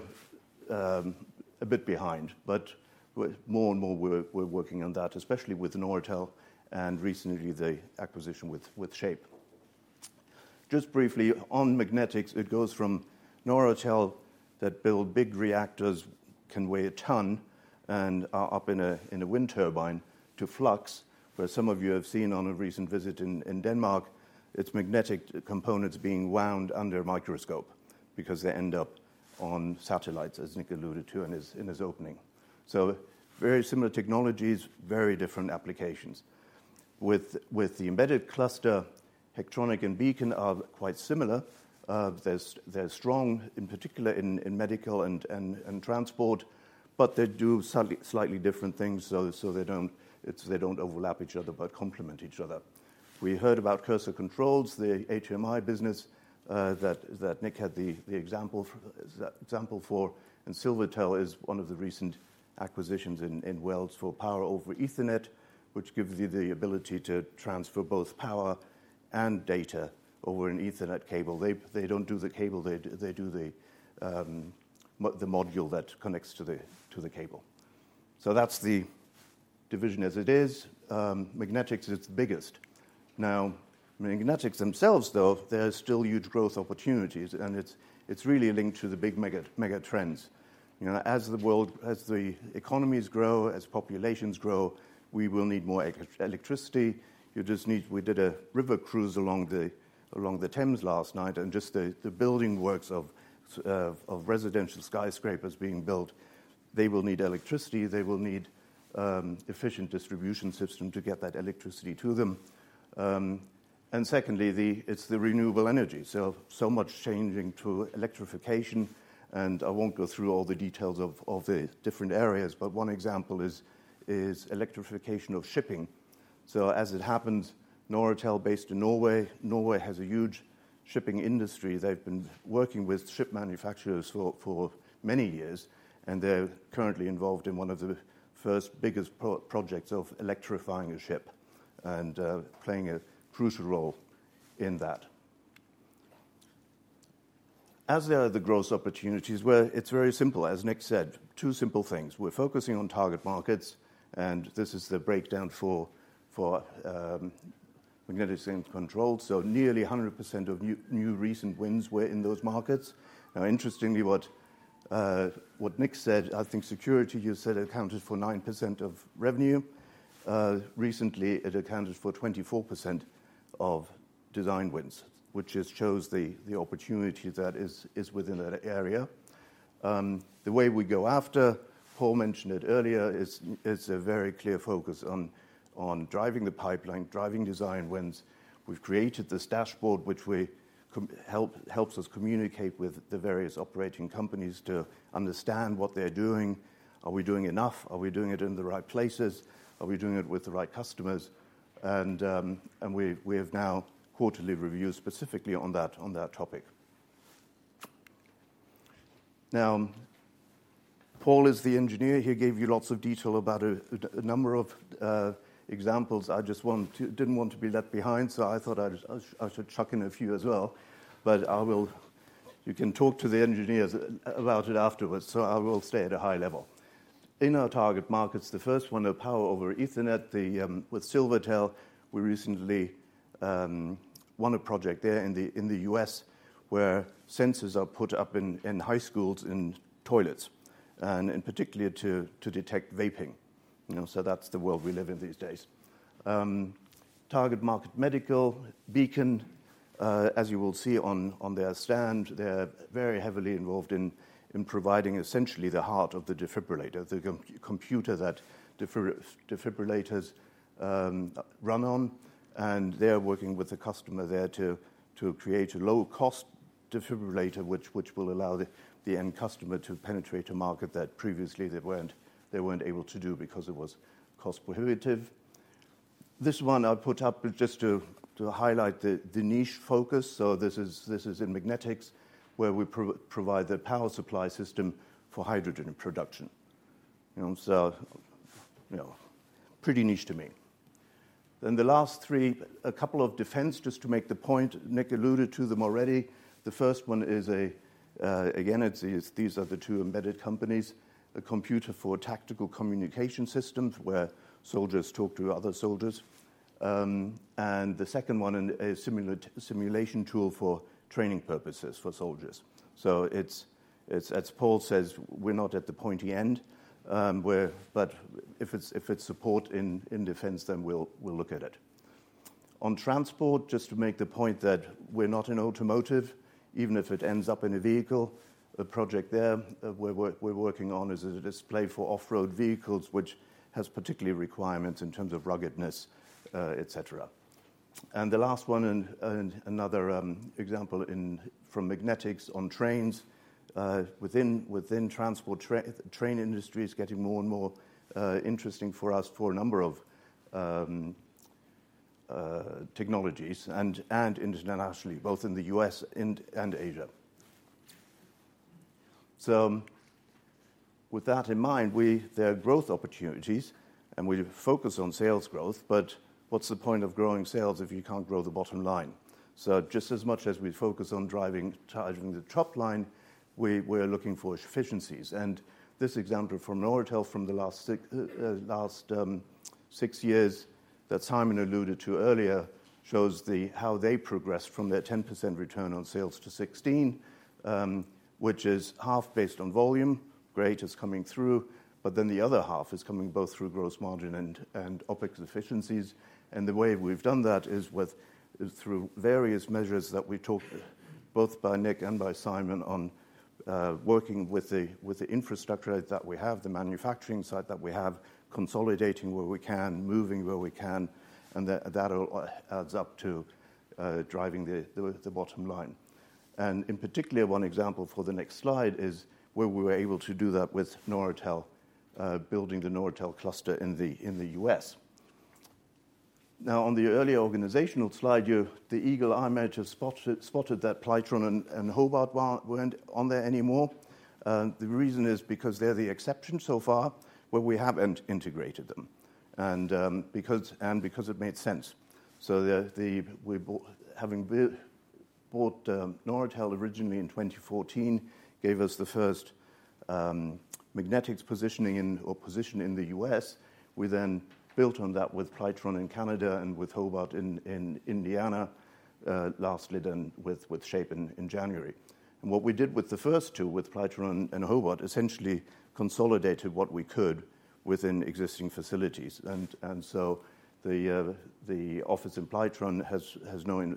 a bit behind, but we're more and more working on that, especially with Noratel and recently the acquisition with Shape. Just briefly on magnetics, it goes from Noratel that build big reactors, can weigh a ton and are up in a wind turbine, to Flux, where some of you have seen on a recent visit in Denmark, its magnetic components being wound under a microscope because they end up on satellites, as Nick alluded to in his opening. So very similar technologies, very different applications. With the embedded cluster, Hectronic and Beacon are quite similar. They're strong, in particular in medical and transport, but they do slightly different things, so they don't overlap each other, but complement each other. We heard about Cursor Controls, the HMI business, that Nick had the example for. And Silvertel is one of the recent acquisitions in Wales for power over Ethernet, which gives you the ability to transfer both power and data over an Ethernet cable. They don't do the cable, they do the module that connects to the cable. So that's the division as it is. Magnetics is its biggest. Now, magnetics themselves, though, there are still huge growth opportunities, and it's really linked to the big mega trends. You know, as the world, as the economies grow, as populations grow, we will need more electricity. You just need. We did a river cruise along the Thames last night, and just the building works of residential skyscrapers being built, they will need electricity, they will need efficient distribution system to get that electricity to them. And secondly, it's the renewable energy. So much changing to electrification, and I won't go through all the details of the different areas, but one example is electrification of shipping. So as it happens, Noratel, based in Norway, Norway has a huge shipping industry. They've been working with ship manufacturers for many years, and they're currently involved in one of the first biggest prototype projects of electrifying a ship and playing a crucial role in that. As there are the growth opportunities, where it's very simple, as Nick said, two simple things: we're focusing on target markets, and this is the breakdown for magnetics and control. So nearly 100% of new recent wins were in those markets. Now, interestingly, what Nick said, I think security, you said, accounted for 9% of revenue. Recently, it accounted for 24% of design wins, which just shows the opportunity that is within that area. The way we go after, Paul mentioned it earlier, is it's a very clear focus on driving the pipeline, driving design wins. We've created this dashboard, which helps us communicate with the various operating companies to understand what they're doing. Are we doing enough? Are we doing it in the right places? Are we doing it with the right customers? And we've now quarterly reviews specifically on that topic. Now, Paul is the engineer. He gave you lots of detail about a number of examples. I just didn't want to be left behind, so I thought I'd I should chuck in a few as well. But I will... You can talk to the engineers about it afterwards, so I will stay at a high level. In our target markets, the first one, a power over Ethernet with Silvertel, we recently won a project there in the U.S., where sensors are put up in high schools in toilets, and in particular, to detect vaping. You know, so that's the world we live in these days. Target market medical, Beacon, as you will see on their stand, they're very heavily involved in providing essentially the heart of the defibrillator, the computer that defibrillators run on, and they're working with the customer there to create a low-cost defibrillator, which will allow the end customer to penetrate a market that previously they weren't able to do because it was cost prohibitive. This one I put up just to highlight the niche focus. So this is in magnetics, where we provide the power supply system for hydrogen production. You know, so, you know, pretty niche to me. Then the last three, a couple of defense, just to make the point, Nick alluded to them already. The first one is again, it's these are the two embedded companies, a computer for tactical communication systems, where soldiers talk to other soldiers. And the second one in a simulation tool for training purposes for soldiers. So it's as Paul says, we're not at the pointy end, but if it's support in defense, then we'll look at it. On transport, just to make the point that we're not in automotive, even if it ends up in a vehicle, the project there, we're working on is a display for off-road vehicles, which has particular requirements in terms of ruggedness, et cetera. And the last one, and another example from magnetics on trains, within transport train industry is getting more and more interesting for us for a number of technologies and internationally, both in the U.S. and Asia. So with that in mind, there are growth opportunities, and we focus on sales growth, but what's the point of growing sales if you can't grow the bottom line? So just as much as we focus on driving the top line, we're looking for efficiencies. This example from Noratel from the last six years that Simon alluded to earlier shows how they progressed from their 10% return on sales to 16%, which is half based on volume. Great, it's coming through, but then the other half is coming both through gross margin and OpEx efficiencies. The way we've done that is through various measures that we talked both by Nick and by Simon on working with the infrastructure that we have, the manufacturing site that we have, consolidating where we can, moving where we can, and that adds up to driving the bottom line. In particular, one example for the next slide is where we were able to do that with Noratel building the Noratel cluster in the U.S. Now, on the earlier organizational slide, you, the eagle eye might have spotted that Plitron and Hobart weren't on there anymore. The reason is because they're the exception so far, where we haven't integrated them and because it made sense. So, having bought Noratel originally in 2014, gave us the first magnetics position in the U.S. We then built on that with Plitron in Canada and with Hobart in Indiana, lastly with Shape in January. What we did with the first two, with Plitron and Hobart, essentially consolidated what we could within existing facilities. So the office in Plitron has no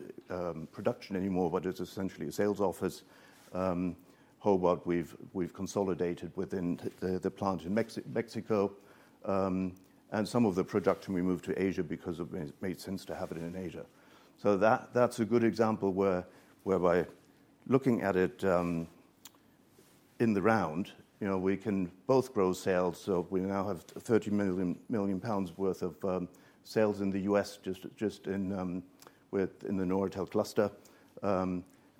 production anymore, but it's essentially a sales office. Hobart, we've consolidated within the plant in Mexico. And some of the production we moved to Asia because it made sense to have it in Asia. So that's a good example where by looking at it in the round, you know, we can both grow sales, so we now have 30 million worth of sales in the U.S. just in the Noratel cluster.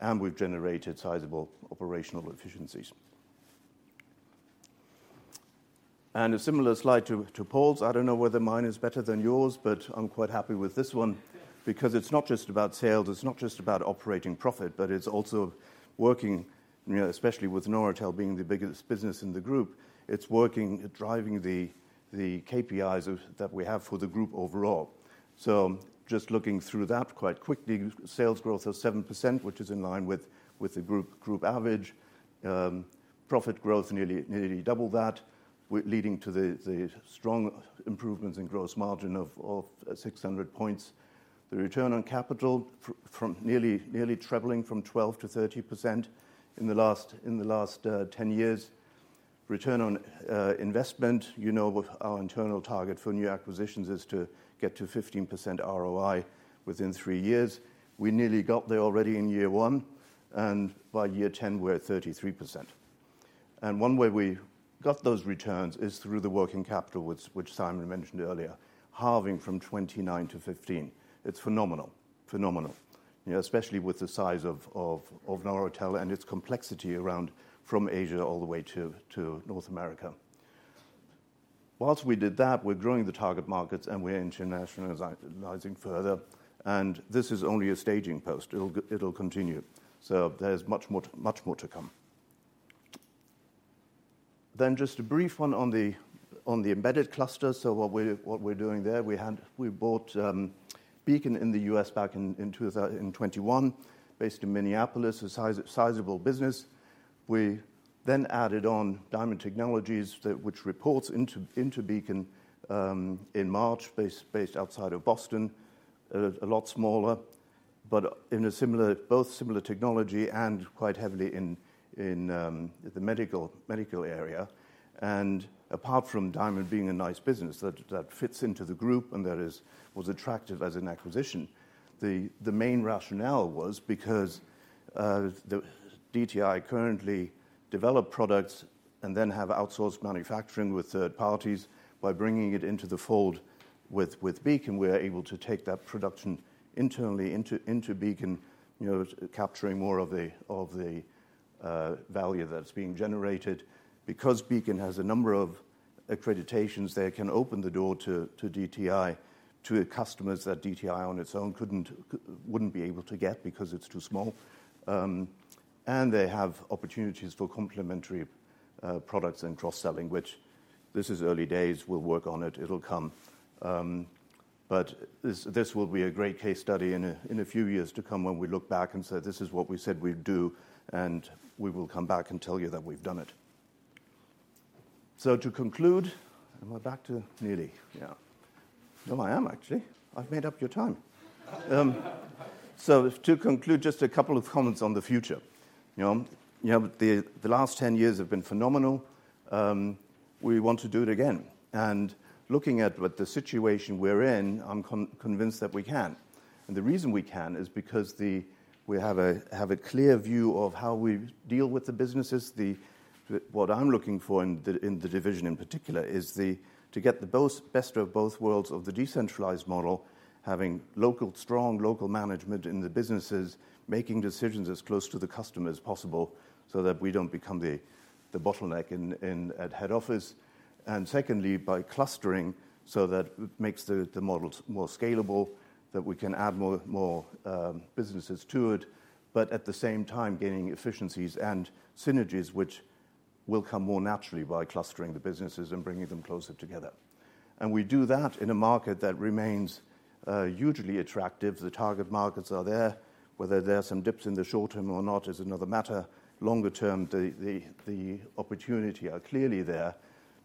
And we've generated sizable operational efficiencies. And a similar slide to Paul's. I don't know whether mine is better than yours, but I'm quite happy with this one because it's not just about sales, it's not just about operating profit, but it's also working, you know, especially with Noratel being the biggest business in the group, it's working, driving the KPIs that we have for the group overall. So just looking through that quite quickly, sales growth of 7%, which is in line with the group average. Profit growth nearly double that, leading to the strong improvements in gross margin of 600 points. The return on capital from nearly trebling from 12% to 30% in the last 10 years. Return on investment, you know, with our internal target for new acquisitions is to get to 15% ROI within 3 years. We nearly got there already in year one, and by year 10, we're at 33%. And one way we got those returns is through the working capital, which Simon mentioned earlier, halving from 29 to 15. It's phenomenal. Phenomenal. You know, especially with the size of Noratel and its complexity around from Asia all the way to North America. While we did that, we're growing the target markets, and we're internationalizing further, and this is only a staging post. It'll continue, so there's much more, much more to come. Then just a brief one on the embedded cluster. So what we're doing there, we bought Beacon in the US back in 2021, based in Minneapolis, a sizable business. We then added on Diamond Technologies, which reports into Beacon in March, based outside of Boston. A lot smaller, but in a similar both similar technology and quite heavily in the medical area. And apart from Diamond being a nice business that fits into the group and that was attractive as an acquisition, the main rationale was because the DTI currently develop products and then have outsourced manufacturing with third parties. By bringing it into the fold with Beacon, we're able to take that production internally into Beacon, you know, capturing more of the value that's being generated. Because Beacon has a number of accreditations, they can open the door to DTI to customers that DTI on its own couldn't wouldn't be able to get because it's too small. And they have opportunities for complementary products and cross-selling, which this is early days. We'll work on it. It'll come. But this will be a great case study in a few years to come when we look back and say, "This is what we said we'd do, and we will come back and tell you that we've done it." So to conclude, am I back to... Nearly, yeah. No, I am actually. I've made up your time. So to conclude, just a couple of comments on the future. You know, the last 10 years have been phenomenal. We want to do it again. And looking at what the situation we're in, I'm convinced that we can. And the reason we can is because we have a clear view of how we deal with the businesses. The what I'm looking for in the division in particular is to get the best of both worlds of the decentralized model, having strong local management in the businesses, making decisions as close to the customer as possible, so that we don't become the bottleneck at head office. Second, by clustering, so that makes the models more scalable, that we can add more businesses to it, but at the same time, gaining efficiencies and synergies which will come more naturally by clustering the businesses and bringing them closer together. We do that in a market that remains hugely attractive. The target markets are there. Whether there are some dips in the short term or not is another matter. Longer term, the opportunity are clearly there.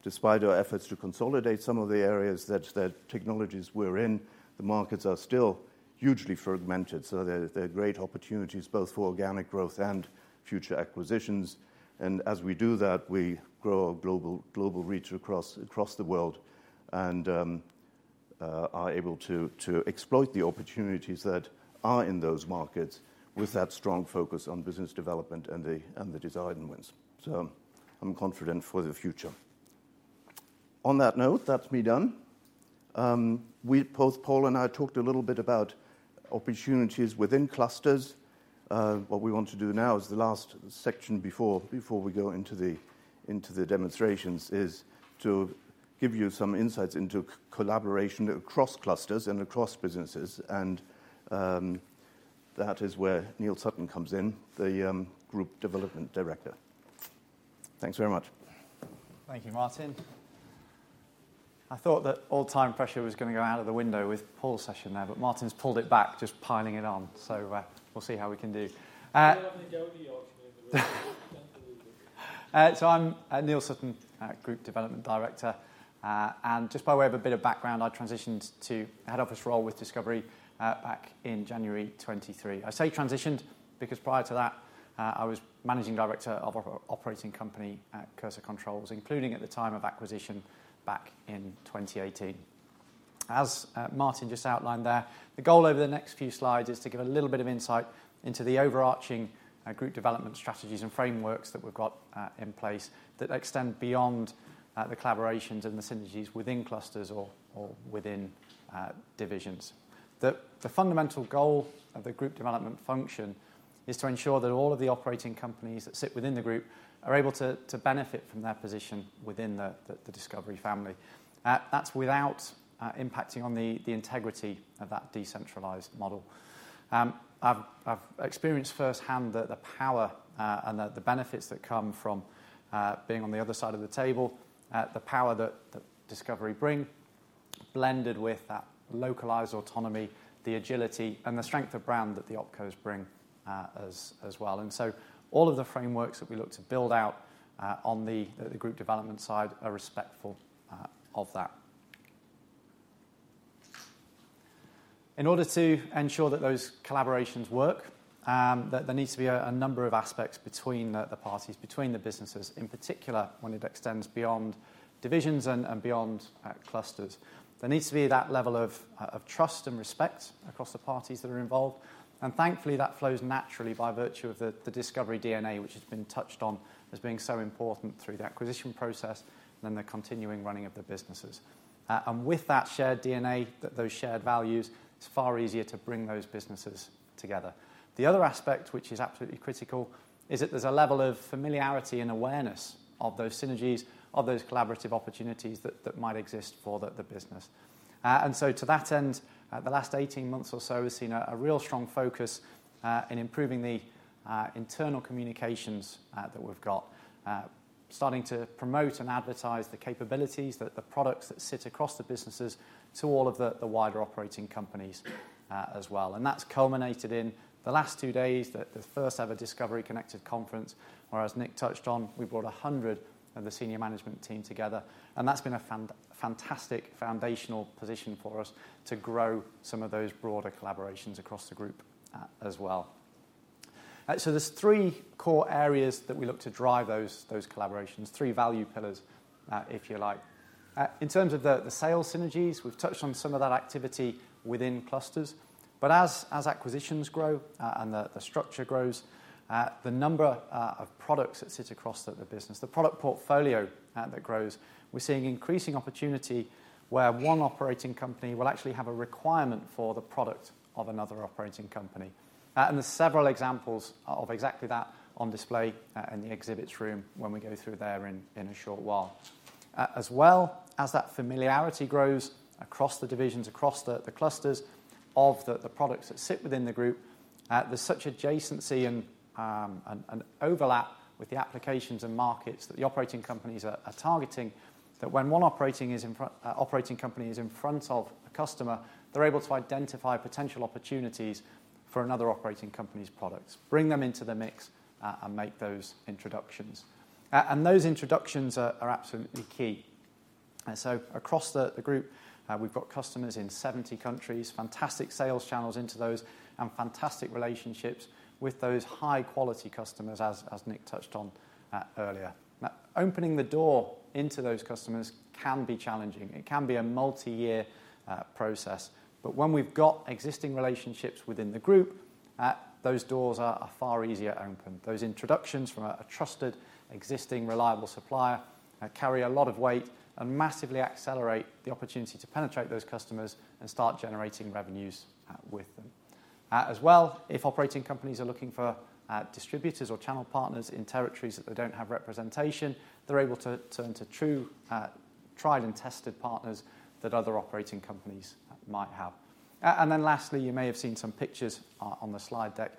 Despite our efforts to consolidate some of the areas that technologies we're in, the markets are still hugely fragmented. So there are great opportunities both for organic growth and future acquisitions. And as we do that, we grow our global reach across the world, and are able to exploit the opportunities that are in those markets with that strong focus on business development and the design wins. So I'm confident for the future. On that note, that's me done. We, both Paul and I talked a little bit about opportunities within clusters. What we want to do now is the last section before we go into the demonstrations, is to give you some insights into collaboration across clusters and across businesses. And that is where Neale Sutton comes in, the Group Development Director. Thanks very much. Thank you, Martin. I thought that all time pressure was gonna go out of the window with Paul's session there, but Martin's pulled it back, just piling it on. So, we'll see how we can do. I'm Neale Sutton, Group Development Director. Just by way of a bit of background, I transitioned to a head office role with DiscoverIE back in January 2023. I say transitioned, because prior to that, I was Managing Director of operating company at Cursor Controls, including at the time of acquisition back in 2018. As Martin just outlined there, the goal over the next few slides is to give a little bit of insight into the overarching group development strategies and frameworks that we've got in place, that extend beyond the collaborations and the synergies within clusters or within divisions. The fundamental goal of the group development function is to ensure that all of the operating companies that sit within the group are able to benefit from their position within the DiscoverIE family. That's without impacting on the integrity of that decentralized model. I've experienced firsthand the power and the benefits that come from being on the other side of the table. The power that DiscoverIE bring, blended with that localized autonomy, the agility and the strength of brand that the OpCos bring, as well, and so all of the frameworks that we look to build out, on the group development side are respectful of that. In order to ensure that those collaborations work, there needs to be a number of aspects between the parties, between the businesses, in particular, when it extends beyond divisions and beyond clusters. There needs to be that level of trust and respect across the parties that are involved, and thankfully, that flows naturally by virtue of the DiscoverIE DNA, which has been touched on as being so important through the acquisition process, then the continuing running of the businesses, and with that shared DNA, those shared values, it's far easier to bring those businesses together. The other aspect, which is absolutely critical, is that there's a level of familiarity and awareness of those synergies, of those collaborative opportunities that might exist for the business. And so to that end, the last 18 months or so has seen a real strong focus in improving the internal communications that we've got. Starting to promote and advertise the capabilities that the products that sit across the businesses to all of the wider operating companies, as well. And that's culminated in the last two days, the first-ever DiscoverIE Connected Conference, where, as Nick touched on, we brought a hundred of the senior management team together, and that's been a fantastic foundational position for us to grow some of those broader collaborations across the group, as well. So there's three core areas that we look to drive those collaborations, three value pillars, if you like. In terms of the sales synergies, we've touched on some of that activity within clusters. But as acquisitions grow, and the structure grows, the number of products that sit across the business, the product portfolio, that grows, we're seeing increasing opportunity where one operating company will actually have a requirement for the product of another operating company. And there's several examples of exactly that on display in the exhibits room when we go through there in a short while. As well, as that familiarity grows across the divisions, across the clusters of the products that sit within the group, there's such adjacency and overlap with the applications and markets that the operating companies are targeting, that when one operating company is in front of a customer, they're able to identify potential opportunities for another operating company's products, bring them into the mix, and make those introductions. And those introductions are absolutely key. And so across the group, we've got customers in 70 countries, fantastic sales channels into those, and fantastic relationships with those high-quality customers, as Nick touched on earlier. Now, opening the door into those customers can be challenging. It can be a multi-year process, but when we've got existing relationships within the group, those doors are far easier to open. Those introductions from a trusted, existing, reliable supplier carry a lot of weight and massively accelerate the opportunity to penetrate those customers and start generating revenues with them. As well, if operating companies are looking for distributors or channel partners in territories that they don't have representation, they're able to turn to true tried and tested partners that other operating companies might have. And then lastly, you may have seen some pictures on the slide deck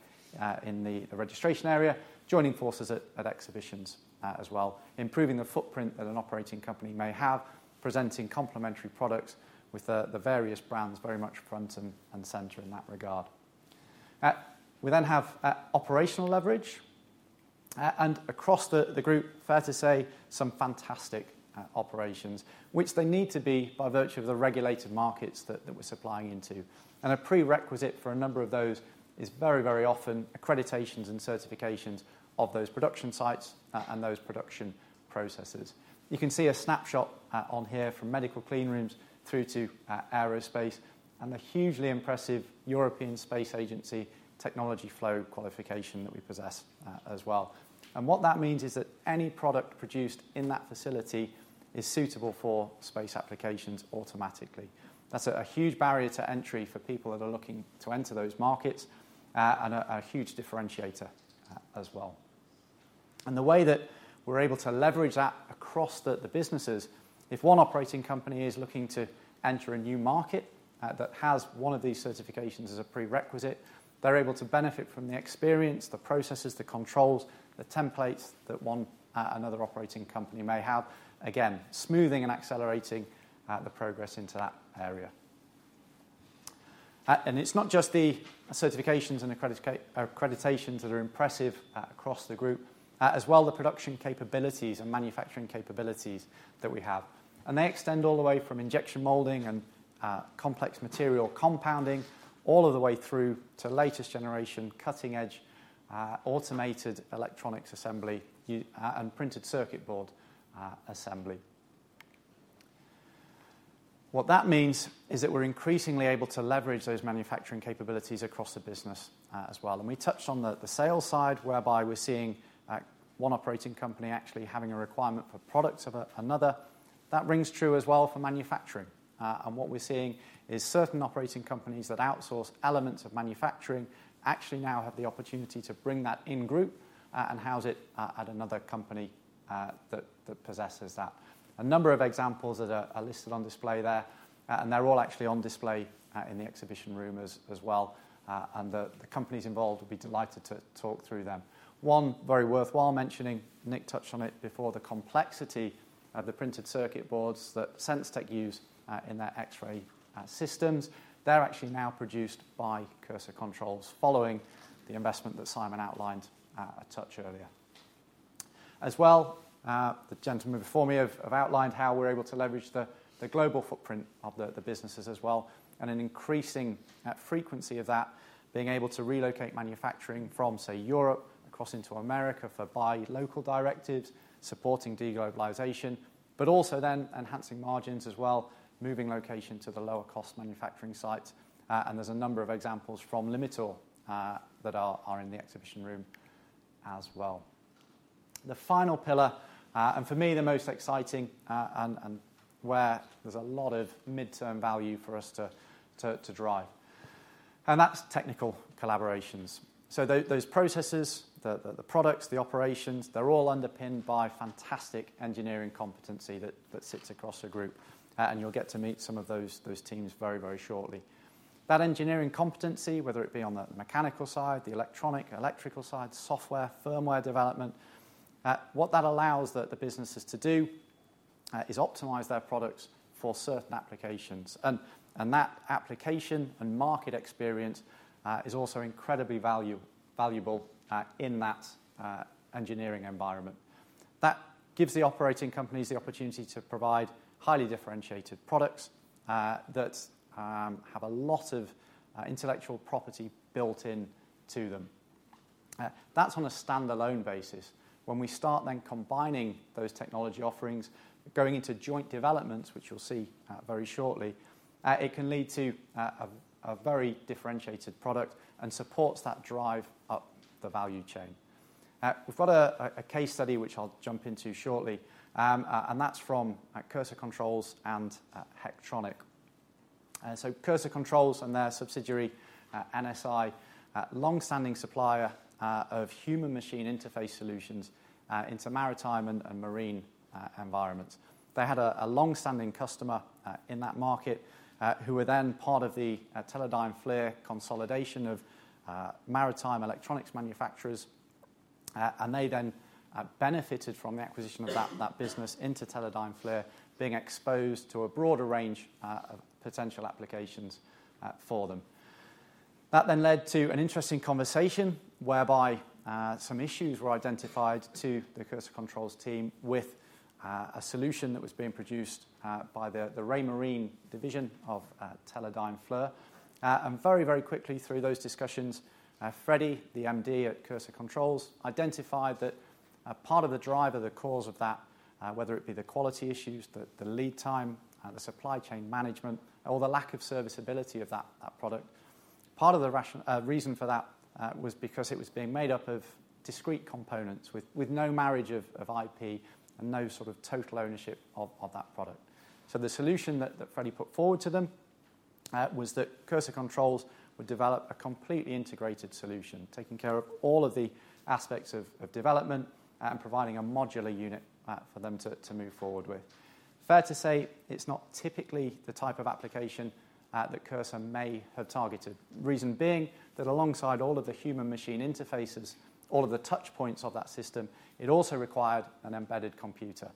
in the registration area, joining forces at exhibitions as well, improving the footprint that an operating company may have, presenting complementary products with the various brands very much front and center in that regard. We then have operational leverage and across the group, fair to say, some fantastic operations, which they need to be by virtue of the regulated markets that we're supplying into. A prerequisite for a number of those is very, very often accreditations and certifications of those production sites and those production processes. You can see a snapshot on here from medical clean rooms through to aerospace, and the hugely impressive European Space Agency technology flow qualification that we possess as well. What that means is that any product produced in that facility is suitable for space applications automatically. That's a huge barrier to entry for people that are looking to enter those markets and a huge differentiator as well. And the way that we're able to leverage that across the businesses, if one operating company is looking to enter a new market that has one of these certifications as a prerequisite, they're able to benefit from the experience, the processes, the controls, the templates that one another operating company may have. Again, smoothing and accelerating the progress into that area. And it's not just the certifications and accreditations that are impressive across the group, as well, the production capabilities and manufacturing capabilities that we have. And they extend all the way from injection molding and complex material compounding, all of the way through to latest generation, cutting-edge automated electronics assembly and printed circuit board assembly. What that means is that we're increasingly able to leverage those manufacturing capabilities across the business, as well. We touched on the sales side, whereby we're seeing one operating company actually having a requirement for products of another. That rings true as well for manufacturing. And what we're seeing is certain operating companies that outsource elements of manufacturing actually now have the opportunity to bring that in group and house it at another company that possesses that. A number of examples that are listed on display there, and they're all actually on display in the exhibition room as well, and the companies involved would be delighted to talk through them. One very worthwhile mentioning, Nick touched on it before, the complexity of the printed circuit boards that Sens-Tech use in their X-ray systems. They're actually now produced by Cursor Controls, following the investment that Simon outlined a touch earlier. As well, the gentlemen before me have outlined how we're able to leverage the global footprint of the businesses as well, and an increasing frequency of that being able to relocate manufacturing from, say, Europe across into America for buy local directives, supporting de-globalization, but also then enhancing margins as well, moving location to the lower cost manufacturing site. And there's a number of examples from Limitor that are in the exhibition room as well. The final pillar, and for me, the most exciting, and where there's a lot of midterm value for us to drive, and that's technical collaborations. So those processes, the products, the operations, they're all underpinned by fantastic engineering competency that sits across the group, and you'll get to meet some of those teams very shortly. That engineering competency, whether it be on the mechanical side, the electronic, electrical side, software, firmware development, what that allows the businesses to do is optimize their products for certain applications, and that application and market experience is also incredibly valuable in that engineering environment. That gives the operating companies the opportunity to provide highly differentiated products that have a lot of intellectual property built in to them. That's on a standalone basis. When we start then combining those technology offerings, going into joint developments, which you'll see very shortly, it can lead to a very differentiated product and supports that drive up the value chain. We've got a case study, which I'll jump into shortly, and that's from Cursor Controls and Hectronic. So Cursor Controls and their subsidiary, NSI, long-standing supplier of human machine interface solutions into maritime and marine environments. They had a long-standing customer in that market who were then part of the Teledyne FLIR consolidation of maritime electronics manufacturers, and they then benefited from the acquisition of that business into Teledyne FLIR, being exposed to a broader range of potential applications for them. That then led to an interesting conversation whereby some issues were identified to the Cursor Controls team with a solution that was being produced by the Raymarine division of Teledyne FLIR. And very, very quickly through those discussions, Freddy, the MD at Cursor Controls, identified that part of the drive or the cause of that, whether it be the quality issues, the, the lead time, the supply chain management, or the lack of serviceability of that, that product, part of the reason for that was because it was being made up of discrete components with, with no marriage of, of IP and no sort of total ownership of, of that product. So the solution that, that Freddy put forward to them was that Cursor Controls would develop a completely integrated solution, taking care of all of the aspects of, of development and providing a modular unit for them to, to move forward with. Fair to say, it's not typically the type of application that Cursor may have targeted. Reason being, that alongside all of the human machine interfaces, all of the touch points of that system, it also required an embedded computer.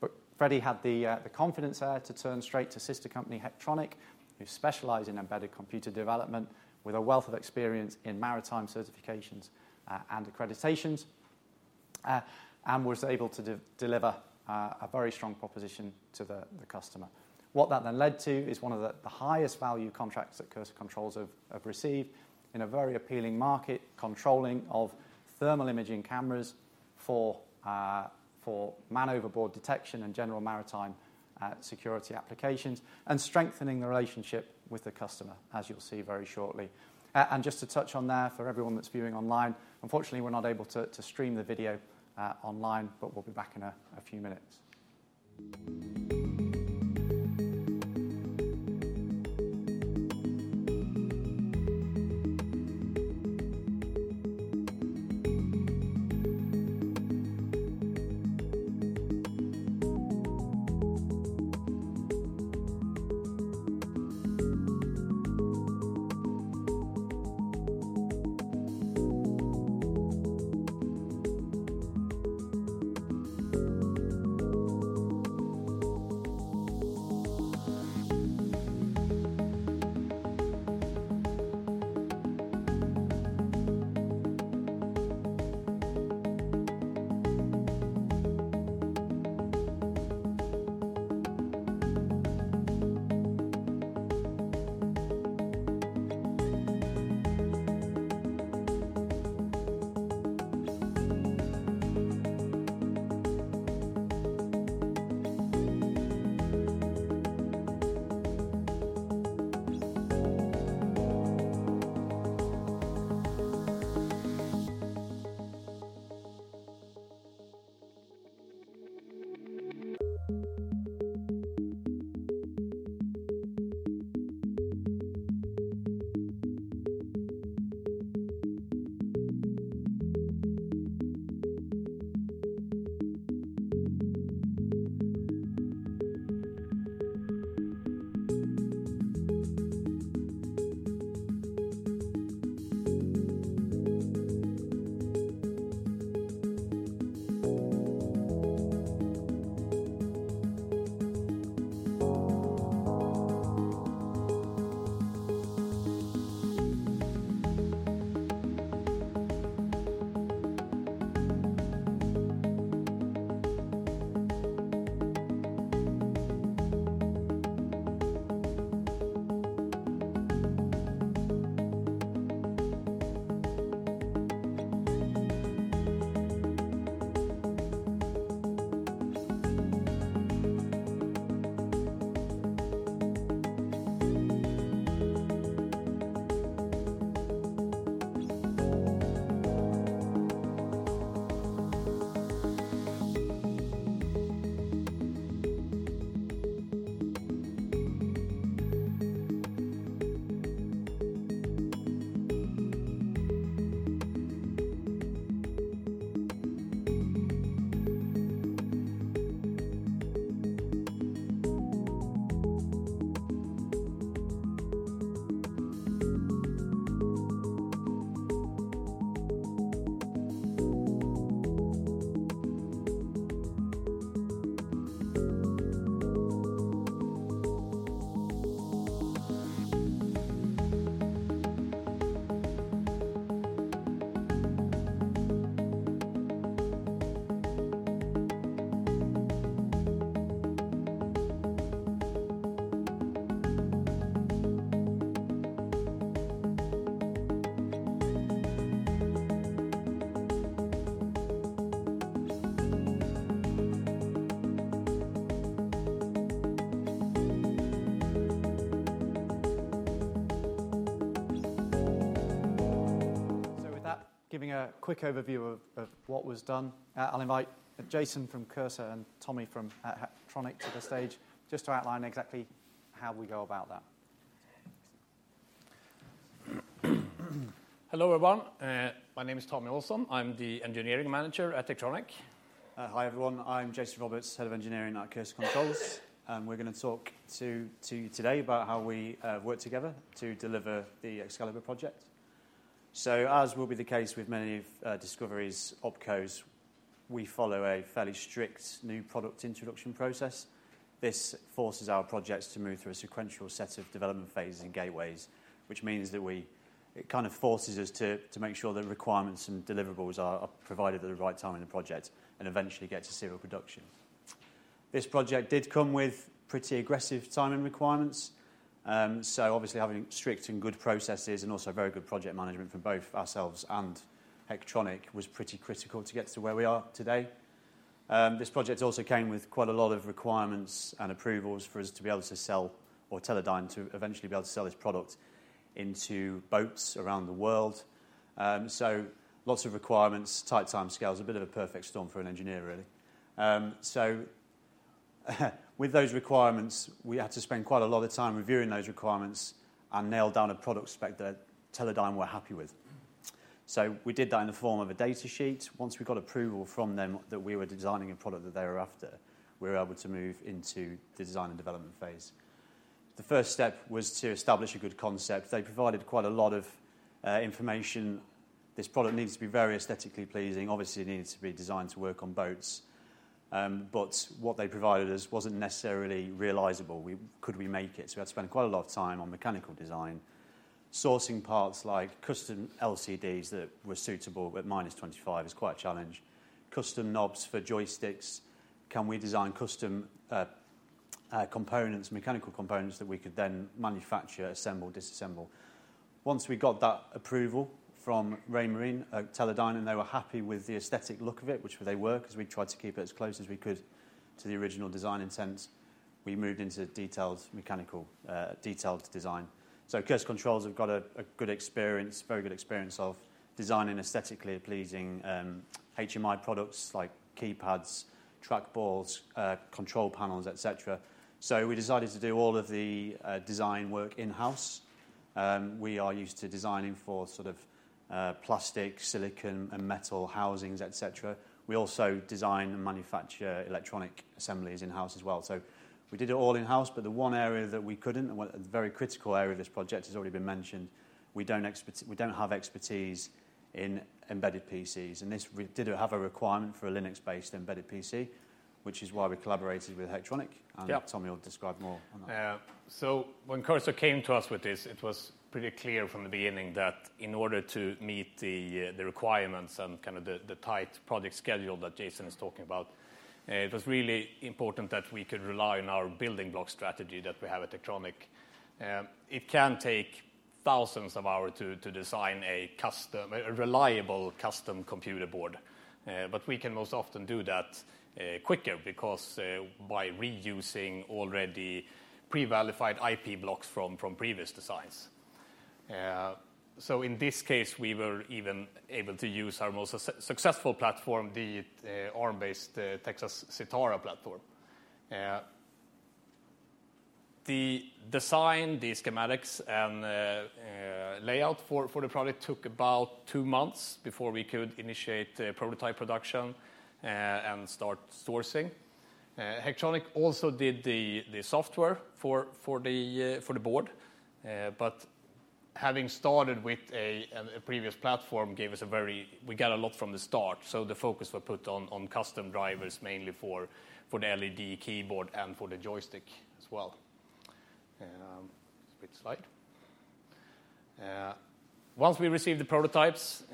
But Freddy had the confidence to turn straight to sister company, Hectronic, who specialize in embedded computer development with a wealth of experience in maritime certifications and accreditations, and was able to deliver a very strong proposition to the customer. What that then led to is one of the highest value contracts that Cursor Controls have received in a very appealing market, controlling of thermal imaging cameras for man overboard detection and general maritime security applications, and strengthening the relationship with the customer, as you'll see very shortly. And just to touch on that, for everyone that's viewing online, unfortunately, we're not able to stream the video online, but we'll be back in a few minutes. So with that, giving a quick overview of what was done, I'll invite Jason from Cursor and Tommy from Hectronic to the stage, just to outline exactly how we go about that. Hello, everyone. My name is Tommy Olsson. I'm the Engineering Manager at Hectronic. Hi, everyone. I'm Jason Roberts, head of engineering at Cursor Controls. We're gonna talk to you today about how we worked together to deliver the Excalibur project. So as will be the case with many of DiscoverIE's OpCos, we follow a fairly strict new product introduction process. This forces our projects to move through a sequential set of development phases and gateways, which means that it kind of forces us to make sure that requirements and deliverables are provided at the right time in the project and eventually get to serial production. This project did come with pretty aggressive timing requirements. So obviously, having strict and good processes and also very good project management from both ourselves and Hectronic was pretty critical to get to where we are today. This project also came with quite a lot of requirements and approvals for us to be able to sell or Teledyne to eventually be able to sell this product into boats around the world. So lots of requirements, tight timescales, a bit of a perfect storm for an engineer, really. So with those requirements, we had to spend quite a lot of time reviewing those requirements and nail down a product spec that Teledyne were happy with. So we did that in the form of a data sheet. Once we got approval from them that we were designing a product that they were after, we were able to move into the design and development phase. The first step was to establish a good concept. They provided quite a lot of information. This product needs to be very aesthetically pleasing. Obviously, it needed to be designed to work on boats, but what they provided us wasn't necessarily realizable. Could we make it? So we had to spend quite a lot of time on mechanical design, sourcing parts like custom LCDs that were suitable, but minus twenty-five is quite a challenge. Custom knobs for joysticks. Can we design custom components, mechanical components that we could then manufacture, assemble, disassemble? Once we got that approval from Raymarine, Teledyne, and they were happy with the aesthetic look of it, which they were, 'cause we tried to keep it as close as we could to the original design intent, we moved into the detailed mechanical, detailed design. So Cursor Controls have got a good experience, very good experience of designing aesthetically pleasing, HMI products like keypads, trackballs, control panels, et cetera. So we decided to do all of the design work in-house. We are used to designing for sort of plastic, silicon, and metal housings, et cetera. We also design and manufacture electronic assemblies in-house as well. So we did it all in-house, but the one area that we couldn't, and one, a very critical area of this project, has already been mentioned. We don't have expertise in embedded PCs, and this project did have a requirement for a Linux-based embedded PC, which is why we collaborated with Hectronic. Yeah. Tommy will describe more on that. So when Cursor came to us with this, it was pretty clear from the beginning that in order to meet the requirements and kind of the tight project schedule that Jason is talking about, it was really important that we could rely on our building block strategy that we have at Hectronic. It can take thousands of hours to design a reliable custom computer board, but we can most often do that quicker because by reusing already pre-qualified IP blocks from previous designs. So in this case, we were even able to use our most successful platform, the ARM-based Texas Sitara platform. The design, the schematics, and layout for the product took about two months before we could initiate the prototype production and start sourcing. Hectronic also did the software for the board, but having started with a previous platform gave us a very... We got a lot from the start, so the focus was put on custom drivers, mainly for the LED keyboard and for the joystick as well. Next slide. Once we received the prototypes,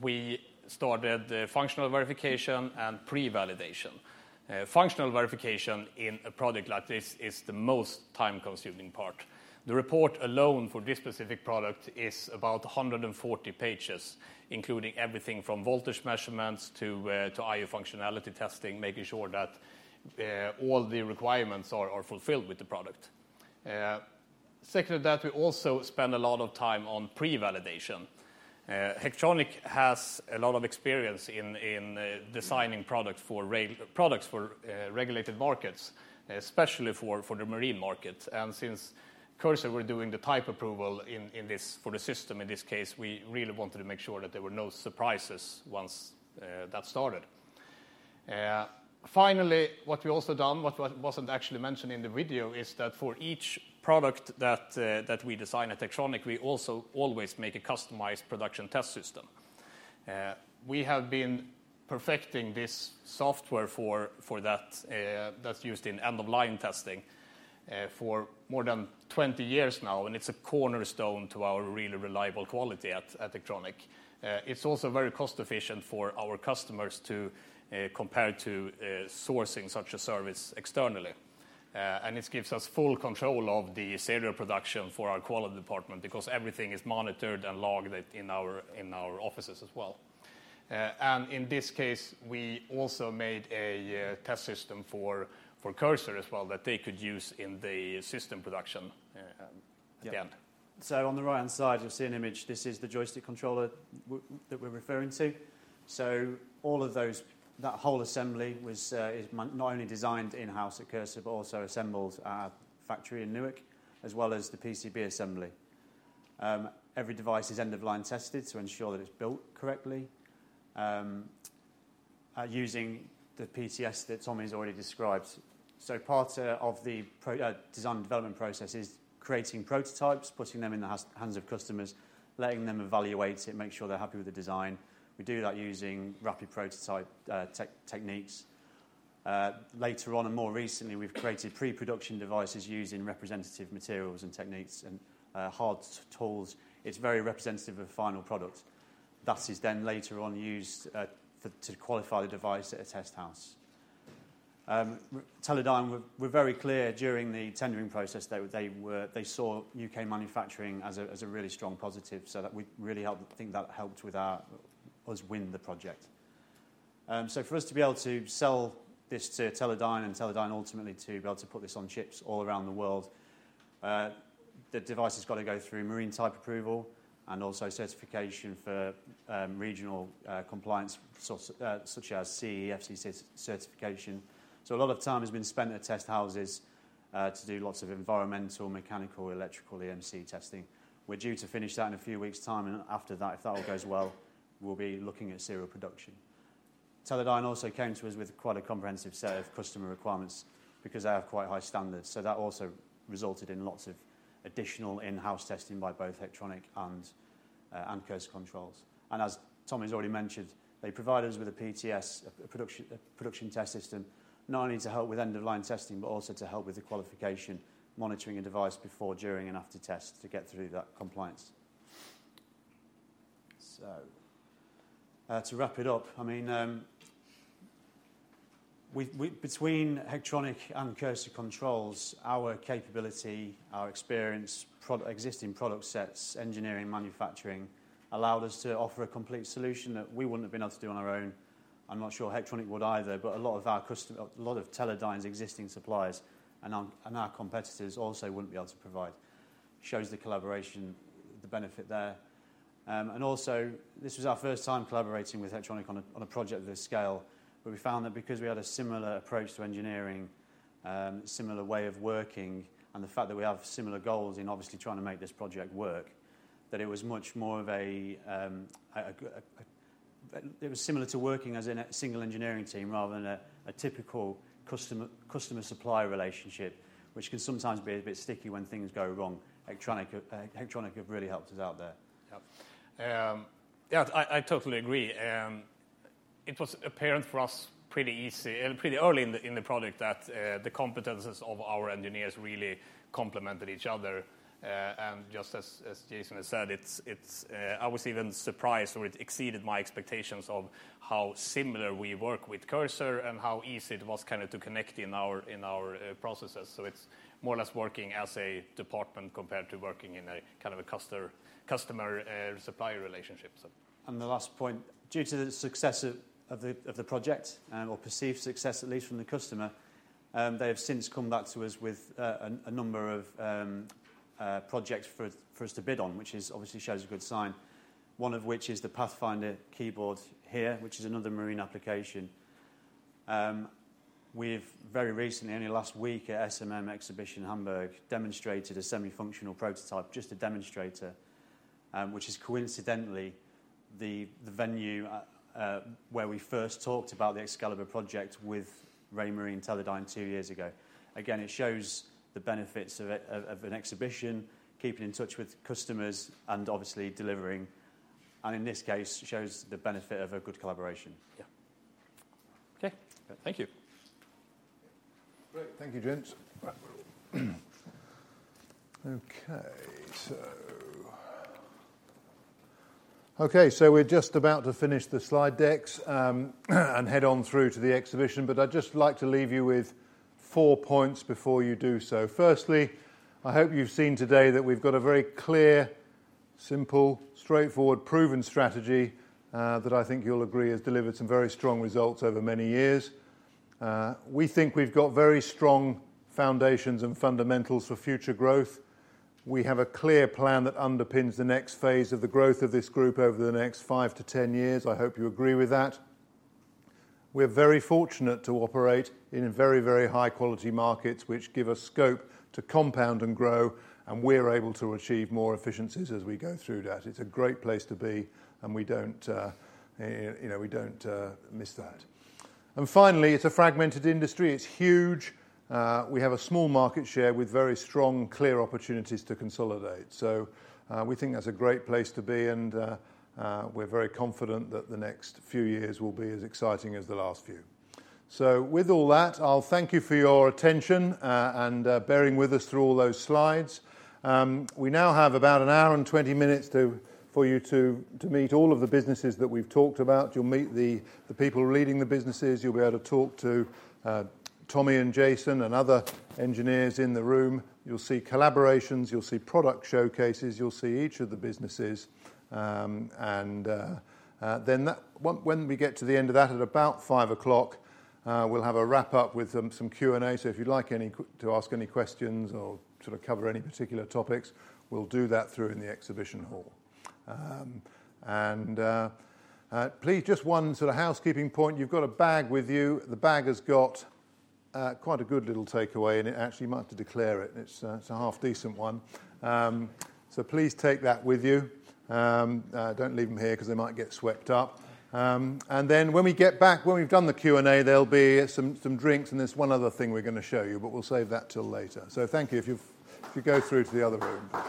we started the functional verification and pre-validation. Functional verification in a product like this is the most time-consuming part. The report alone for this specific product is about 140 pages, including everything from voltage measurements to I/O functionality testing, making sure that all the requirements are fulfilled with the product. Second to that, we also spend a lot of time on pre-validation. Hectronic has a lot of experience in designing products for regulated markets, especially for the marine market. And since Cursor were doing the type approval in this for the system, in this case, we really wanted to make sure that there were no surprises once that started. Finally, what we also done, what wasn't actually mentioned in the video, is that for each product that we design at Hectronic, we also always make a customized production test system. We have been perfecting this software for that that's used in end-of-line testing for more than 20 years now, and it's a cornerstone to our really reliable quality at Hectronic. It's also very cost efficient for our customers compared to sourcing such a service externally. And this gives us full control of the serial production for our quality department because everything is monitored and logged in our offices as well, and in this case, we also made a test system for Cursor as well, that they could use in the system production at the end. Yeah. So on the right-hand side, you'll see an image. This is the joystick controller that we're referring to. So all of those, that whole assembly was, is not only designed in-house at Cursor, but also assembled at our factory in Newark, as well as the PCB assembly. Every device is end-of-line tested to ensure that it's built correctly, using the PTS that Tommy has already described. So part of the design and development process is creating prototypes, putting them in the hands of customers, letting them evaluate it, make sure they're happy with the design. We do that using rapid prototype techniques. Later on, and more recently, we've created pre-production devices using representative materials and techniques and hard tools. It's very representative of the final product. That is then later on used to qualify the device at a test house. Teledyne were very clear during the tendering process that they were. They saw U.K. manufacturing as a really strong positive, so that really helped. I think that helped with us win the project. So for us to be able to sell this to Teledyne, and Teledyne ultimately to be able to put this on ships all around the world, the device has got to go through marine type approval and also certification for regional compliance, such as CE, FCC certification. So a lot of time has been spent at test houses to do lots of environmental, mechanical, electrical, EMC testing. We're due to finish that in a few weeks' time, and after that, if that all goes well, we'll be looking at serial production. Teledyne also came to us with quite a comprehensive set of customer requirements because they have quite high standards, so that also resulted in lots of additional in-house testing by both Hectronic and Cursor Controls. And as Tommy's already mentioned, they provided us with a PTS, a production test system, not only to help with end-of-line testing, but also to help with the qualification, monitoring a device before, during, and after test to get through that compliance. So, to wrap it up, I mean, between Hectronic and Cursor Controls, our capability, our experience, existing product sets, engineering, manufacturing, allowed us to offer a complete solution that we wouldn't have been able to do on our own. I'm not sure Hectronic would either, but a lot of our customer. A lot of Teledyne's existing suppliers and our competitors also wouldn't be able to provide, shows the collaboration, the benefit there. And also, this was our first time collaborating with Hectronic on a project of this scale. But we found that because we had a similar approach to engineering, similar way of working, and the fact that we have similar goals in obviously trying to make this project work, that it was much more of a it was similar to working as in a single engineering team rather than a typical customer-supplier relationship, which can sometimes be a bit sticky when things go wrong. Hectronic have really helped us out there. Yeah, I totally agree. It was apparent for us pretty easy and pretty early in the project that the competencies of our engineers really complemented each other. And just as Jason has said, it was even surprised, or it exceeded my expectations of how similar we work with Cursor and how easy it was kinda to connect in our processes. So it's more or less working as a department compared to working in a kind of a customer supplier relationship, so. And the last point, due to the success of the project, or perceived success, at least from the customer, they have since come back to us with a number of projects for us to bid on, which is obviously shows a good sign. One of which is the Pathfinder keyboard here, which is another marine application. We've very recently, only last week at SMM Exhibition in Hamburg, demonstrated a semi-functional prototype, just a demonstrator, which is coincidentally the venue where we first talked about the Excalibur project with Raymarine and Teledyne two years ago. Again, it shows the benefits of an exhibition, keeping in touch with customers, and obviously delivering, and in this case, shows the benefit of a good collaboration. Yeah. Okay, thank you. Great. Thank you, gents. Okay, so we're just about to finish the slide decks and head on through to the exhibition. But I'd just like to leave you with four points before you do so. Firstly, I hope you've seen today that we've got a very clear, simple, straightforward, proven strategy that I think you'll agree has delivered some very strong results over many years. We think we've got very strong foundations and fundamentals for future growth. We have a clear plan that underpins the next phase of the growth of this group over the next five to ten years. I hope you agree with that. We're very fortunate to operate in a very, very high quality markets, which give us scope to compound and grow, and we're able to achieve more efficiencies as we go through that. It's a great place to be, and we don't, you know, we don't miss that. Finally, it's a fragmented industry. It's huge. We have a small market share with very strong, clear opportunities to consolidate. We think that's a great place to be, and we're very confident that the next few years will be as exciting as the last few. With all that, I'll thank you for your attention and bearing with us through all those slides. We now have about an hour and 20 minutes for you to meet all of the businesses that we've talked about. You'll meet the people leading the businesses. You'll be able to talk to Tommy and Jason and other engineers in the room. You'll see collaborations, you'll see product showcases, you'll see each of the businesses. When we get to the end of that at about 5:00 P.M., we'll have a wrap up with some Q&A. So if you'd like to ask any questions or to cover any particular topics, we'll do that through in the exhibition hall. Please, just one sort of housekeeping point. You've got a bag with you. The bag has got quite a good little takeaway, and you actually might have to declare it. It's a half-decent one. So please take that with you. Don't leave them here 'cause they might get swept up. Then when we get back, when we've done the Q&A, there'll be some drinks, and there's one other thing we're gonna show you, but we'll save that till later. So thank you. If you go through to the other room.